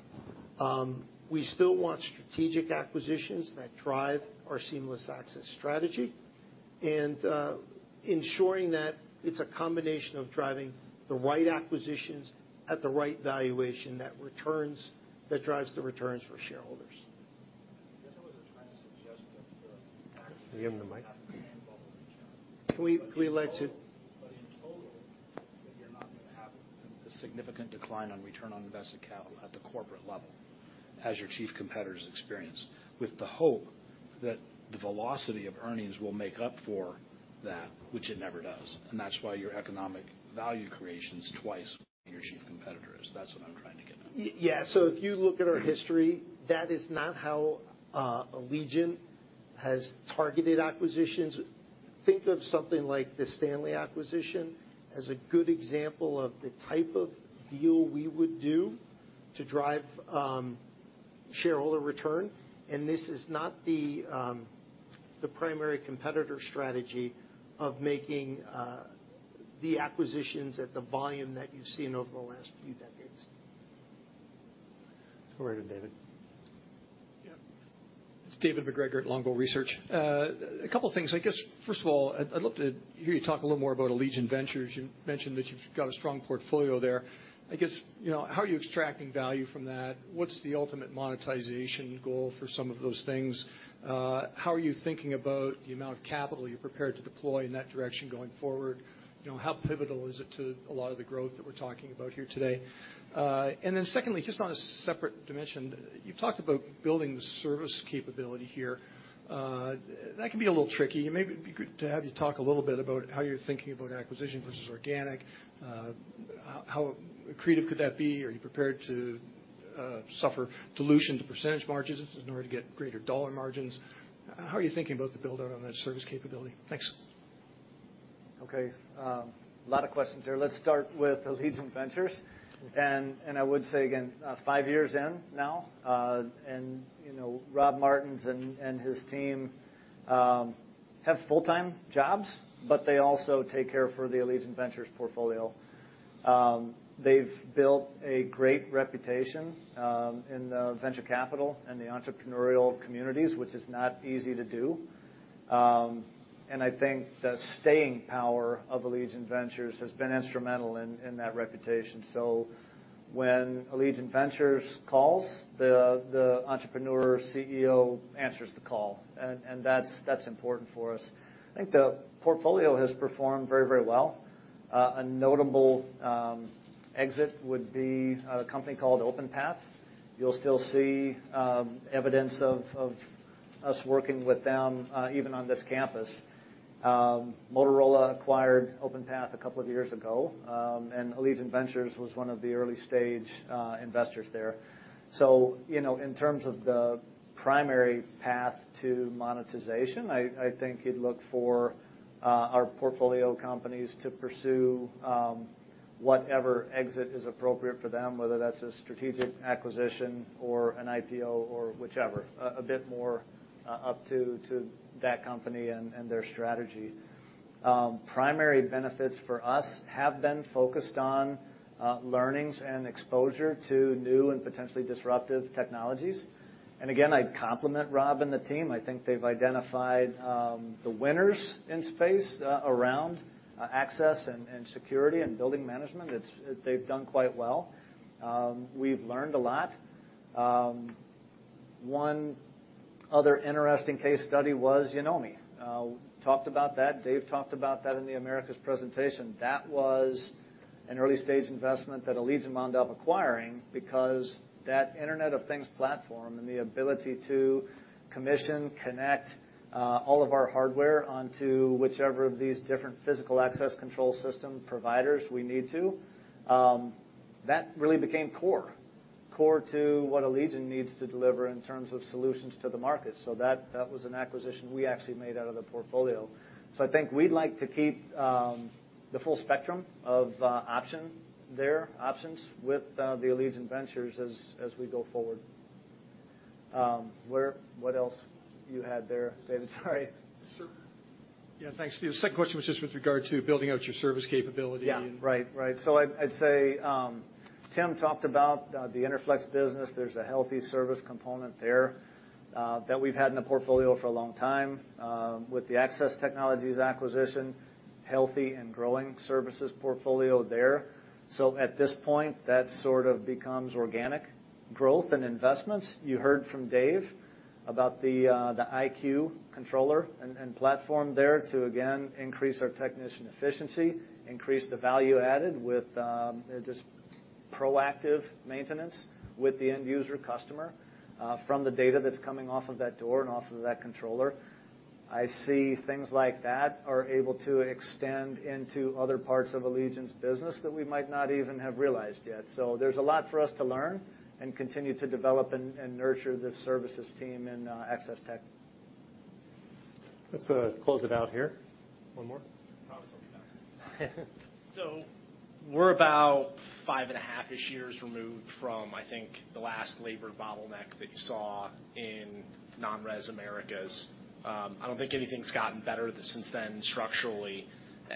We still want strategic acquisitions that drive our seamless access strategy and, ensuring that it's a combination of driving the right acquisitions at the right valuation that returns, that drives the returns for shareholders. I guess I was trying to suggest that. Can you give him the mic? Can we? In total, that you're not gonna have a significant decline on return on invested capital at the corporate level as your chief competitors experience, with the hope that the velocity of earnings will make up for that, which it never does. That's why your economic value creation's twice your chief competitors. That's what I'm trying to get at. Yeah. If you look at our history, that is not how Allegion has targeted acquisitions. Think of something like the Stanley acquisition as a good example of the type of deal we would do to drive shareholder return, this is not the primary competitor strategy of making the acquisitions at the volume that you've seen over the last few decades. Go right to David. Yeah. It's David MacGregor at Longbow Research. A couple of things. I guess, first of all, I'd love to hear you talk a little more about Allegion Ventures. You mentioned that you've got a strong portfolio there. I guess, you know, how are you extracting value from that? What's the ultimate monetization goal for some of those things? How are you thinking about the amount of capital you're prepared to deploy in that direction going forward? You know, how pivotal is it to a lot of the growth that we're talking about here today? And then secondly, just on a separate dimension, you talked about building the service capability here. That can be a little tricky. Maybe it'd be good to have you talk a little bit about how you're thinking about acquisition versus organic. How, how creative could that be? Are you prepared to suffer dilution to percentage margins in order to get greater dollar margins? How are you thinking about the build out on that service capability? Thanks. Okay. A lot of questions there. Let's start with Allegion Ventures. I would say again, five years in now, you know, Rob Martens and his team have full-time jobs, but they also take care for the Allegion Ventures portfolio. They've built a great reputation in the venture capital and the entrepreneurial communities, which is not easy to do. I think the staying power of Allegion Ventures has been instrumental in that reputation. When Allegion Ventures calls, the entrepreneur CEO answers the call. That's important for us. I think the portfolio has performed very, very well. A notable exit would be a company called Openpath. You'll still see evidence of us working with them even on this campus. Motorola acquired Openpath two years ago, and Allegion Ventures was one of the early stage investors there. You know, in terms of the primary path to monetization, I think you'd look for our portfolio companies to pursue whatever exit is appropriate for them, whether that's a strategic acquisition or an IPO or whichever. A bit more up to that company and their strategy. Primary benefits for us have been focused on learnings and exposure to new and potentially disruptive technologies. Again, I compliment Rob and the team. I think they've identified the winners in space around access and security and building management. They've done quite well. We've learned a lot. One other interesting case study was Yonomi. Talked about that. Dave talked about that in the Americas presentation. That was an early-stage investment that Allegion wound up acquiring because that Internet of Things platform and the ability to commission, connect all of our hardware onto whichever of these different physical access control system providers we need to, that really became core. Core to what Allegion needs to deliver in terms of solutions to the market. That was an acquisition we actually made out of the portfolio. I think we'd like to keep the full spectrum of option there, options with the Allegion Ventures as we go forward. What else you had there, David? Sorry. Yeah. Thanks, Steve. The second question was just with regard to building out your service capability and- Yeah. Right. Right. I'd say Tim talked about the Interflex business. There's a healthy service component there that we've had in the portfolio for a long time. With the Access Technologies acquisition, healthy and growing services portfolio there. At this point, that sort of becomes organic growth and investments. You heard from Dave about the IQ controller and platform there to again increase our technician efficiency, increase the value added with just proactive maintenance with the end user customer from the data that's coming off of that door and off of that controller. I see things like that are able to extend into other parts of Allegion's business that we might not even have realized yet. There's a lot for us to learn and continue to develop and nurture this services team in Access Tech. Let's close it out here. One more. Promise I'll be done. We're about five and a half-ish years removed from, I think, the last labor bottleneck that you saw in non-res Americas. I don't think anything's gotten better since then structurally.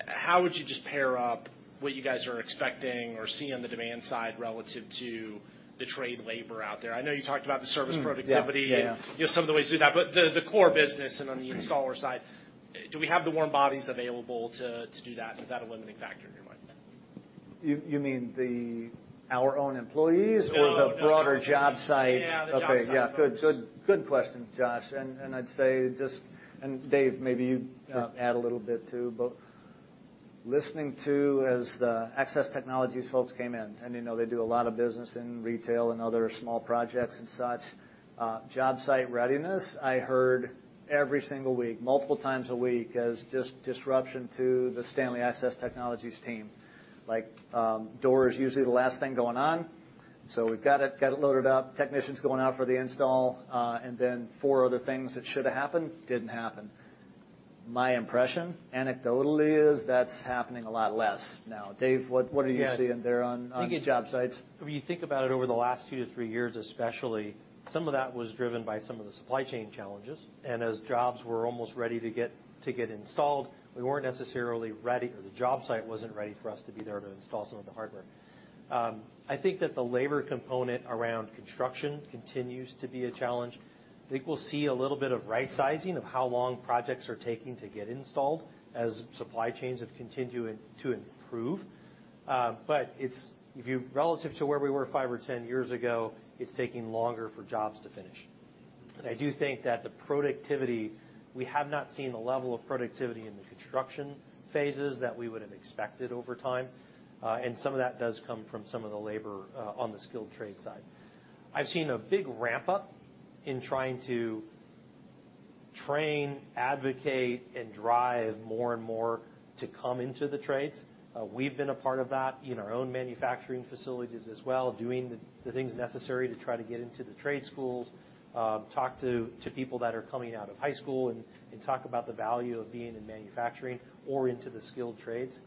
How would you just pair up what you guys are expecting or seeing on the demand side relative to the trade labor out there? I know you talked about the service productivity- Yeah. Yeah You know, some of the ways to do that. The core business and on the installer side, do we have the warm bodies available to do that? Is that a limiting factor in your mind? You mean our own employees? No, no. or the broader job site? Yeah, the job site folks. Okay. Yeah. Good question, Josh. I'd say Dave, maybe you- Sure... add a little bit too. Listening to as the Access Technologies folks came in, you know they do a lot of business in retail and other small projects and such, job site readiness, I heard every single week, multiple times a week, as just disruption to the Stanley Access Technologies team. Like, door is usually the last thing going on. We've got it, got it loaded up, technicians going out for the install, four other things that should have happened, didn't happen. My impression anecdotally is that's happening a lot less now. Dave, what are you seeing there on job sites? If you think about it over the last two-three years especially, some of that was driven by some of the supply chain challenges. As jobs were almost ready to get installed, we weren't necessarily ready or the job site wasn't ready for us to be there to install some of the hardware. I think that the labor component around construction continues to be a challenge. I think we'll see a little bit of rightsizing of how long projects are taking to get installed as supply chains have continued to improve. Relative to where we were five or 10 years ago, it's taking longer for jobs to finish. I do think that the productivity, we have not seen the level of productivity in the construction phases that we would have expected over time, and some of that does come from some of the labor on the skilled trades side. I've seen a big ramp up in trying to train, advocate, and drive more and more to come into the trades. We've been a part of that in our own manufacturing facilities as well, doing the things necessary to try to get into the trade schools, talk to people that are coming out of high school and talk about the value of being in manufacturing or into the skilled trades.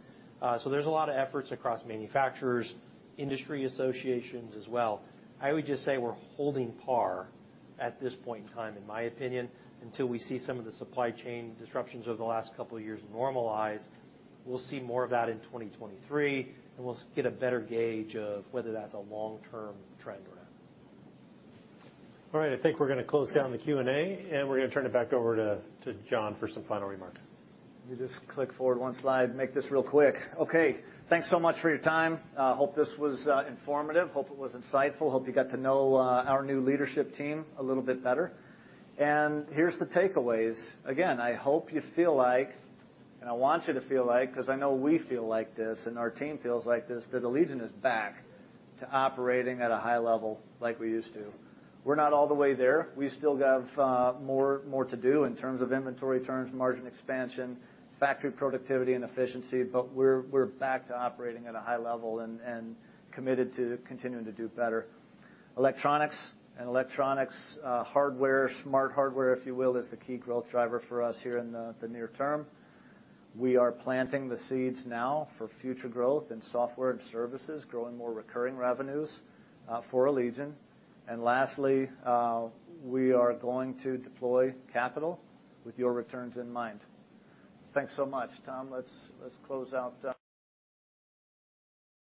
There's a lot of efforts across manufacturers, industry associations as well. I would just say we're holding par at this point in time, in my opinion, until we see some of the supply chain disruptions over the last couple of years normalize. We'll see more of that in 2023, and we'll get a better gauge of whether that's a long-term trend or not. All right. I think we're gonna close down the Q&A, and we're gonna turn it back over to John for some final remarks. Let me just click forward one slide, make this real quick. Okay. Thanks so much for your time. Hope this was informative. Hope it was insightful. Hope you got to know our new leadership team a little bit better. Here's the takeaways. Again, I hope you feel like, and I want you to feel like, 'cause I know we feel like this, and our team feels like this, that Allegion is back to operating at a high level like we used to. We're not all the way there. We still have more to do in terms of inventory turns, margin expansion, factory productivity and efficiency, but we're back to operating at a high level and committed to continuing to do better. Electronics and electronics hardware, smart hardware, if you will, is the key growth driver for us here in the near term. We are planting the seeds now for future growth in software and services, growing more recurring revenues for Allegion. Lastly, we are going to deploy capital with your returns in mind. Thanks so much. Tom, let's close out.